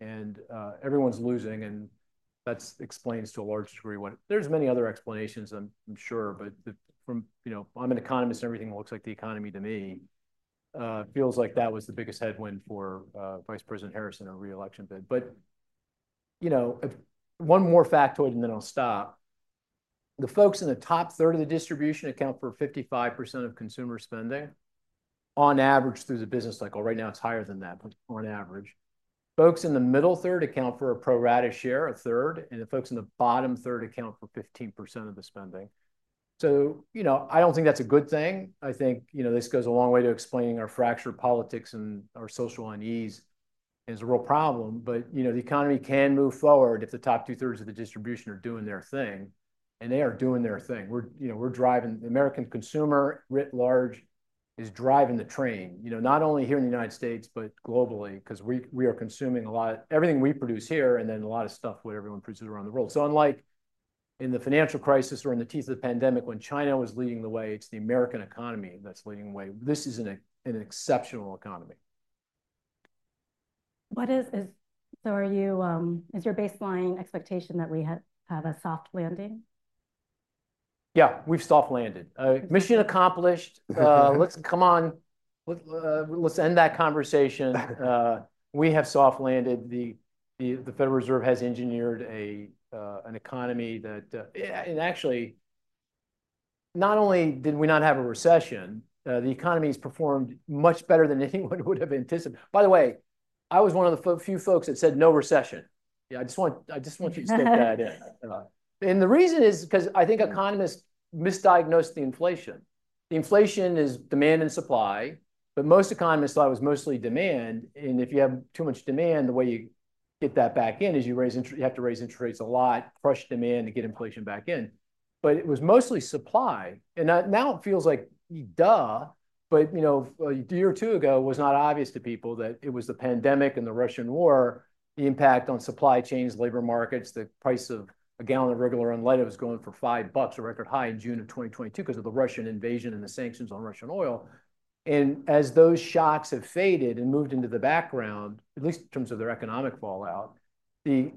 [SPEAKER 11] and everyone's losing. And that explains to a large degree what there's many other explanations, I'm sure. But I'm an economist, and everything looks like the economy to me. It feels like that was the biggest headwind for Vice President Harris in a reelection bid. But one more factoid, and then I'll stop. The folks in the top third of the distribution account for 55% of consumer spending on average through the business cycle. Right now, it's higher than that, but on average. Folks in the middle third account for a pro-rata share, a third. And the folks in the bottom third account for 15% of the spending. So I don't think that's a good thing. I think this goes a long way to explaining our fractured politics and our social unease is a real problem. But the economy can move forward if the top two-thirds of the distribution are doing their thing. And they are doing their thing. We're driving the American consumer writ large is driving the train, not only here in the United States, but globally, because we are consuming a lot of everything we produce here and then a lot of stuff what everyone produces around the world. So unlike in the financial crisis or in the teeth of the pandemic when China was leading the way, it's the American economy that's leading the way. This is an exceptional economy.
[SPEAKER 10] So is your baseline expectation that we have a soft landing?
[SPEAKER 11] Yeah, we've soft landed. Mission accomplished. Come on. Let's end that conversation. We have soft landed. The Federal Reserve has engineered an economy that, and actually, not only did we not have a recession, the economy has performed much better than anyone would have anticipated. By the way, I was one of the few folks that said no recession. I just want you to stick that in. And the reason is because I think economists misdiagnosed the inflation. The inflation is demand and supply, but most economists thought it was mostly demand. And if you have too much demand, the way you get that back in is you have to raise interest rates a lot, crush demand to get inflation back in. But it was mostly supply. And now it feels like, duh, but a year or two ago was not obvious to people that it was the pandemic and the Russian war, the impact on supply chains, labor markets, the price of a gallon of regular unleaded was going for $5, a record high in June of 2022 because of the Russian invasion and the sanctions on Russian oil. And as those shocks have faded and moved into the background, at least in terms of their economic fallout, we've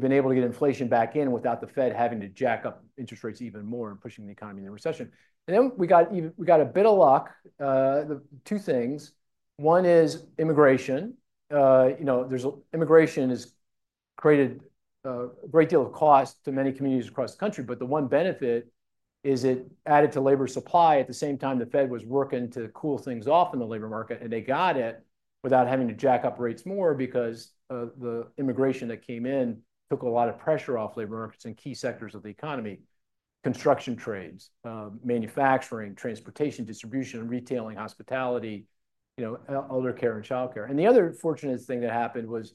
[SPEAKER 11] been able to get inflation back in without the Fed having to jack up interest rates even more and pushing the economy into recession. And then we got a bit of luck. Two things. One is immigration. Immigration has created a great deal of cost to many communities across the country, but the one benefit is it added to labor supply at the same time the Fed was working to cool things off in the labor market, and they got it without having to jack up rates more because the immigration that came in took a lot of pressure off labor markets and key sectors of the economy: construction trades, manufacturing, transportation, distribution, retailing, hospitality, elder care and childcare. And the other fortunate thing that happened was,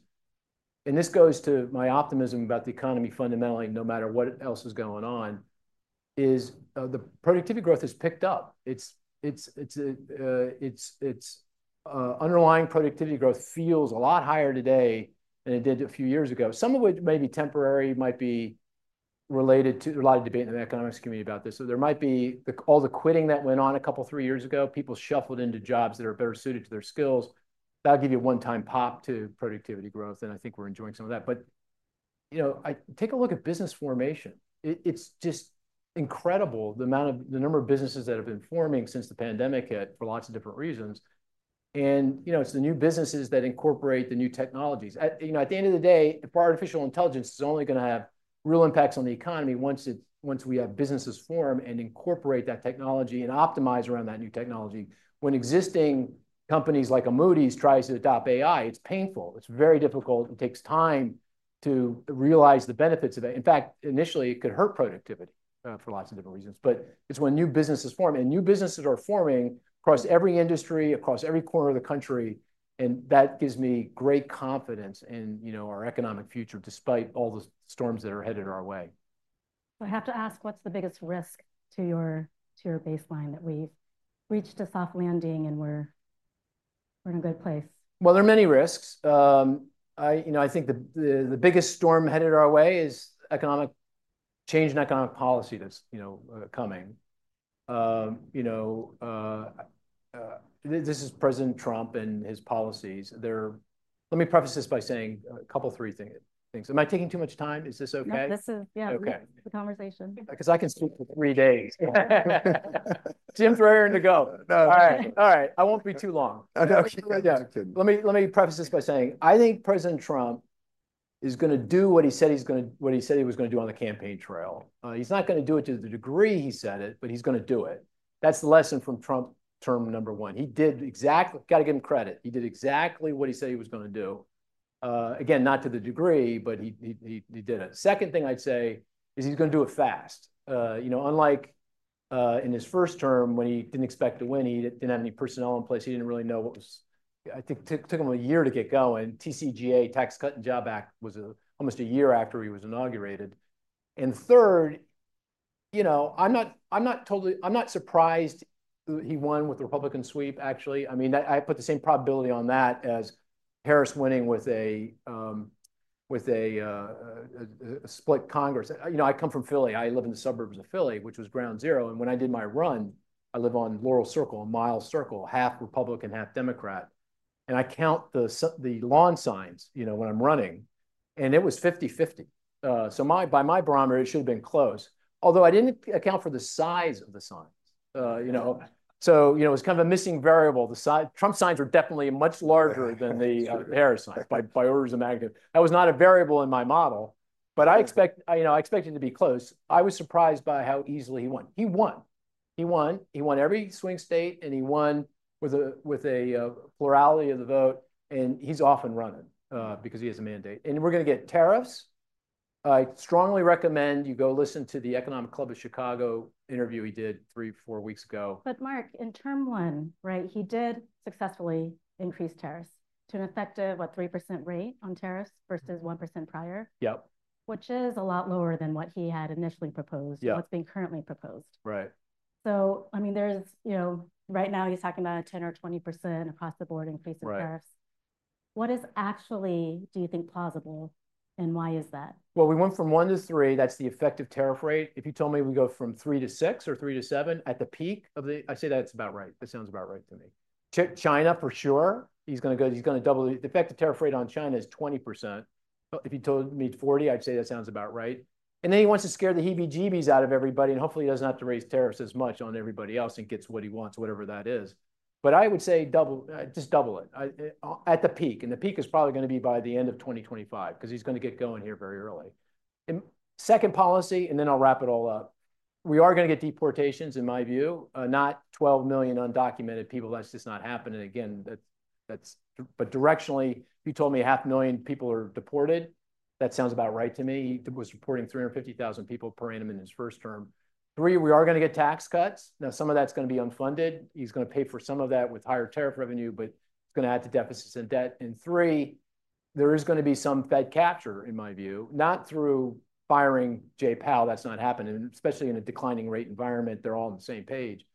[SPEAKER 11] and this goes to my optimism about the economy fundamentally, no matter what else is going on, is the productivity growth has picked up. Its underlying productivity growth feels a lot higher today than it did a few years ago. Some of it may be temporary. Might be related to a lot of debate in the economics community about this. So there might be all the quitting that went on a couple of three years ago. People shuffled into jobs that are better suited to their skills. That'll give you a one-time pop to productivity growth, and I think we're enjoying some of that. But take a look at business formation. It's just incredible, the number of businesses that have been forming since the pandemic for lots of different reasons. And it's the new businesses that incorporate the new technologies. At the end of the day, artificial intelligence is only going to have real impacts on the economy once we have businesses form and incorporate that technology and optimize around that new technology. When existing companies like a Moody's tries to adopt AI, it's painful. It's very difficult. It takes time to realize the benefits of it. In fact, initially, it could hurt productivity for lots of different reasons. But it's when new businesses form, and new businesses are forming across every industry, across every corner of the country. And that gives me great confidence in our economic future despite all the storms that are headed our way. So I have to ask, what's the biggest risk to your baseline that we've reached a soft landing and we're in a good place? Well, there are many risks. I think the biggest storm headed our way is economic change in economic policy that's coming. This is President Trump and his policies. Let me preface this by saying a couple of three things. Am I taking too much time? Is this okay?
[SPEAKER 10] Yeah, this is the conversation.
[SPEAKER 11] Because I can speak for three days. Jim, throw 'er in the go. All right. I won't be too long. Let me preface this by saying, I think President Trump is going to do what he said he was going to do on the campaign trail. He's not going to do it to the degree he said it, but he's going to do it. That's the lesson from Trump term number one. He did exactly, got to give him credit. He did exactly what he said he was going to do. Again, not to the degree, but he did it. Second thing I'd say is he's going to do it fast. Unlike in his first term when he didn't expect to win, he didn't have any personnel in place. He didn't really know what was, it took him a year to get going. TCJA, Tax Cuts and Jobs Act, was almost a year after he was inaugurated, and third, I'm not surprised he won with a Republican sweep, actually. I mean, I put the same probability on that as Harris winning with a split Congress. I come from Philly. I live in the suburbs of Philly, which was ground zero, and when I did my run, I live on Laurel Circle, a mile circle, half Republican, half Democrat, and I count the lawn signs when I'm running, and it was 50/50. So by my barometer, it should have been close. Although I didn't account for the size of the signs. So it was kind of a missing variable. Trump's signs were definitely much larger than the Harris signs by orders of magnitude. That was not a variable in my model, but I expected it to be close. I was surprised by how easily he won. He won. He won every swing state, and he won with a plurality of the vote. He's often running because he has a mandate. We're going to get tariffs. I strongly recommend you go listen to the Economic Club of Chicago interview he did three or four weeks ago.
[SPEAKER 10] Mark, in term one, right, he did successfully increase tariffs to an effective, what, 3% rate on tariffs versus 1% prior, which is a lot lower than what he had initially proposed, what's being currently proposed.
[SPEAKER 11] Right.
[SPEAKER 10] I mean, right now, he's talking about a 10% or 20% across the board increase in tariffs. What is actually, do you think, plausible, and why is that?
[SPEAKER 11] We went from one to three. That's the effective tariff rate. If you told me we go from three to six or three to seven at the peak of the-I say that's about right. That sounds about right to me. China, for sure. He's going to double the effective tariff rate on China to 20%. If you told me 40%, I'd say that sounds about right. And then he wants to scare the heebie-jeebies out of everybody, and hopefully, he doesn't have to raise tariffs as much on everybody else and gets what he wants, whatever that is. But I would say just double it at the peak. And the peak is probably going to be by the end of 2025 because he's going to get going here very early. Second policy, and then I'll wrap it all up. We are going to get deportations, in my view, not 12 million undocumented people. That's just not happening. Again, but directionally, you told me 500,000 people are deported. That sounds about right to me. He was reporting 350,000 people per annum in his first term. Three, we are going to get tax cuts. Now, some of that's going to be unfunded. He's going to pay for some of that with higher tariff revenue, but it's going to add to deficits and debt. And three, there is going to be some Fed capture, in my view, not through firing Jay Powell. That's not happening, especially in a declining rate environment. They're all on the same page.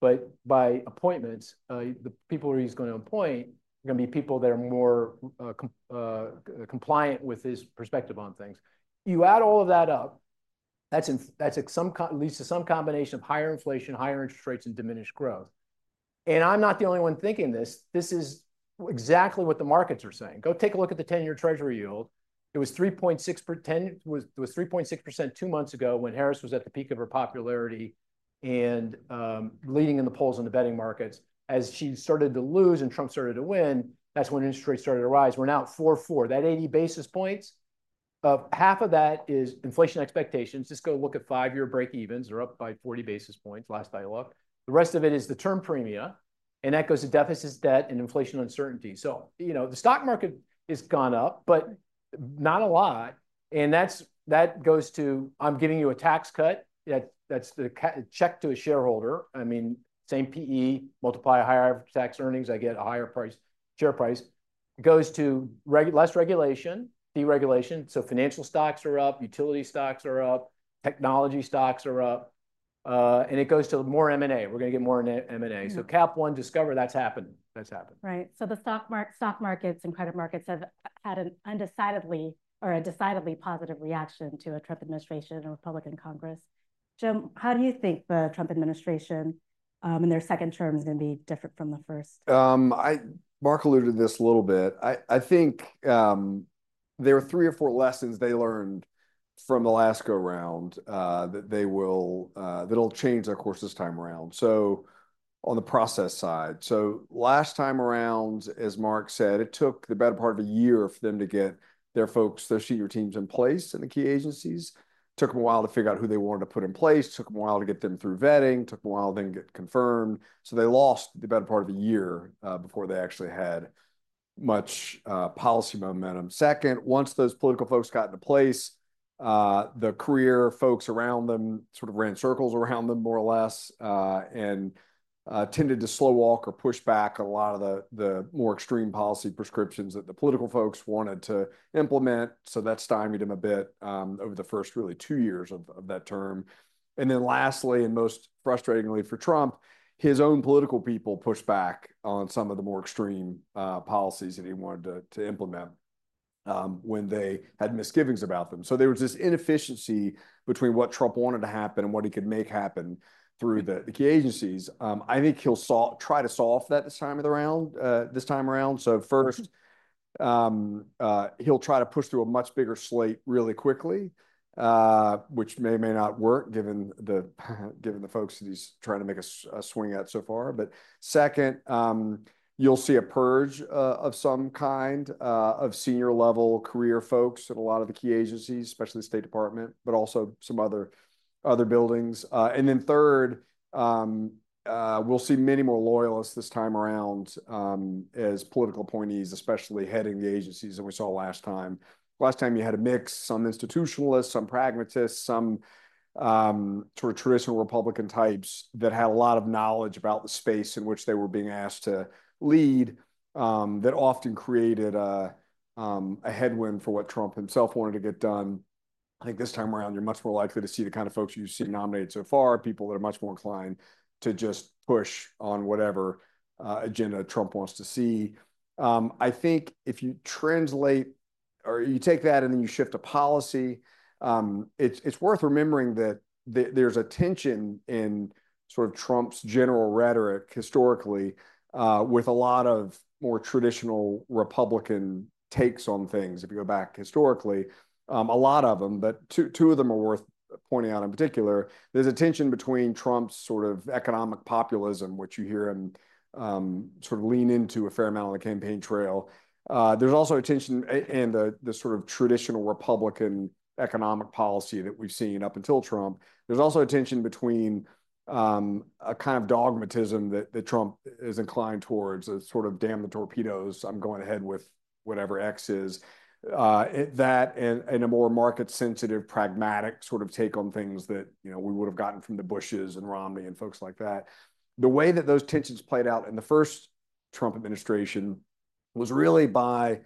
[SPEAKER 11] But by appointments, the people he's going to appoint are going to be people that are more compliant with his perspective on things. You add all of that up, that's at least some combination of higher inflation, higher interest rates, and diminished growth. And I'm not the only one thinking this. This is exactly what the markets are saying. Go take a look at the 10-year Treasury yield. It was 3.6% two months ago when Harris was at the peak of her popularity and leading in the polls in the betting markets. As she started to lose and Trump started to win, that's when interest rates started to rise. We're now at 4.4. That 80 basis points, half of that is inflation expectations. Just go look at five-year breakevens. They're up by 40 basis points last I looked. The rest of it is the term premia. And that goes to deficits, debt, and inflation uncertainty. So the stock market has gone up, but not a lot. And that goes to, "I'm giving you a tax cut." That's the check to a shareholder. I mean, same PE, multiply higher average tax earnings. I get a higher share price. It goes to less regulation, deregulation. So financial stocks are up, utility stocks are up, technology stocks are up. It goes to more M&A. We're going to get more M&A. So Capital One Discover, that's happening. That's happening.
[SPEAKER 10] Right. So the stock markets and credit markets have had a decidedly positive reaction to a Trump administration and Republican Congress. Jim, how do you think the Trump administration and their second term is going to be different from the first?
[SPEAKER 12] Mark alluded to this a little bit. I think there were three or four lessons they learned from the last go around that they will change their course this time around. So on the process side, so last time around, as Mark said, it took the better part of a year for them to get their folks, their senior teams in place in the key agencies. It took them a while to figure out who they wanted to put in place. Took them a while to get them through vetting. Took them a while then get confirmed. So they lost the better part of a year before they actually had much policy momentum. Second, once those political folks got into place, the career folks around them sort of ran circles around them more or less and tended to slow walk or push back a lot of the more extreme policy prescriptions that the political folks wanted to implement. So that stymied them a bit over the first really two years of that term. Then lastly, and most frustratingly for Trump, his own political people pushed back on some of the more extreme policies that he wanted to implement when they had misgivings about them. So there was this inefficiency between what Trump wanted to happen and what he could make happen through the key agencies. I think he'll try to solve that this time around. So first, he'll try to push through a much bigger slate really quickly, which may or may not work given the folks that he's trying to make a swing at so far. But second, you'll see a purge of some kind of senior-level career folks at a lot of the key agencies, especially the State Department, but also some other buildings. And then third, we'll see many more loyalists this time around as political appointees, especially heading the agencies that we saw last time. Last time, you had a mix, some institutionalists, some pragmatists, some sort of traditional Republican types that had a lot of knowledge about the space in which they were being asked to lead that often created a headwind for what Trump himself wanted to get done. I think this time around, you're much more likely to see the kind of folks you've seen nominated so far, people that are much more inclined to just push on whatever agenda Trump wants to see. I think if you translate or you take that and then you shift to policy, it's worth remembering that there's a tension in sort of Trump's general rhetoric historically with a lot of more traditional Republican takes on things. If you go back historically, a lot of them, but two of them are worth pointing out in particular. There's a tension between Trump's sort of economic populism, which you hear him sort of lean into a fair amount on the campaign trail. There's also a tension in the sort of traditional Republican economic policy that we've seen up until Trump. There's also a tension between a kind of dogmatism that Trump is inclined towards, a sort of, "Damn the torpedoes. I'm going ahead with whatever X is," and a more market-sensitive, pragmatic sort of take on things that we would have gotten from the Bushes and Romney and folks like that. The way that those tensions played out in the first Trump administration was really by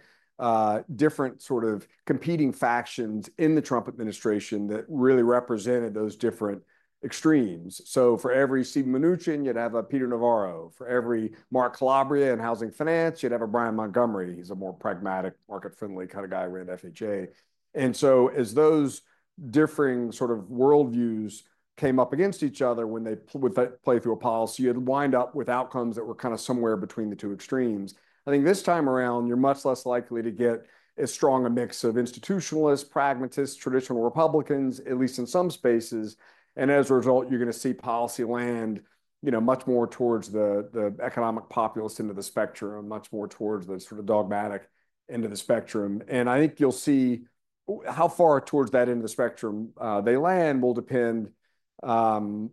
[SPEAKER 12] different sort of competing factions in the Trump administration that really represented those different extremes. So for every Steve Mnuchin, you'd have a Peter Navarro. For every Mark Calabria in housing finance, you'd have a Brian Montgomery. He's a more pragmatic, market-friendly kind of guy around FHA. And so as those differing sort of worldviews came up against each other when they would play through a policy, you'd wind up with outcomes that were kind of somewhere between the two extremes. I think this time around, you're much less likely to get as strong a mix of institutionalists, pragmatists, traditional Republicans, at least in some spaces, and as a result, you're going to see policy land much more towards the economic populist end of the spectrum, much more towards the sort of dogmatic end of the spectrum, and I think you'll see how far towards that end of the spectrum they land will depend on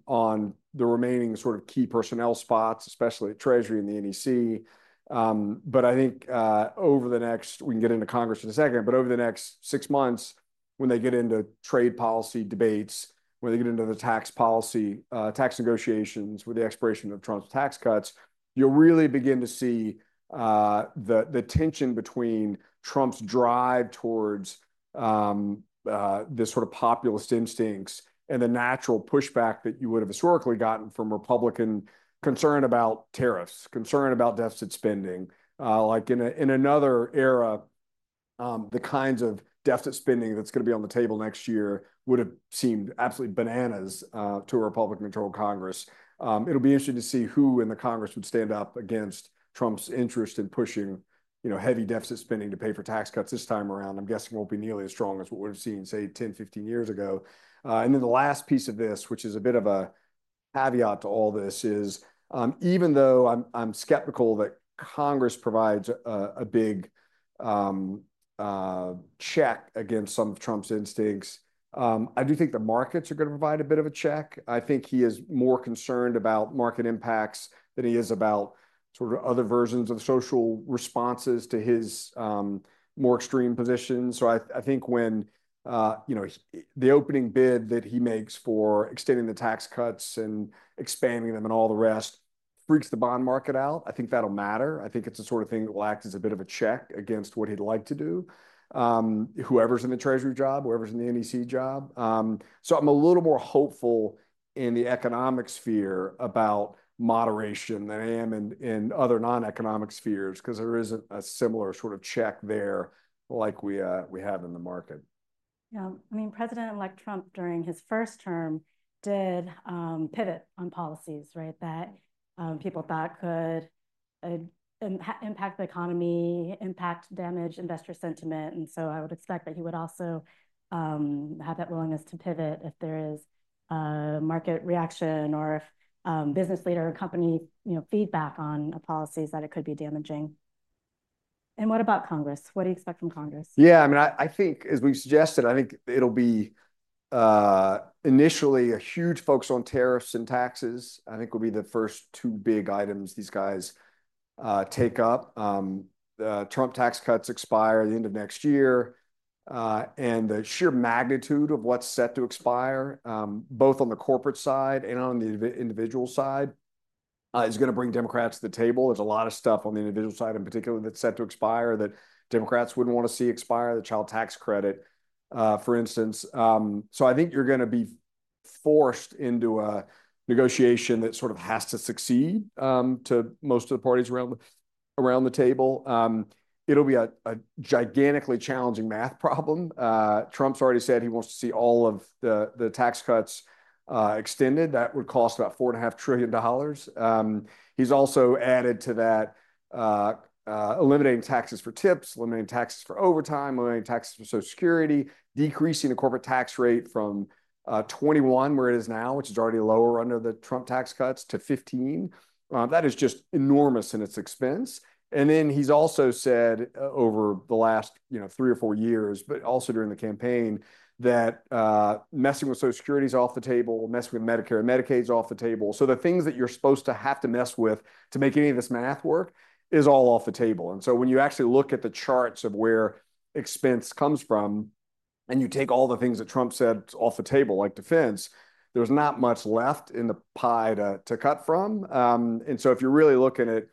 [SPEAKER 12] the remaining sort of key personnel spots, especially at Treasury and the NEC. But I think over the next, we can get into Congress in a second, but over the next six months, when they get into trade policy debates, when they get into the tax negotiations with the expiration of Trump's tax cuts, you'll really begin to see the tension between Trump's drive towards this sort of populist instincts and the natural pushback that you would have historically gotten from Republican concern about tariffs, concern about deficit spending. Like in another era, the kinds of deficit spending that's going to be on the table next year would have seemed absolutely bananas to a Republican-controlled Congress. It'll be interesting to see who in the Congress would stand up against Trump's interest in pushing heavy deficit spending to pay for tax cuts this time around. I'm guessing won't be nearly as strong as what we've seen, say, 10, 15 years ago. And then the last piece of this, which is a bit of a caveat to all this, is even though I'm skeptical that Congress provides a big check against some of Trump's instincts, I do think the markets are going to provide a bit of a check. I think he is more concerned about market impacts than he is about sort of other versions of social responses to his more extreme positions. So I think when the opening bid that he makes for extending the tax cuts and expanding them and all the rest freaks the bond market out, I think that'll matter. I think it's the sort of thing that will act as a bit of a check against what he'd like to do, whoever's in the Treasury job, whoever's in the NEC job. So, I'm a little more hopeful in the economic sphere about moderation than I am in other non-economic spheres because there isn't a similar sort of check there like we have in the market.
[SPEAKER 10] Yeah. I mean, President-elect Trump during his first term did pivot on policies, right, that people thought could impact the economy, damage investor sentiment. And so I would expect that he would also have that willingness to pivot if there is market reaction or if business leader or company feedback on policies that it could be damaging. And what about Congress? What do you expect from Congress?
[SPEAKER 12] Yeah. I mean, I think, as we suggested, it'll be initially a huge focus on tariffs and taxes. I think will be the first two big items these guys take up. Trump tax cuts expire at the end of next year. The sheer magnitude of what's set to expire, both on the corporate side and on the individual side, is going to bring Democrats to the table. There's a lot of stuff on the individual side in particular that's set to expire that Democrats wouldn't want to see expire, the child tax credit, for instance. So I think you're going to be forced into a negotiation that sort of has to succeed to most of the parties around the table. It'll be a gigantically challenging math problem. Trump's already said he wants to see all of the tax cuts extended. That would cost about $4.5 trillion. He's also added to that eliminating taxes for tips, eliminating taxes for overtime, eliminating taxes for Social Security, decreasing the corporate tax rate from 21%, where it is now, which is already lower under the Trump tax cuts, to 15%. That is just enormous in its expense. And then he's also said over the last three or four years, but also during the campaign, that messing with Social Security is off the table, messing with Medicare and Medicaid is off the table. So the things that you're supposed to have to mess with to make any of this math work is all off the table. And so when you actually look at the charts of where expense comes from and you take all the things that Trump said off the table, like defense, there's not much left in the pie to cut from. And so if you're really looking at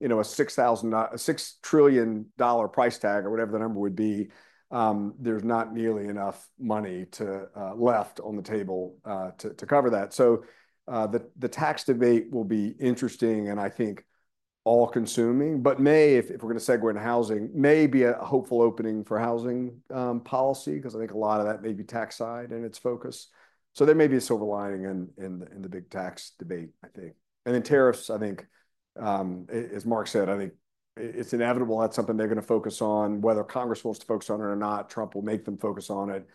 [SPEAKER 12] a $6 trillion price tag or whatever the number would be, there's not nearly enough money left on the table to cover that. The tax debate will be interesting and I think all-consuming, but may, if we're going to segue into housing, may be a hopeful opening for housing policy because I think a lot of that may be tax side in its focus. There may be a silver lining in the big tax debate, I think. Then tariffs, I think, as Mark said, I think it's inevitable. That's something they're going to focus on, whether Congress wants to focus on it or not. Trump will make them focus on it.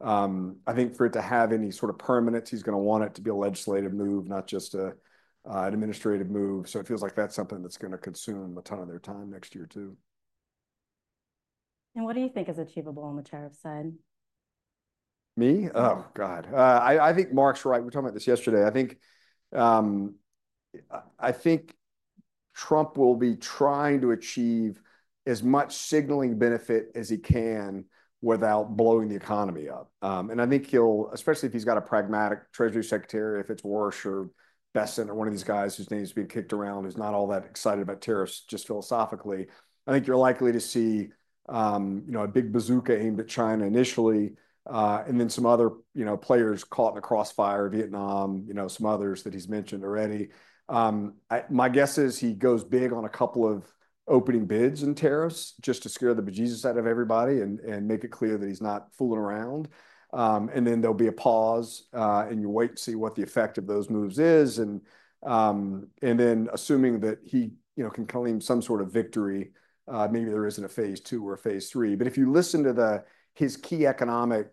[SPEAKER 12] I think for it to have any sort of permanence, he's going to want it to be a legislative move, not just an administrative move. It feels like that's something that's going to consume a ton of their time next year too.
[SPEAKER 10] What do you think is achievable on the tariff side?
[SPEAKER 12] Me? Oh, God. I think Mark's right. We were talking about this yesterday. I think Trump will be trying to achieve as much signaling benefit as he can without blowing the economy up, and I think he'll, especially if he's got a pragmatic Treasury Secretary, if it's Warsh or Bessent or one of these guys whose name is being kicked around, who's not all that excited about tariffs just philosophically, I think you're likely to see a big bazooka aimed at China initially and then some other players caught in the crossfire, Vietnam, some others that he's mentioned already. My guess is he goes big on a couple of opening bids in tariffs just to scare the bejesus out of everybody and make it clear that he's not fooling around, and then there'll be a pause, and you wait and see what the effect of those moves is. And then assuming that he can claim some sort of victory, maybe there isn't a phase two or a phase three. But if you listen to his key economic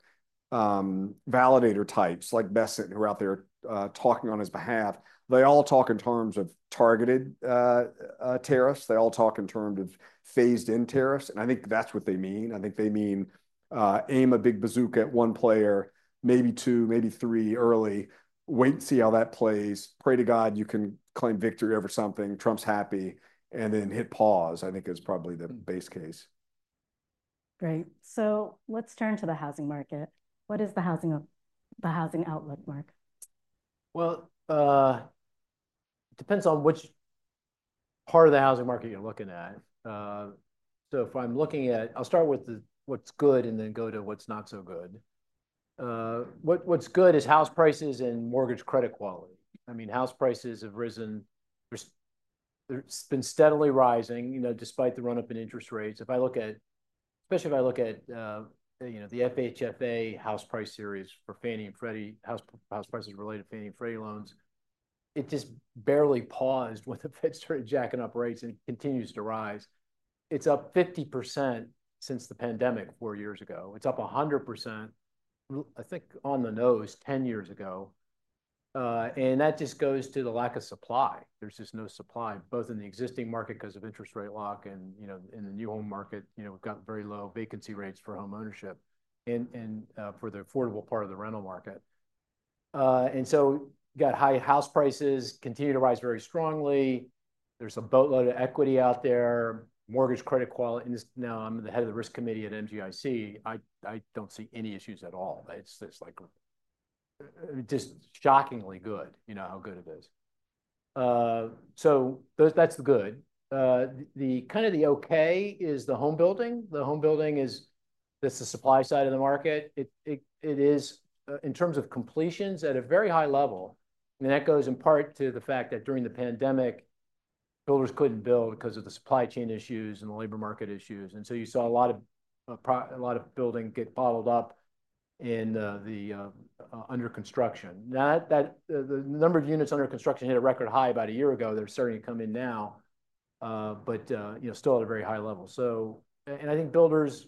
[SPEAKER 12] validator types like Bessent, who are out there talking on his behalf, they all talk in terms of targeted tariffs. They all talk in terms of phased-in tariffs. And I think that's what they mean. I think they mean aim a big bazooka at one player, maybe two, maybe three early, wait and see how that plays. Pray to God you can claim victory over something. Trump's happy. And then hit pause, I think, is probably the base case.
[SPEAKER 10] Great. So let's turn to the housing market. What is the housing outlook, Mark?
[SPEAKER 11] Well, it depends on which part of the housing market you're looking at. So if I'm looking at, I'll start with what's good and then go to what's not so good. What's good is house prices and mortgage credit quality. I mean, house prices have risen. They've been steadily rising despite the run-up in interest rates. If I look at, especially if I look at the FHFA house price series for Fannie and Freddie, house prices related to Fannie and Freddie loans, it just barely paused when the Fed started jacking up rates and continues to rise. It's up 50% since the pandemic four years ago. It's up 100%, I think, on the nose 10 years ago. And that just goes to the lack of supply. There's just no supply, both in the existing market because of interest rate lock and in the new home market. We've got very low vacancy rates for homeownership and for the affordable part of the rental market. You've got high house prices continue to rise very strongly. There's a boatload of equity out there. Mortgage credit quality. Now, I'm the head of the risk committee at MGIC. I don't see any issues at all. It's just shockingly good, you know how good it is. That's the good. Kind of the okay is the home building. The home building is, that's the supply side of the market. It is, in terms of completions, at a very high level. That goes in part to the fact that during the pandemic, builders couldn't build because of the supply chain issues and the labor market issues. You saw a lot of building get bottled up and under construction. The number of units under construction hit a record high about a year ago. They're starting to come in now, but still at a very high level. I think builders,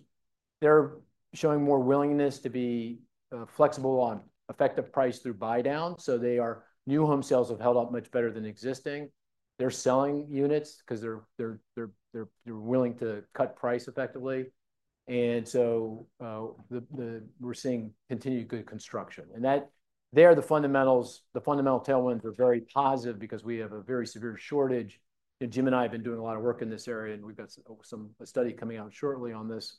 [SPEAKER 11] they're showing more willingness to be flexible on effective price through buydown. So new home sales have held up much better than existing. They're selling units because they're willing to cut price effectively. And so we're seeing continued good construction. And they are the fundamentals. The fundamental tailwinds are very positive because we have a very severe shortage. Jim and I have been doing a lot of work in this area, and we've got a study coming out shortly on this.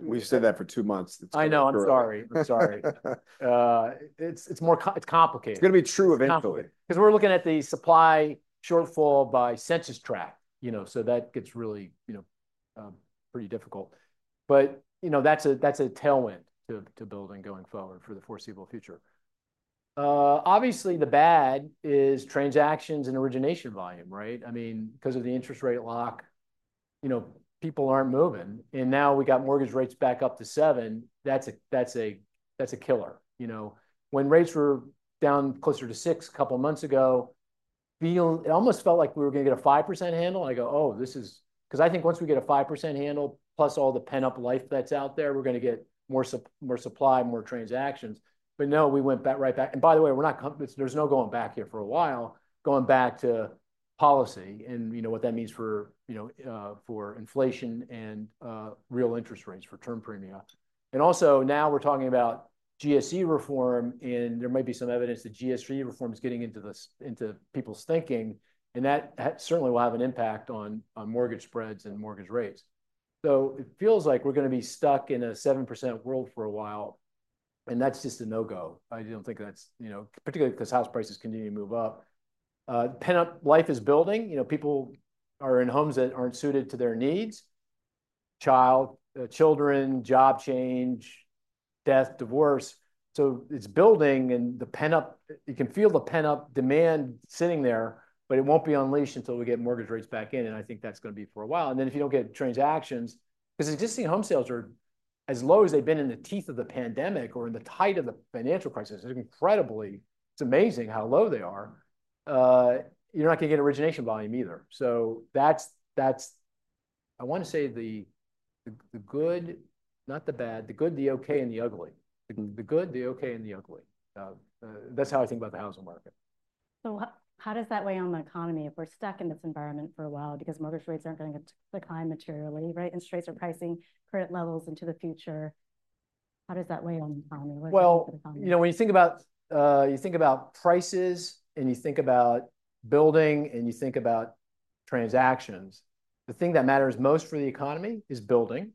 [SPEAKER 11] We've said that for two months. I know. I'm sorry. I'm sorry. It's complicated. It's going to be true, eventually. Because we're looking at the supply shortfall by census tract. So that gets really pretty difficult. But that's a tailwind to building going forward for the foreseeable future. Obviously, the bad is transactions and origination volume, right? I mean, because of the interest rate lock, people aren't moving. And now we got mortgage rates back up to seven. That's a killer. When rates were down closer to six a couple of months ago, it almost felt like we were going to get a 5% handle. I go, "Oh, this is..." Because I think once we get a 5% handle, plus all the pent-up life that's out there, we're going to get more supply, more transactions. But no, we went right back. And by the way, there's no going back here for a while, going back to policy and what that means for inflation and real interest rates for term premia. And also now we're talking about GSE reform, and there may be some evidence that GSE reform is getting into people's thinking, and that certainly will have an impact on mortgage spreads and mortgage rates. It feels like we're going to be stuck in a 7% world for a while, and that's just a no-go. I don't think that's particularly because house prices continue to move up. Pent-up life is building. People are in homes that aren't suited to their needs: child, children, job change, death, divorce. It's building, and you can feel the pent-up demand sitting there, but it won't be unleashed until we get mortgage rates back in. I think that's going to be for a while. Then if you don't get transactions, because existing home sales are as low as they've been in the teeth of the pandemic or in the tide of the financial crisis, it's incredibly. It's amazing how low they are. You're not going to get origination volume either. I want to say the good, not the bad, the good, the okay, and the ugly. The good, the okay, and the ugly. That's how I think about the housing market.
[SPEAKER 10] So how does that weigh on the economy if we're stuck in this environment for a while because mortgage rates aren't going to decline materially, right? Interest rates are pricing credit levels into the future. How does that weigh on the economy?
[SPEAKER 11] Well, when you think about prices and you think about building and you think about transactions, the thing that matters most for the economy is building.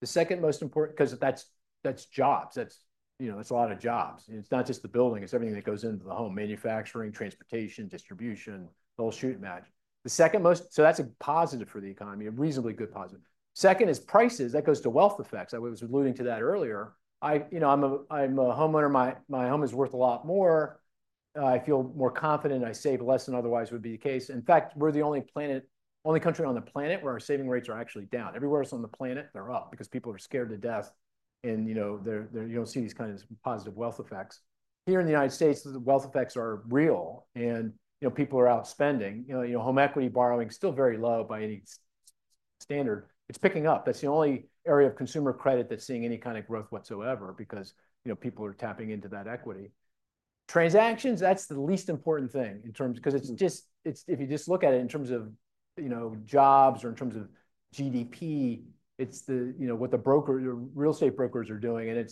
[SPEAKER 11] The second most important, because that's jobs. That's a lot of jobs. It's not just the building. It's everything that goes into the home: manufacturing, transportation, distribution, the whole shooting match. So that's a positive for the economy, a reasonably good positive. Second is prices. That goes to wealth effects. I was alluding to that earlier. I'm a homeowner. My home is worth a lot more. I feel more confident. I save less than otherwise would be the case. In fact, we're the only country on the planet where our saving rates are actually down. Everywhere else on the planet, they're up because people are scared to death. And you don't see these kinds of positive wealth effects. Here in the United States, the wealth effects are real. And people are out spending. Home equity borrowing is still very low by any standard. It's picking up. That's the only area of consumer credit that's seeing any kind of growth whatsoever because people are tapping into that equity. Transactions, that's the least important thing in terms of, because if you just look at it in terms of jobs or in terms of GDP, it's what the real estate brokers are doing. I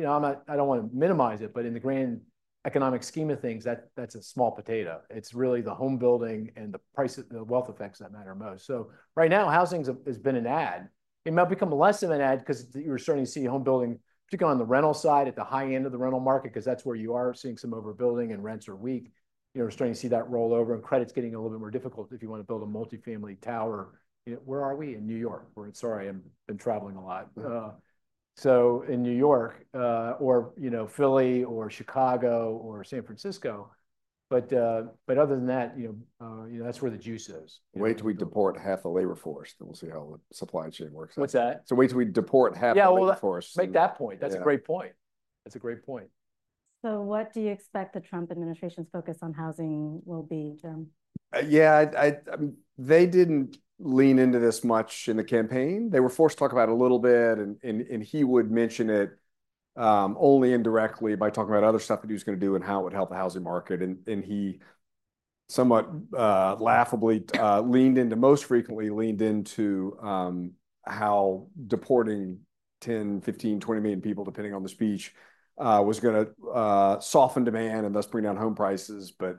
[SPEAKER 11] don't want to minimize it, but in the grand economic scheme of things, that's a small potato. It's really the home building and the wealth effects that matter most. Right now, housing has been a drag. It might become less of a drag because you're starting to see home building, particularly on the rental side, at the high end of the rental market because that's where you are seeing some overbuilding and rents are weak. We're starting to see that roll over and credits getting a little bit more difficult if you want to build a multifamily tower. Where are we? In New York. Sorry, I've been traveling a lot. In New York or Philly or Chicago or San Francisco. But other than that, that's where the juice is.
[SPEAKER 12] Wait till we deport half the labor force. Then we'll see how the supply chain works out. What's that? So wait till we deport half the labor force.
[SPEAKER 11] Yeah, well, make that point. That's a great point. That's a great point.
[SPEAKER 10] So what do you expect the Trump administration's focus on housing will be, Jim?
[SPEAKER 12] Yeah, they didn't lean into this much in the campaign. They were forced to talk about it a little bit, and he would mention it only indirectly by talking about other stuff that he was going to do and how it would help the housing market, and he somewhat laughably leaned into, most frequently leaned into how deporting 10, 15, 20 million people, depending on the speech, was going to soften demand and thus bring down home prices. But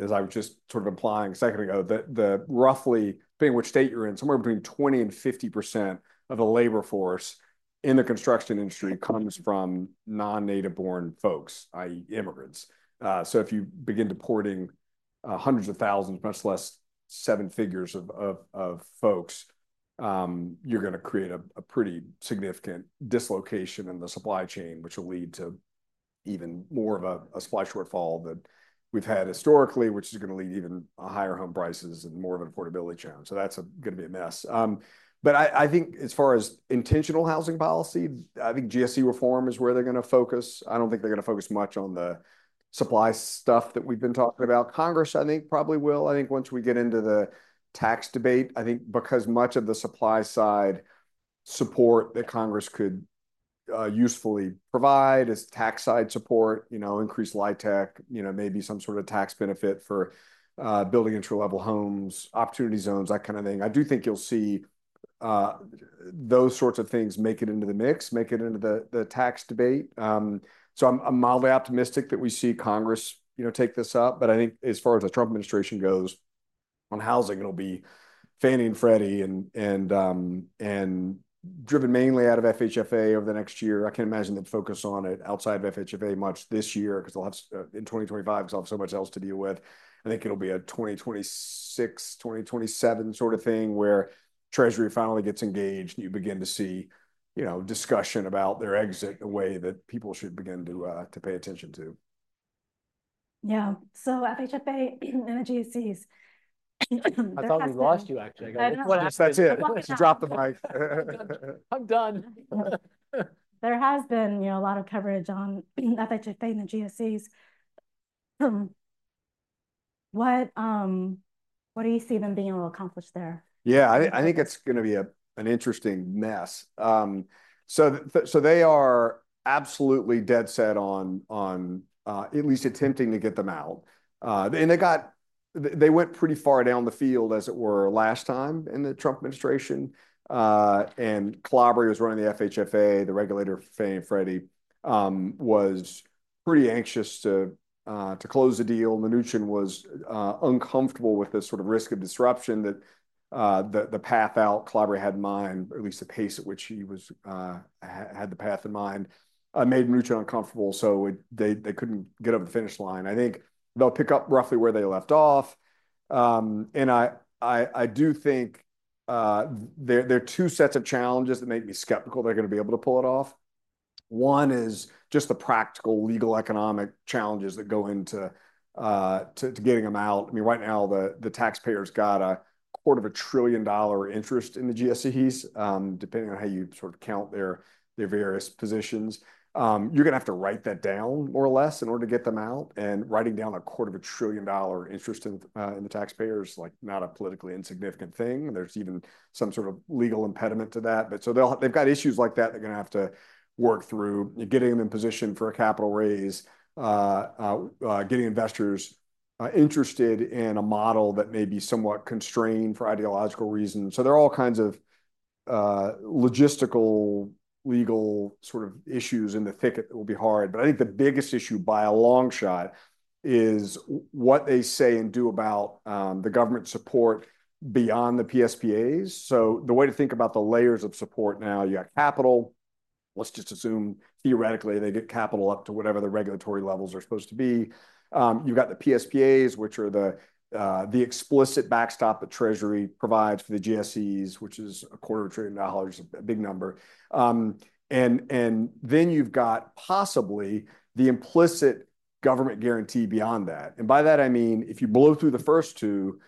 [SPEAKER 12] as I was just sort of implying a second ago, the rough percentage being which state you're in, somewhere between 20%-50% of the labor force in the construction industry comes from non-native-born folks, i.e., immigrants. So if you begin deporting hundreds of thousands, much less seven figures of folks, you're going to create a pretty significant dislocation in the supply chain, which will lead to even more of a supply shortfall that we've had historically, which is going to lead to even higher home prices and more of an affordability challenge. So that's going to be a mess. But I think as far as intentional housing policy, I think GSE reform is where they're going to focus. I don't think they're going to focus much on the supply stuff that we've been talking about. Congress, I think, probably will. I think once we get into the tax debate, I think because much of the supply side support that Congress could usefully provide is tax side support, increased LIHTC, maybe some sort of tax benefit for building entry-level homes, opportunity zones, that kind of thing. I do think you'll see those sorts of things make it into the mix, make it into the tax debate. So I'm mildly optimistic that we see Congress take this up. But I think as far as the Trump administration goes on housing, it'll be Fannie and Freddie and driven mainly out of FHFA over the next year. I can't imagine them focus on it outside of FHFA much this year because in 2025, because I have so much else to deal with. I think it'll be a 2026, 2027 sort of thing where Treasury finally gets engaged and you begin to see discussion about their exit in a way that people should begin to pay attention to.
[SPEAKER 10] Yeah. So FHFA and the GSEs.
[SPEAKER 11] I thought we lost you, actually.
[SPEAKER 12] That's it. Just dropped the mic.
[SPEAKER 11] I'm done.
[SPEAKER 10] There has been a lot of coverage on FHFA and the GSEs. What do you see them being able to accomplish there?
[SPEAKER 12] Yeah, I think it's going to be an interesting mess. So they are absolutely dead set on at least attempting to get them out. And they went pretty far down the field, as it were, last time in the Trump administration. And Calabria was running the FHFA, the regulator, Fannie and Freddie, was pretty anxious to close the deal. Mnuchin was uncomfortable with this sort of risk of disruption that the path out Calabria had in mind, or at least the pace at which he had the path in mind, made Mnuchin uncomfortable. So they couldn't get over the finish line. I think they'll pick up roughly where they left off. And I do think there are two sets of challenges that make me skeptical they're going to be able to pull it off. One is just the practical legal economic challenges that go into getting them out. I mean, right now, the taxpayer's got a $250 billion interest in the GSEs, depending on how you sort of count their various positions. You're going to have to write that down more or less in order to get them out. Writing down $250 billion interest to the taxpayer is not a politically insignificant thing. There's even some sort of legal impediment to that. But so they've got issues like that they're going to have to work through, getting them in position for a capital raise, getting investors interested in a model that may be somewhat constrained for ideological reasons. So there are all kinds of logistical legal sort of issues in the thicket that will be hard. But I think the biggest issue by a long shot is what they say and do about the government support beyond the PSPAs. So the way to think about the layers of support now, you got capital. Let's just assume theoretically they get capital up to whatever the regulatory levels are supposed to be. You've got the PSPAs, which are the explicit backstop that Treasury provides for the GSEs, which is $250 billion, a big number, and then you've got possibly the implicit government guarantee beyond that, and by that, I mean, if you blow through the first two,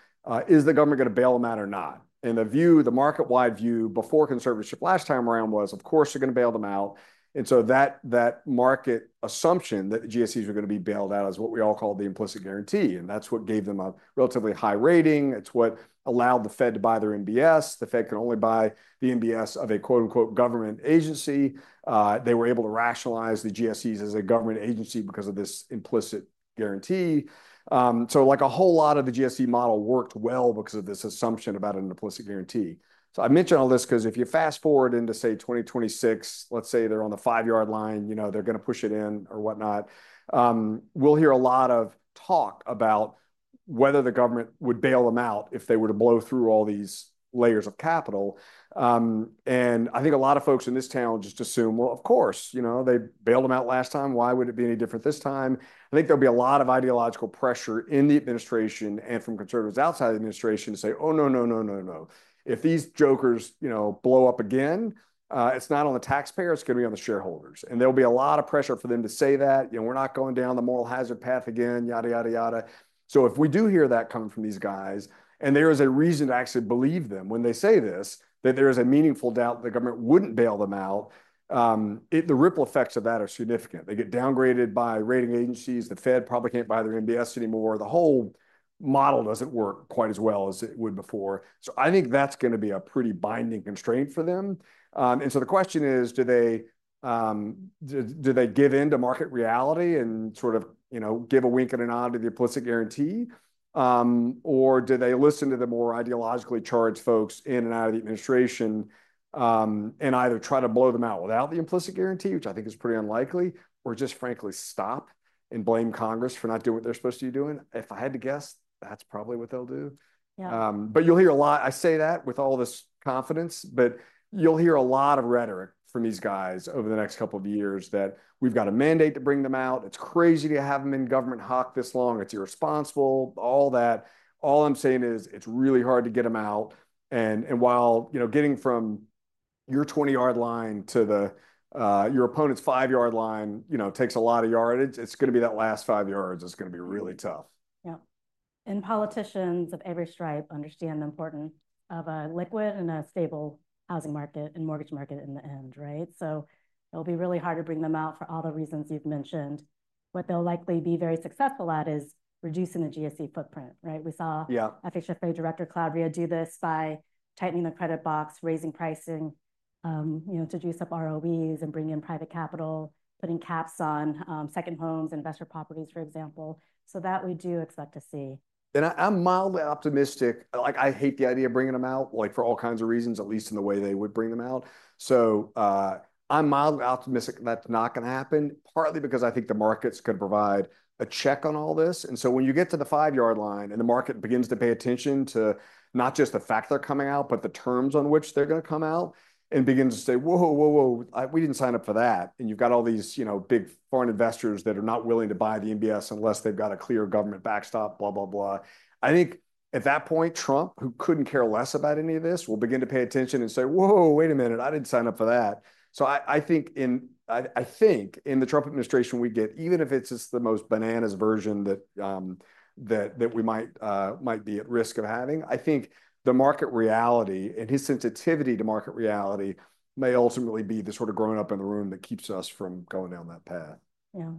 [SPEAKER 12] is the government going to bail them out or not, and the market-wide view before conservatorship last time around was, of course, they're going to bail them out, and so that market assumption that the GSEs are going to be bailed out is what we all call the implicit guarantee, and that's what gave them a relatively high rating. It's what allowed the Fed to buy their MBS. The Fed can only buy the MBS of a quote-unquote government agency. They were able to rationalize the GSEs as a government agency because of this implicit guarantee. So a whole lot of the GSE model worked well because of this assumption about an implicit guarantee. So I mention all this because if you fast forward into, say, 2026, let's say they're on the five-yard line, they're going to push it in or whatnot, we'll hear a lot of talk about whether the government would bail them out if they were to blow through all these layers of capital. And I think a lot of folks in this town just assume, well, of course, they bailed them out last time. Why would it be any different this time? I think there'll be a lot of ideological pressure in the administration and from conservatives outside the administration to say, "Oh, no, no, no, no, no. If these jokers blow up again, it's not on the taxpayer. It's going to be on the shareholders." And there'll be a lot of pressure for them to say that, "We're not going down the moral hazard path again, yada, yada, yada." So if we do hear that coming from these guys, and there is a reason to actually believe them when they say this, that there is a meaningful doubt that the government wouldn't bail them out, the ripple effects of that are significant. They get downgraded by rating agencies. The Fed probably can't buy their MBS anymore. The whole model doesn't work quite as well as it would before. So I think that's going to be a pretty binding constraint for them. And so the question is, do they give in to market reality and sort of give a wink and an eye to the implicit guarantee? Or do they listen to the more ideologically charged folks in and out of the administration and either try to blow them out without the implicit guarantee, which I think is pretty unlikely, or just frankly stop and blame Congress for not doing what they're supposed to be doing? If I had to guess, that's probably what they'll do. But you'll hear a lot. I say that with all this confidence, but you'll hear a lot of rhetoric from these guys over the next couple of years that we've got a mandate to bring them out. It's crazy to have them in government hock this long. It's irresponsible, all that. All I'm saying is it's really hard to get them out. And while getting from your 20-yard line to your opponent's five-yard line takes a lot of yardage, it's going to be that last five yards that's going to be really tough.
[SPEAKER 10] Yeah. Politicians of every stripe understand the importance of a liquid and a stable housing market and mortgage market in the end, right? So it'll be really hard to bring them out for all the reasons you've mentioned. What they'll likely be very successful at is reducing the GSE footprint, right? We saw FHFA Director Calabria do this by tightening the credit box, raising pricing to juice up ROEs and bring in private capital, putting caps on second homes, investor properties, for example. So that we do expect to see.
[SPEAKER 12] I'm mildly optimistic. I hate the idea of bringing them out for all kinds of reasons, at least in the way they would bring them out. So I'm mildly optimistic that's not going to happen, partly because I think the markets could provide a check on all this. And so when you get to the five-yard line and the market begins to pay attention to not just the fact they're coming out, but the terms on which they're going to come out and begin to say, "Whoa, whoa, whoa, we didn't sign up for that." And you've got all these big foreign investors that are not willing to buy the MBS unless they've got a clear government backstop, blah, blah, blah. I think at that point, Trump, who couldn't care less about any of this, will begin to pay attention and say, "Whoa, wait a minute, I didn't sign up for that." So I think in the Trump administration, we get, even if it's just the most bananas version that we might be at risk of having, I think the market reality and his sensitivity to market reality may ultimately be the sort of growing up in the room that keeps us from going down that path.
[SPEAKER 10] Yeah.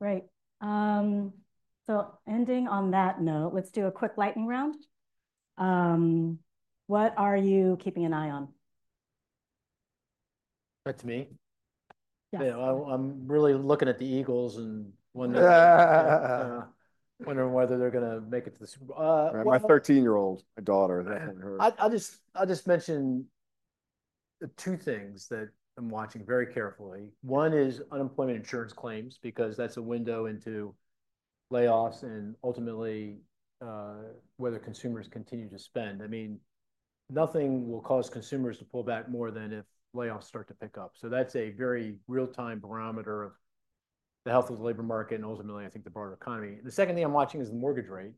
[SPEAKER 10] Right. So ending on that note, let's do a quick lightning round. What are you keeping an eye on?
[SPEAKER 11] Back to me.
[SPEAKER 10] Yeah.
[SPEAKER 11] I'm really looking at the Eagles and wondering whether they're going to make it to the Super Bowl.
[SPEAKER 12] My 13-year-old daughter that
[SPEAKER 11] I just mentioned two things that I'm watching very carefully. One is unemployment insurance claims because that's a window into layoffs and ultimately whether consumers continue to spend. I mean, nothing will cause consumers to pull back more than if layoffs start to pick up. So that's a very real-time barometer of the health of the labor market and ultimately, I think, the broader economy. The second thing I'm watching is the mortgage rate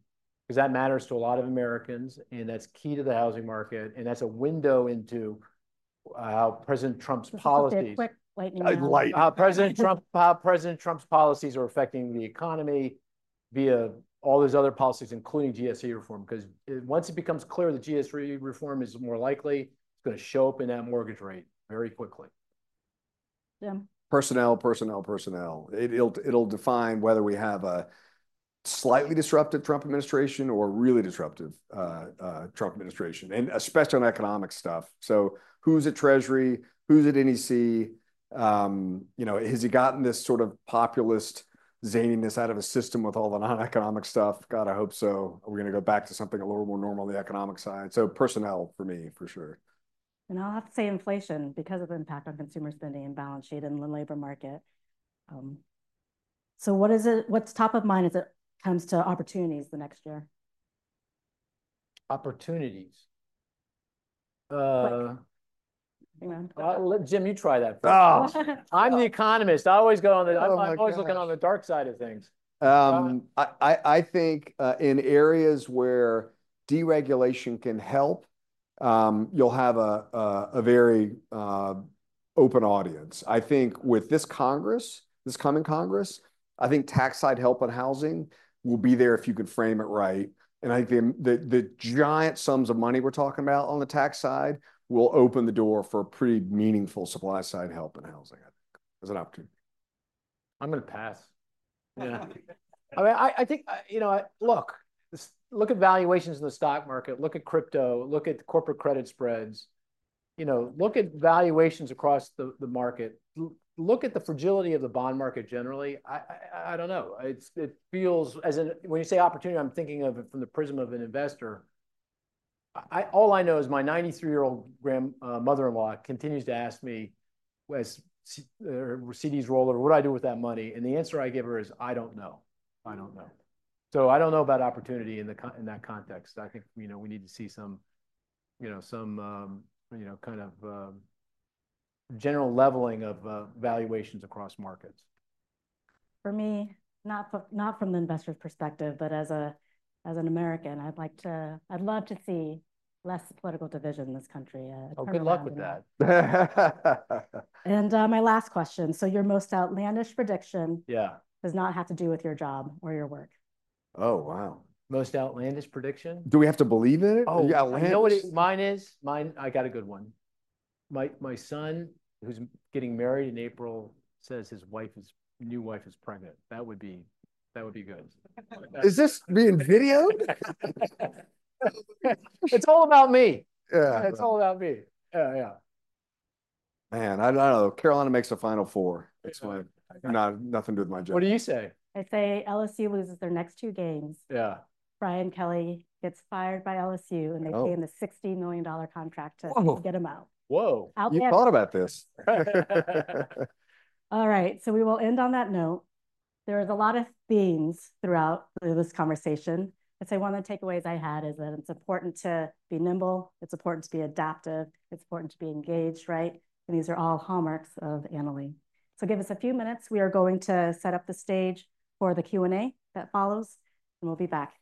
[SPEAKER 11] because that matters to a lot of Americans, and that's key to the housing market. And that's a window into how President Trump's policies are affecting the economy via all those other policies, including GSE reform. Because once it becomes clear that GSE reform is more likely, it's going to show up in that mortgage rate very quickly.
[SPEAKER 12] Personnel, personnel, personnel. It'll define whether we have a slightly disruptive Trump administration or a really disruptive Trump administration, and especially on economic stuff. So who's at Treasury? Who's at NEC? Has he gotten this sort of populist zaniness out of a system with all the non-economic stuff? God, I hope so. Are we going to go back to something a little more normal on the economic side? So personnel for me, for sure.
[SPEAKER 10] And I'll have to say inflation because of the impact on consumer spending and balance sheet and the labor market. So what's top of mind as it comes to opportunities the next year?
[SPEAKER 11] Opportunities. Jim, you try that first. I'm the economist. I always go on the dark side of things.
[SPEAKER 12] I think in areas where deregulation can help, you'll have a very open audience. I think with this coming Congress, I think tax side help on housing will be there if you can frame it right. And I think the giant sums of money we're talking about on the tax side will open the door for pretty meaningful supply side help in housing, I think, as an opportunity.
[SPEAKER 11] I'm going to pass. Yeah. I mean, I think, look, look at valuations in the stock market. Look at crypto. Look at corporate credit spreads. Look at valuations across the market. Look at the fragility of the bond market generally. I don't know. When you say opportunity, I'm thinking of it from the prism of an investor. All I know is my 93-year-old mother-in-law continues to ask me, "What's CD's role? Or what do I do with that money?" And the answer I give her is, "I don't know. I don't know." So I don't know about opportunity in that context. I think we need to see some kind of general leveling of valuations across markets.
[SPEAKER 10] For me, not from the investor's perspective, but as an American, I'd love to see less political division in this country.
[SPEAKER 11] Oh, good luck with that.
[SPEAKER 10] And my last question. So your most outlandish prediction does not have to do with your job or your work.
[SPEAKER 12] Oh, wow. Most outlandish prediction? Do we have to believe in it? Oh, yeah.
[SPEAKER 11] You know what mine is? I got a good one. My son, who's getting married in April, says his new wife is pregnant. That would be good.
[SPEAKER 12] Is this being videoed?
[SPEAKER 11] It's all about me. It's all about me.
[SPEAKER 12] Yeah, yeah. Man, I don't know. Carolina makes the Final Four. Nothing to do with my job.
[SPEAKER 11] What do you say?
[SPEAKER 10] I'd say LSU loses their next two games. Yeah. Brian Kelly gets fired by LSU, and they pay him the $60 million contract to get him out. Whoa.
[SPEAKER 11] You thought about this.
[SPEAKER 10] All right. So we will end on that note. There were a lot of themes throughout this conversation. I'd say one of the takeaways I had is that it's important to be nimble. It's important to be adaptive. It's important to be engaged, right? And these are all hallmarks of analyzing. So give us a few minutes. We are going to set up the stage for the Q&A that follows, and we'll be back.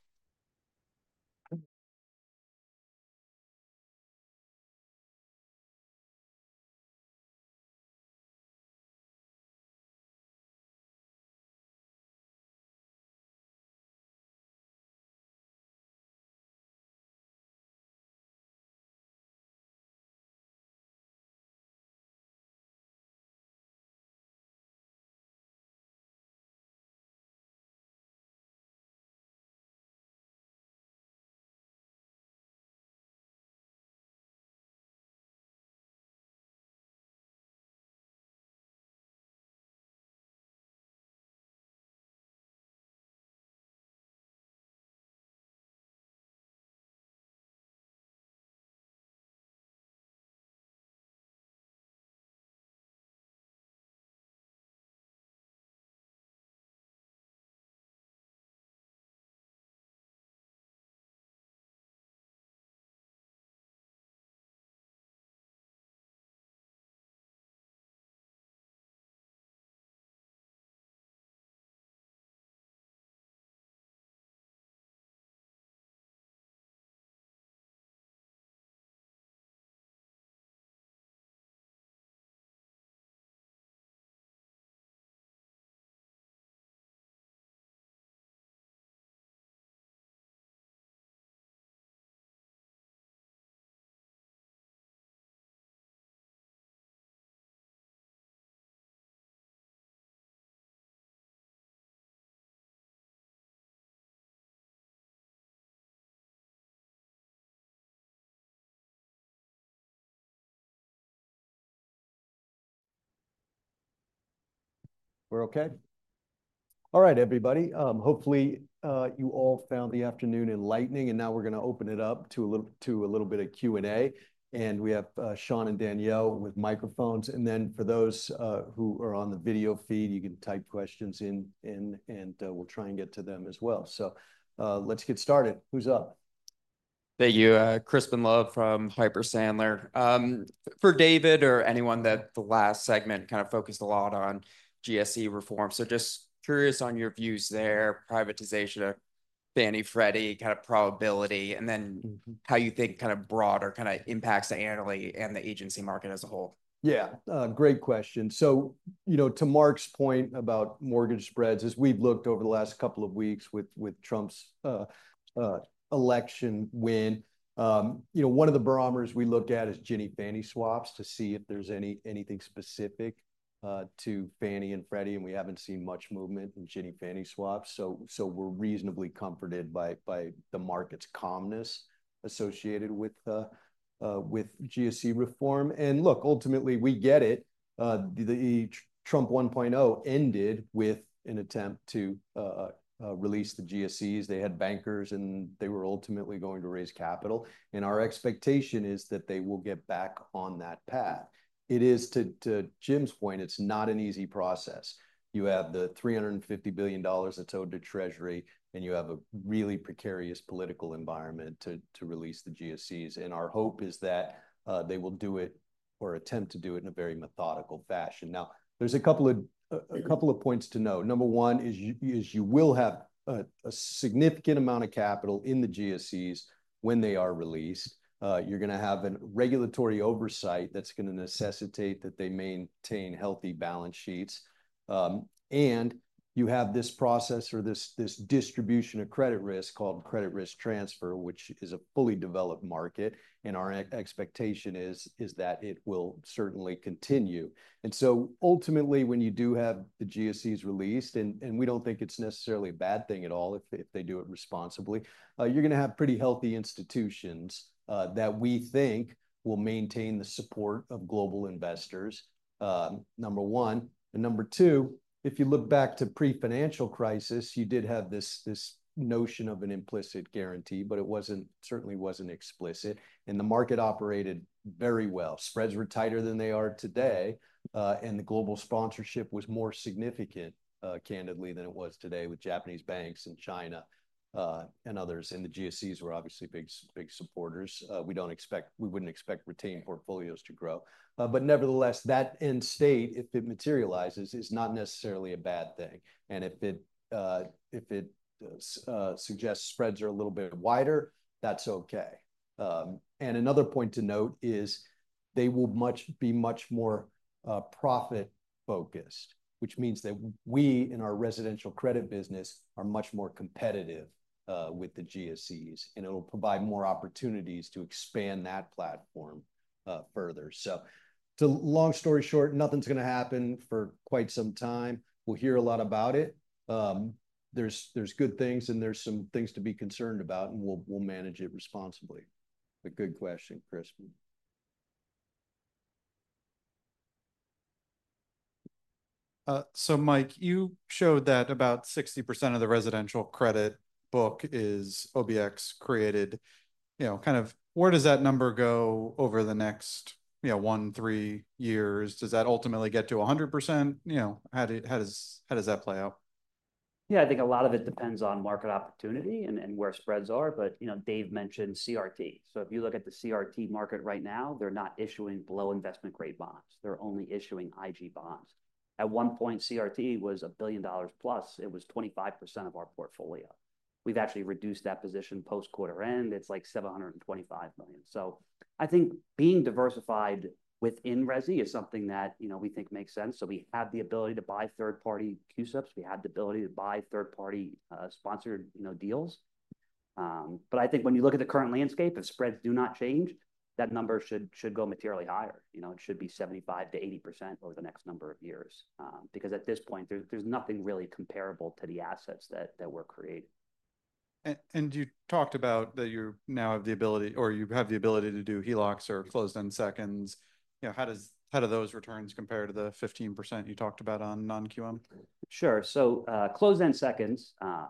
[SPEAKER 10] We're okay?
[SPEAKER 12] All right, everybody. Hopefully, you all found the afternoon enlightening, and now we're going to open it up to a little bit of Q&A. And we have Sean and Danielle with microphones. And then for those who are on the video feed, you can type questions in, and we'll try and get to them as well. So let's get started. Who's up?
[SPEAKER 13] Thank you. Crispin Love from Piper Sandler. For David or anyone, the last segment kind of focused a lot on GSE reform. Just curious on your views there, privatization, Fannie Freddie, kind of probability, and then how you think kind of broader kind of impacts the Annaly and the agency market as a whole.
[SPEAKER 12] Yeah, great question. To Mark's point about mortgage spreads, as we've looked over the last couple of weeks with Trump's election win, one of the barometers we looked at is Ginnie Fannie swaps to see if there's anything specific to Fannie and Freddie. We haven't seen much movement in Ginnie Fannie swaps. We're reasonably comforted by the market's calmness associated with GSE reform. Look, ultimately, we get it. Trump 1.0 ended with an attempt to release the GSEs. They had bankers, and they were ultimately going to raise capital. Our expectation is that they will get back on that path. It is, to Jim's point, it's not an easy process. You have the $350 billion that's owed to Treasury, and you have a really precarious political environment to release the GSEs, and our hope is that they will do it or attempt to do it in a very methodical fashion. Now, there's a couple of points to note. Number one is you will have a significant amount of capital in the GSEs when they are released. You're going to have a regulatory oversight that's going to necessitate that they maintain healthy balance sheets, and you have this process or this distribution of credit risk called credit risk transfer, which is a fully developed market, and our expectation is that it will certainly continue. And so ultimately, when you do have the GSEs released, and we don't think it's necessarily a bad thing at all if they do it responsibly, you're going to have pretty healthy institutions that we think will maintain the support of global investors, number one. And number two, if you look back to pre-financial crisis, you did have this notion of an implicit guarantee, but it certainly wasn't explicit. And the market operated very well. Spreads were tighter than they are today. And the global sponsorship was more significant, candidly, than it was today with Japanese banks and China and others. And the GSEs were obviously big supporters. We wouldn't expect retained portfolios to grow. But nevertheless, that end state, if it materializes, is not necessarily a bad thing. And if it suggests spreads are a little bit wider, that's okay. Another point to note is they will be much more profit-focused, which means that we in our residential credit business are much more competitive with the GSEs. It'll provide more opportunities to expand that platform further. Long story short, nothing's going to happen for quite some time. We'll hear a lot about it. There's good things, and there's some things to be concerned about, and we'll manage it responsibly. Good question, Crispin.
[SPEAKER 13] Mike, you showed that about 60% of the residential credit book is OBX created. Kind of where does that number go over the next one, three years? Does that ultimately get to 100%? How does that play out?
[SPEAKER 5] Yeah, I think a lot of it depends on market opportunity and where spreads are. Dave mentioned CRT. If you look at the CRT market right now, they're not issuing below investment-grade bonds. They're only issuing IG bonds. At one point, CRT was $1 billion plus. It was 25% of our portfolio. We've actually reduced that position post-quarter end. It's like $725 million. So I think being diversified within RESI is something that we think makes sense. So we have the ability to buy third-party CUSIPs. We have the ability to buy third-party sponsored deals. But I think when you look at the current landscape, if spreads do not change, that number should go materially higher. It should be 75%-80% over the next number of years. Because at this point, there's nothing really comparable to the assets that we're creating.
[SPEAKER 13] And you talked about that you now have the ability, or you have the ability to do HELOCs or closed-end seconds. How do those returns compare to the 15% you talked about on non-QM? Sure.
[SPEAKER 5] Closed-end seconds, a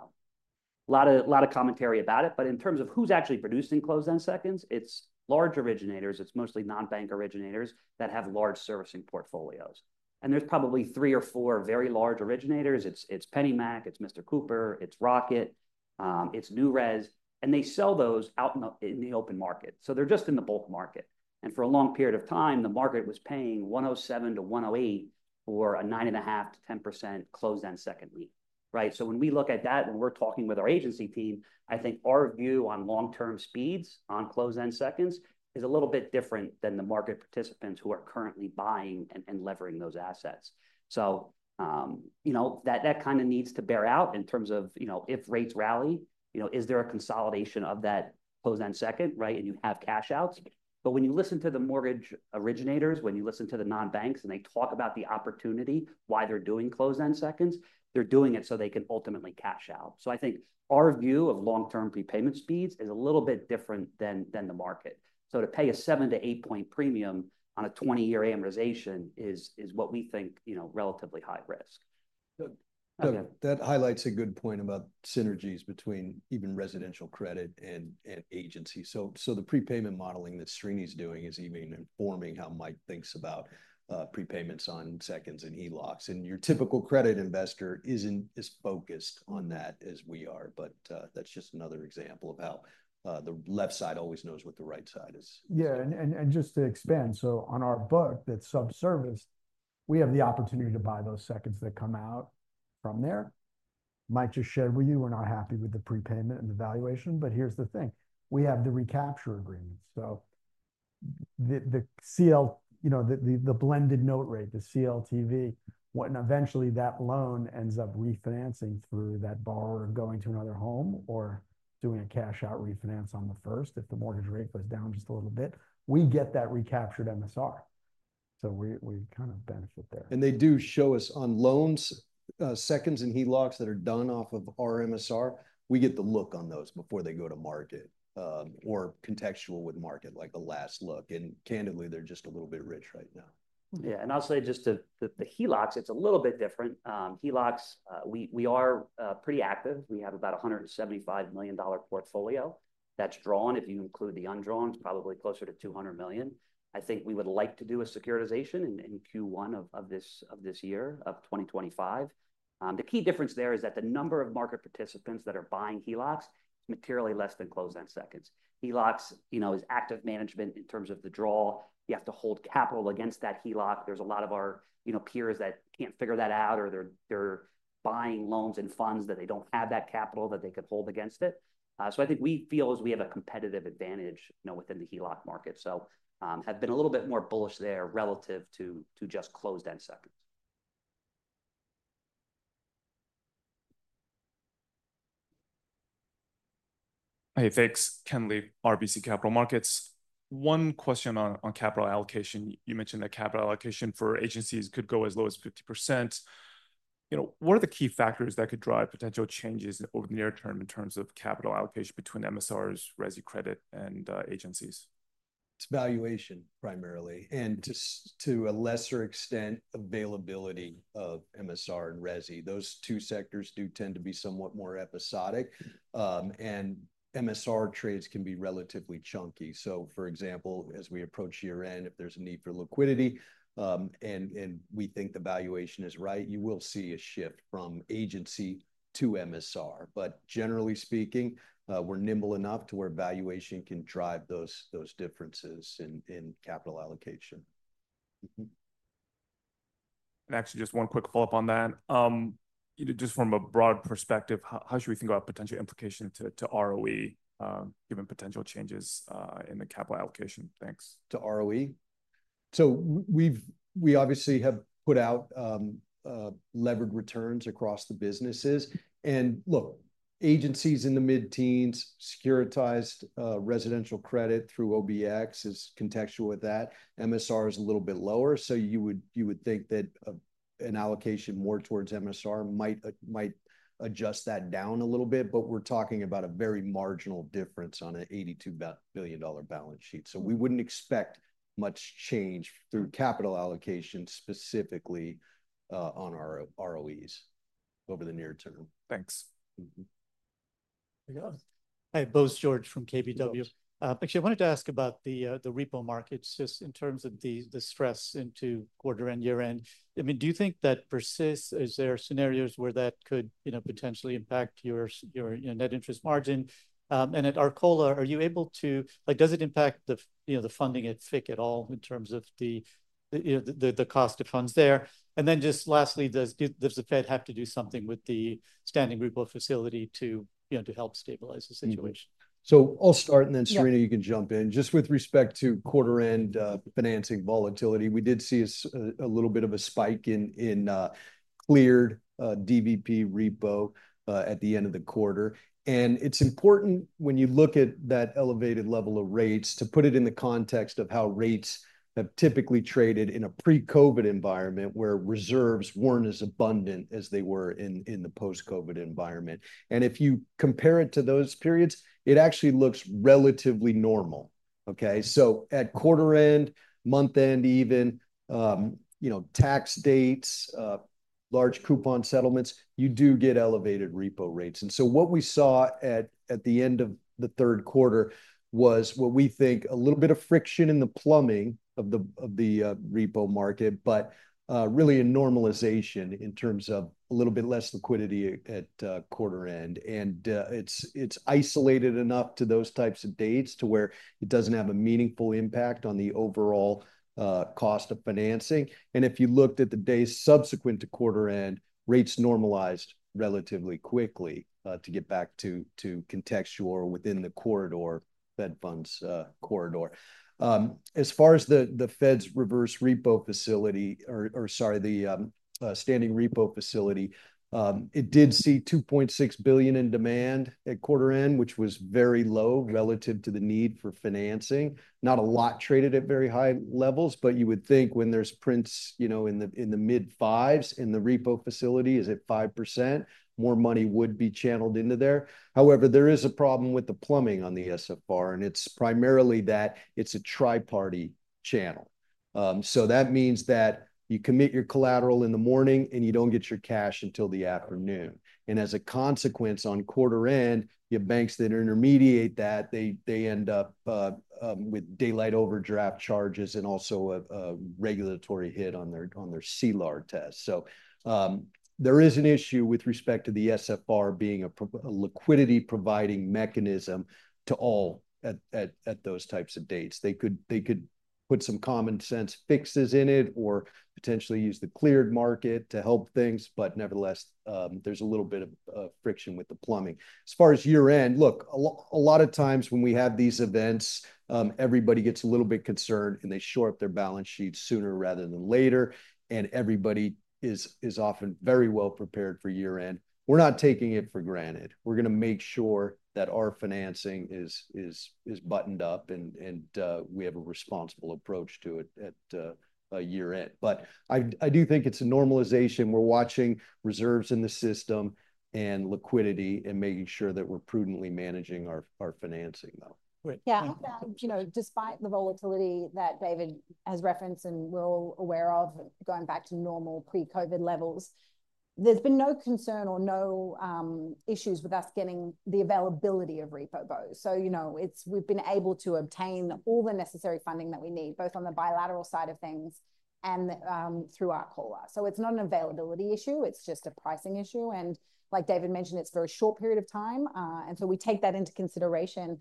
[SPEAKER 5] lot of commentary about it. But in terms of who's actually producing closed-end seconds, it's large originators. It's mostly non-bank originators that have large servicing portfolios. And there's probably three or four very large originators. It's PennyMac, it's Mr. Cooper, it's Rocket, it's NewRez. And they sell those out in the open market. So they're just in the bulk market. And for a long period of time, the market was paying 107-108 for a 9.5%-10% closed-end second lien. So when we look at that, when we're talking with our agency team, I think our view on long-term speeds on closed-end seconds is a little bit different than the market participants who are currently buying and levering those assets. So that kind of needs to bear out in terms of if rates rally, is there a consolidation of that closed-end second, and you have cash-outs? But when you listen to the mortgage originators, when you listen to the non-banks, and they talk about the opportunity, why they're doing closed-end seconds, they're doing it so they can ultimately cash out. So I think our view of long-term prepayment speeds is a little bit different than the market, so to pay a 7-8-point premium on a 20-year amortization is what we think relatively high risk.
[SPEAKER 12] That highlights a good point about synergies between even residential credit and agency, so the prepayment modeling that Srini's doing is even informing how Mike thinks about prepayments on seconds and HELOCs, and your typical credit investor isn't as focused on that as we are. But that's just another example of how the left side always knows what the right side is.
[SPEAKER 2] Yeah. And just to expand, so on our book, that subservice, we have the opportunity to buy those seconds that come out from there. Mike just shared with you, we're not happy with the prepayment and the valuation. But here's the thing. We have the recapture agreement. So the blended note rate, the CLTV, when eventually that loan ends up refinancing through that borrower going to another home or doing a cash-out refinance on the first, if the mortgage rate goes down just a little bit, we get that recaptured MSR. So we kind of benefit there.
[SPEAKER 12] And they do show us on loans, seconds and HELOCs that are done off of our MSR, we get the look on those before they go to market or contextual with market, like a last look. Candidly, they're just a little bit rich right now. Yeah. I'll say just the HELOCs, it's a little bit different. HELOCs, we are pretty active. We have about a $175 million portfolio that's drawn. If you include the undrawn, it's probably closer to $200 million. I think we would like to do a securitization in Q1 of this year of 2025. The key difference there is that the number of market participants that are buying HELOCs is materially less than closed-end seconds. HELOCs is active management in terms of the draw. You have to hold capital against that HELOC. There's a lot of our peers that can't figure that out, or they're buying loans and funds that they don't have that capital that they could hold against it. So I think we feel as we have a competitive advantage within the HELOC market. So I've been a little bit more bullish there relative to just closed-end seconds.
[SPEAKER 14] Hey, thanks, Ken Lee, RBC Capital Markets. One question on capital allocation. You mentioned that capital allocation for agencies could go as low as 50%. What are the key factors that could drive potential changes over the near term in terms of capital allocation between MSRs, RESI credit, and agencies?
[SPEAKER 12] It's valuation primarily, and to a lesser extent, availability of MSR and RESI. Those two sectors do tend to be somewhat more episodic. And MSR trades can be relatively chunky. So for example, as we approach year-end, if there's a need for liquidity, and we think the valuation is right, you will see a shift from agency to MSR. But generally speaking, we're nimble enough to where valuation can drive those differences in capital allocation.
[SPEAKER 14] And actually, just one quick follow-up on that. Just from a broad perspective, how should we think about potential implication to ROE given potential changes in the capital allocation? Thanks.
[SPEAKER 12] To ROE? So we obviously have put out levered returns across the businesses. And look, agencies in the mid-teens, securitized residential credit through OBX is contextual with that. MSR is a little bit lower. So you would think that an allocation more towards MSR might adjust that down a little bit. But we're talking about a very marginal difference on an $82 billion balance sheet. So we wouldn't expect much change through capital allocation specifically on our ROEs over the near term. Thanks.
[SPEAKER 15] Hey, Bose George from KBW. Actually, I wanted to ask about the repo markets just in terms of the stress into quarter-end, year-end. I mean, do you think that persists? Is there scenarios where that could potentially impact your net interest margin? And at RCap, are you able to? Does it impact the funding at FICC at all in terms of the cost of funds there? And then just lastly, does the Fed have to do something with the Standing Repo Facility to help stabilize the situation?
[SPEAKER 12] So I'll start, and then Serena, you can jump in. Just with respect to quarter-end financing volatility, we did see a little bit of a spike in cleared DVP repo at the end of the quarter. And it's important when you look at that elevated level of rates to put it in the context of how rates have typically traded in a pre-COVID environment where reserves weren't as abundant as they were in the post-COVID environment. And if you compare it to those periods, it actually looks relatively normal. Okay? So at quarter-end, month-end, even tax dates, large coupon settlements, you do get elevated repo rates. And so what we saw at the end of the third quarter was what we think a little bit of friction in the plumbing of the repo market, but really a normalization in terms of a little bit less liquidity at quarter-end. And it's isolated enough to those types of dates to where it doesn't have a meaningful impact on the overall cost of financing. And if you looked at the days subsequent to quarter-end, rates normalized relatively quickly to get back to contextual or within the corridor, Fed funds corridor. As far as the Fed's reverse repo facility, or sorry, the standing repo facility, it did see $2.6 billion in demand at quarter-end, which was very low relative to the need for financing. Not a lot traded at very high levels, but you would think when there's prints in the mid-fives in the repo facility, is it 5%? More money would be channeled into there. However, there is a problem with the plumbing on the SRF, and it's primarily that it's a tri-party channel. So that means that you commit your collateral in the morning, and you don't get your cash until the afternoon. And as a consequence, on quarter-end, your banks that intermediate that, they end up with daylight overdraft charges and also a regulatory hit on their LCR test. So there is an issue with respect to the SRF being a liquidity providing mechanism tool at those types of dates. They could put some common sense fixes in it or potentially use the cleared market to help things. But nevertheless, there's a little bit of friction with the plumbing. As far as year-end, look, a lot of times when we have these events, everybody gets a little bit concerned, and they shore up their balance sheet sooner rather than later. And everybody is often very well prepared for year-end. We're not taking it for granted. We're going to make sure that our financing is buttoned up, and we have a responsible approach to it at year-end. But I do think it's a normalization. We're watching reserves in the system and liquidity and making sure that we're prudently managing our financing, though. Yeah.
[SPEAKER 10] Despite the volatility that David has referenced and we're all aware of going back to normal pre-COVID levels, there's been no concern or no issues with us getting the availability of repo repos. So we've been able to obtain all the necessary funding that we need, both on the bilateral side of things and through RCap. So it's not an availability issue. It's just a pricing issue. And like David mentioned, it's a very short period of time. And so we take that into consideration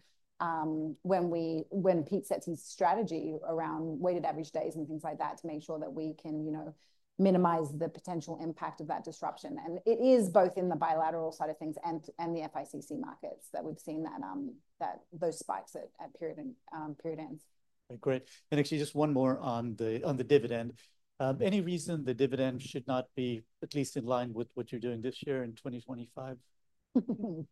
[SPEAKER 10] when Pete sets his strategy around weighted average days and things like that to make sure that we can minimize the potential impact of that disruption. And it is both in the bilateral side of things and the FICC markets that we've seen those spikes at period ends.
[SPEAKER 15] Great. And actually, just one more on the dividend. Any reason the dividend should not be at least in line with what you're doing this year in 2025?
[SPEAKER 11] Serena can answer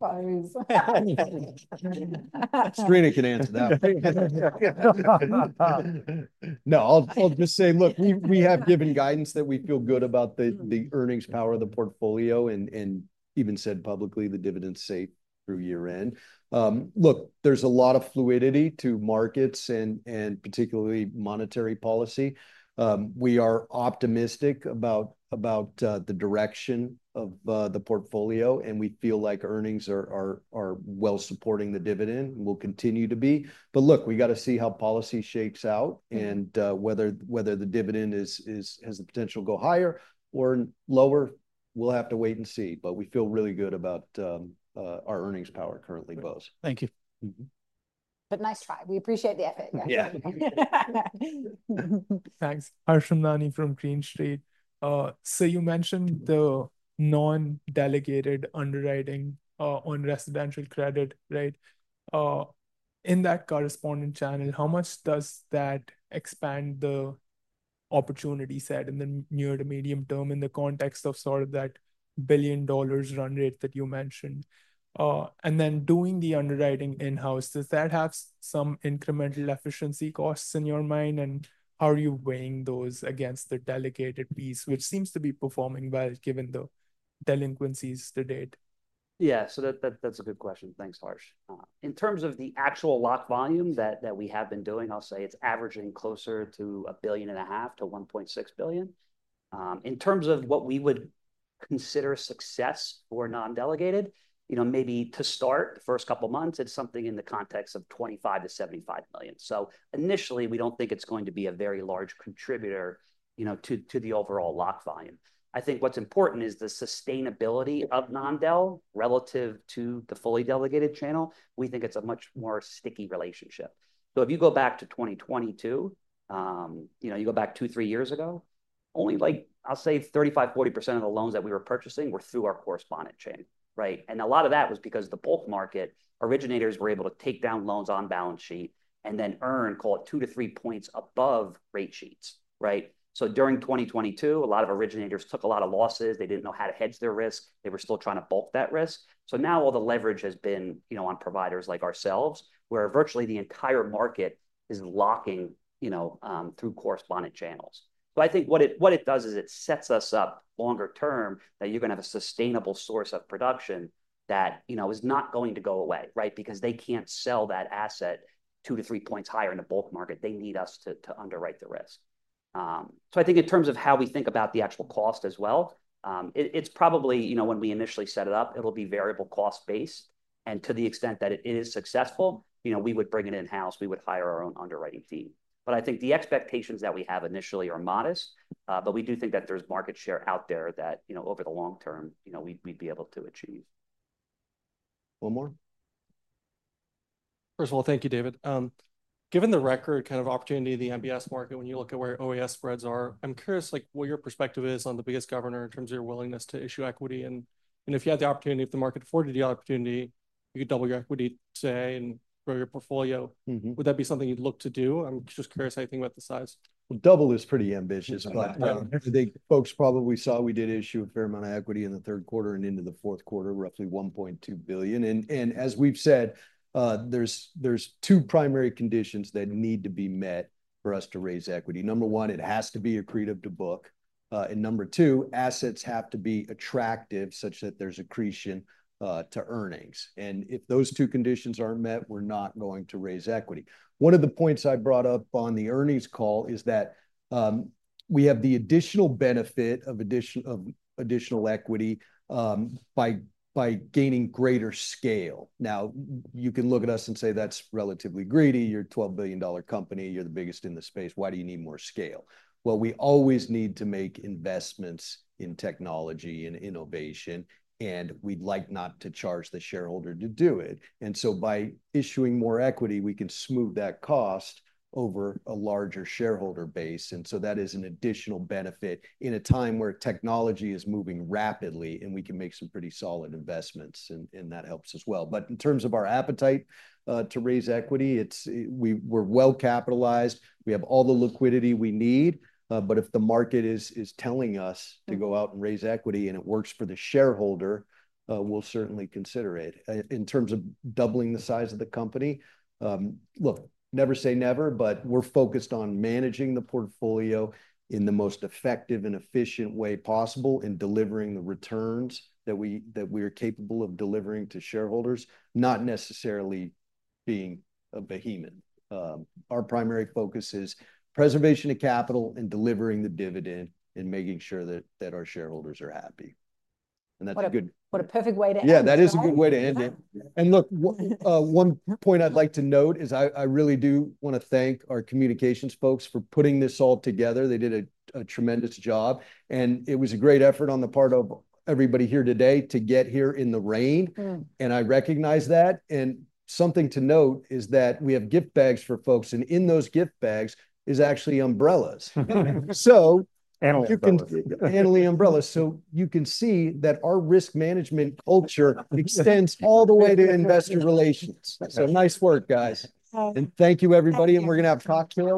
[SPEAKER 11] that.
[SPEAKER 12] No, I'll just say, look, we have given guidance that we feel good about the earnings power of the portfolio and even said publicly the dividends safe through year-end. Look, there's a lot of fluidity to markets and particularly monetary policy. We are optimistic about the direction of the portfolio, and we feel like earnings are well supporting the dividend and will continue to be. But look, we got to see how policy shakes out and whether the dividend has the potential to go higher or lower. We'll have to wait and see. But we feel really good about our earnings power currently, both.
[SPEAKER 15] Thank you.
[SPEAKER 10] But nice try. We appreciate the effort. Yeah.
[SPEAKER 16] Thanks. Harsh Hemnani from Green Street. So you mentioned the non-delegated underwriting on residential credit, right? In that correspondent channel, how much does that expand the opportunity set in the near to medium term in the context of sort of that $1 billion run rate that you mentioned? And then doing the underwriting in-house, does that have some incremental efficiency costs in your mind? And how are you weighing those against the delegated piece, which seems to be performing well given the delinquencies to date?
[SPEAKER 11] Yeah, so that's a good question. Thanks, Harsh. In terms of the actual lock volume that we have been doing, I'll say it's averaging closer to $1.5 billion-$1.6 billion. In terms of what we would consider success for non-delegated, maybe to start the first couple of months, it's something in the context of $25 million-$75 million. So initially, we don't think it's going to be a very large contributor to the overall lock volume. I think what's important is the sustainability of non-del relative to the fully delegated channel. We think it's a much more sticky relationship. So if you go back to 2022, you go back two, three years ago, only like I'll say 35%-40% of the loans that we were purchasing were through our correspondent channel. And a lot of that was because the bulk market originators were able to take down loans on balance sheet and then earn, call it two to three points above rate sheets. So during 2022, a lot of originators took a lot of losses. They didn't know how to hedge their risk. They were still trying to book that risk. So now all the leverage has been on providers like ourselves, where virtually the entire market is flowing through correspondent channels. So I think what it does is it sets us up longer term that you're going to have a sustainable source of production that is not going to go away, right? Because they can't sell that asset two to three points higher in the bulk market. They need us to underwrite the risk. So I think in terms of how we think about the actual cost as well, it's probably when we initially set it up, it'll be variable cost based. And to the extent that it is successful, we would bring it in-house. We would hire our own underwriting team. But I think the expectations that we have initially are modest. But we do think that there's market share out there that over the long term, we'd be able to achieve. One more?
[SPEAKER 16] First of all, thank you, David. Given the record kind of opportunity in the MBS market, when you look at where OAS spreads are, I'm curious what your perspective is on the biggest governor in terms of your willingness to issue equity.
[SPEAKER 1] If you had the opportunity, if the market afforded you the opportunity, you could double your equity today and grow your portfolio. Would that be something you'd look to do? I'm just curious how you think about the size. Well, double is pretty ambitious. But everything folks probably saw, we did issue a fair amount of equity in the third quarter and into the fourth quarter, roughly $1.2 billion. And as we've said, there's two primary conditions that need to be met for us to raise equity. Number one, it has to be accretive to book. And number two, assets have to be attractive such that there's accretion to earnings. And if those two conditions aren't met, we're not going to raise equity. One of the points I brought up on the earnings call is that we have the additional benefit of additional equity by gaining greater scale. Now, you can look at us and say, "That's relatively greedy. You're a $12 billion company. You're the biggest in the space. Why do you need more scale?" Well, we always need to make investments in technology and innovation, and we'd like not to charge the shareholder to do it. And so by issuing more equity, we can smooth that cost over a larger shareholder base. And so that is an additional benefit in a time where technology is moving rapidly, and we can make some pretty solid investments, and that helps as well. But in terms of our appetite to raise equity, we're well capitalized. We have all the liquidity we need. But if the market is telling us to go out and raise equity and it works for the shareholder, we'll certainly consider it. In terms of doubling the size of the company, look, never say never, but we're focused on managing the portfolio in the most effective and efficient way possible and delivering the returns that we are capable of delivering to shareholders, not necessarily being a behemoth. Our primary focus is preservation of capital and delivering the dividend and making sure that our shareholders are happy. And that's a good. What a perfect way to end it. Yeah, that is a good way to end it.
[SPEAKER 12] And look, one point I'd like to note is I really do want to thank our communications folks for putting this all together. They did a tremendous job. And it was a great effort on the part of everybody here today to get here in the rain. And I recognize that. And something to note is that we have gift bags for folks. And in those gift bags is actually umbrellas. So you can handle the umbrellas. So you can see that our risk management culture extends all the way to investor relations. So nice work, guys. And thank you, everybody. And we're going to have chocolate.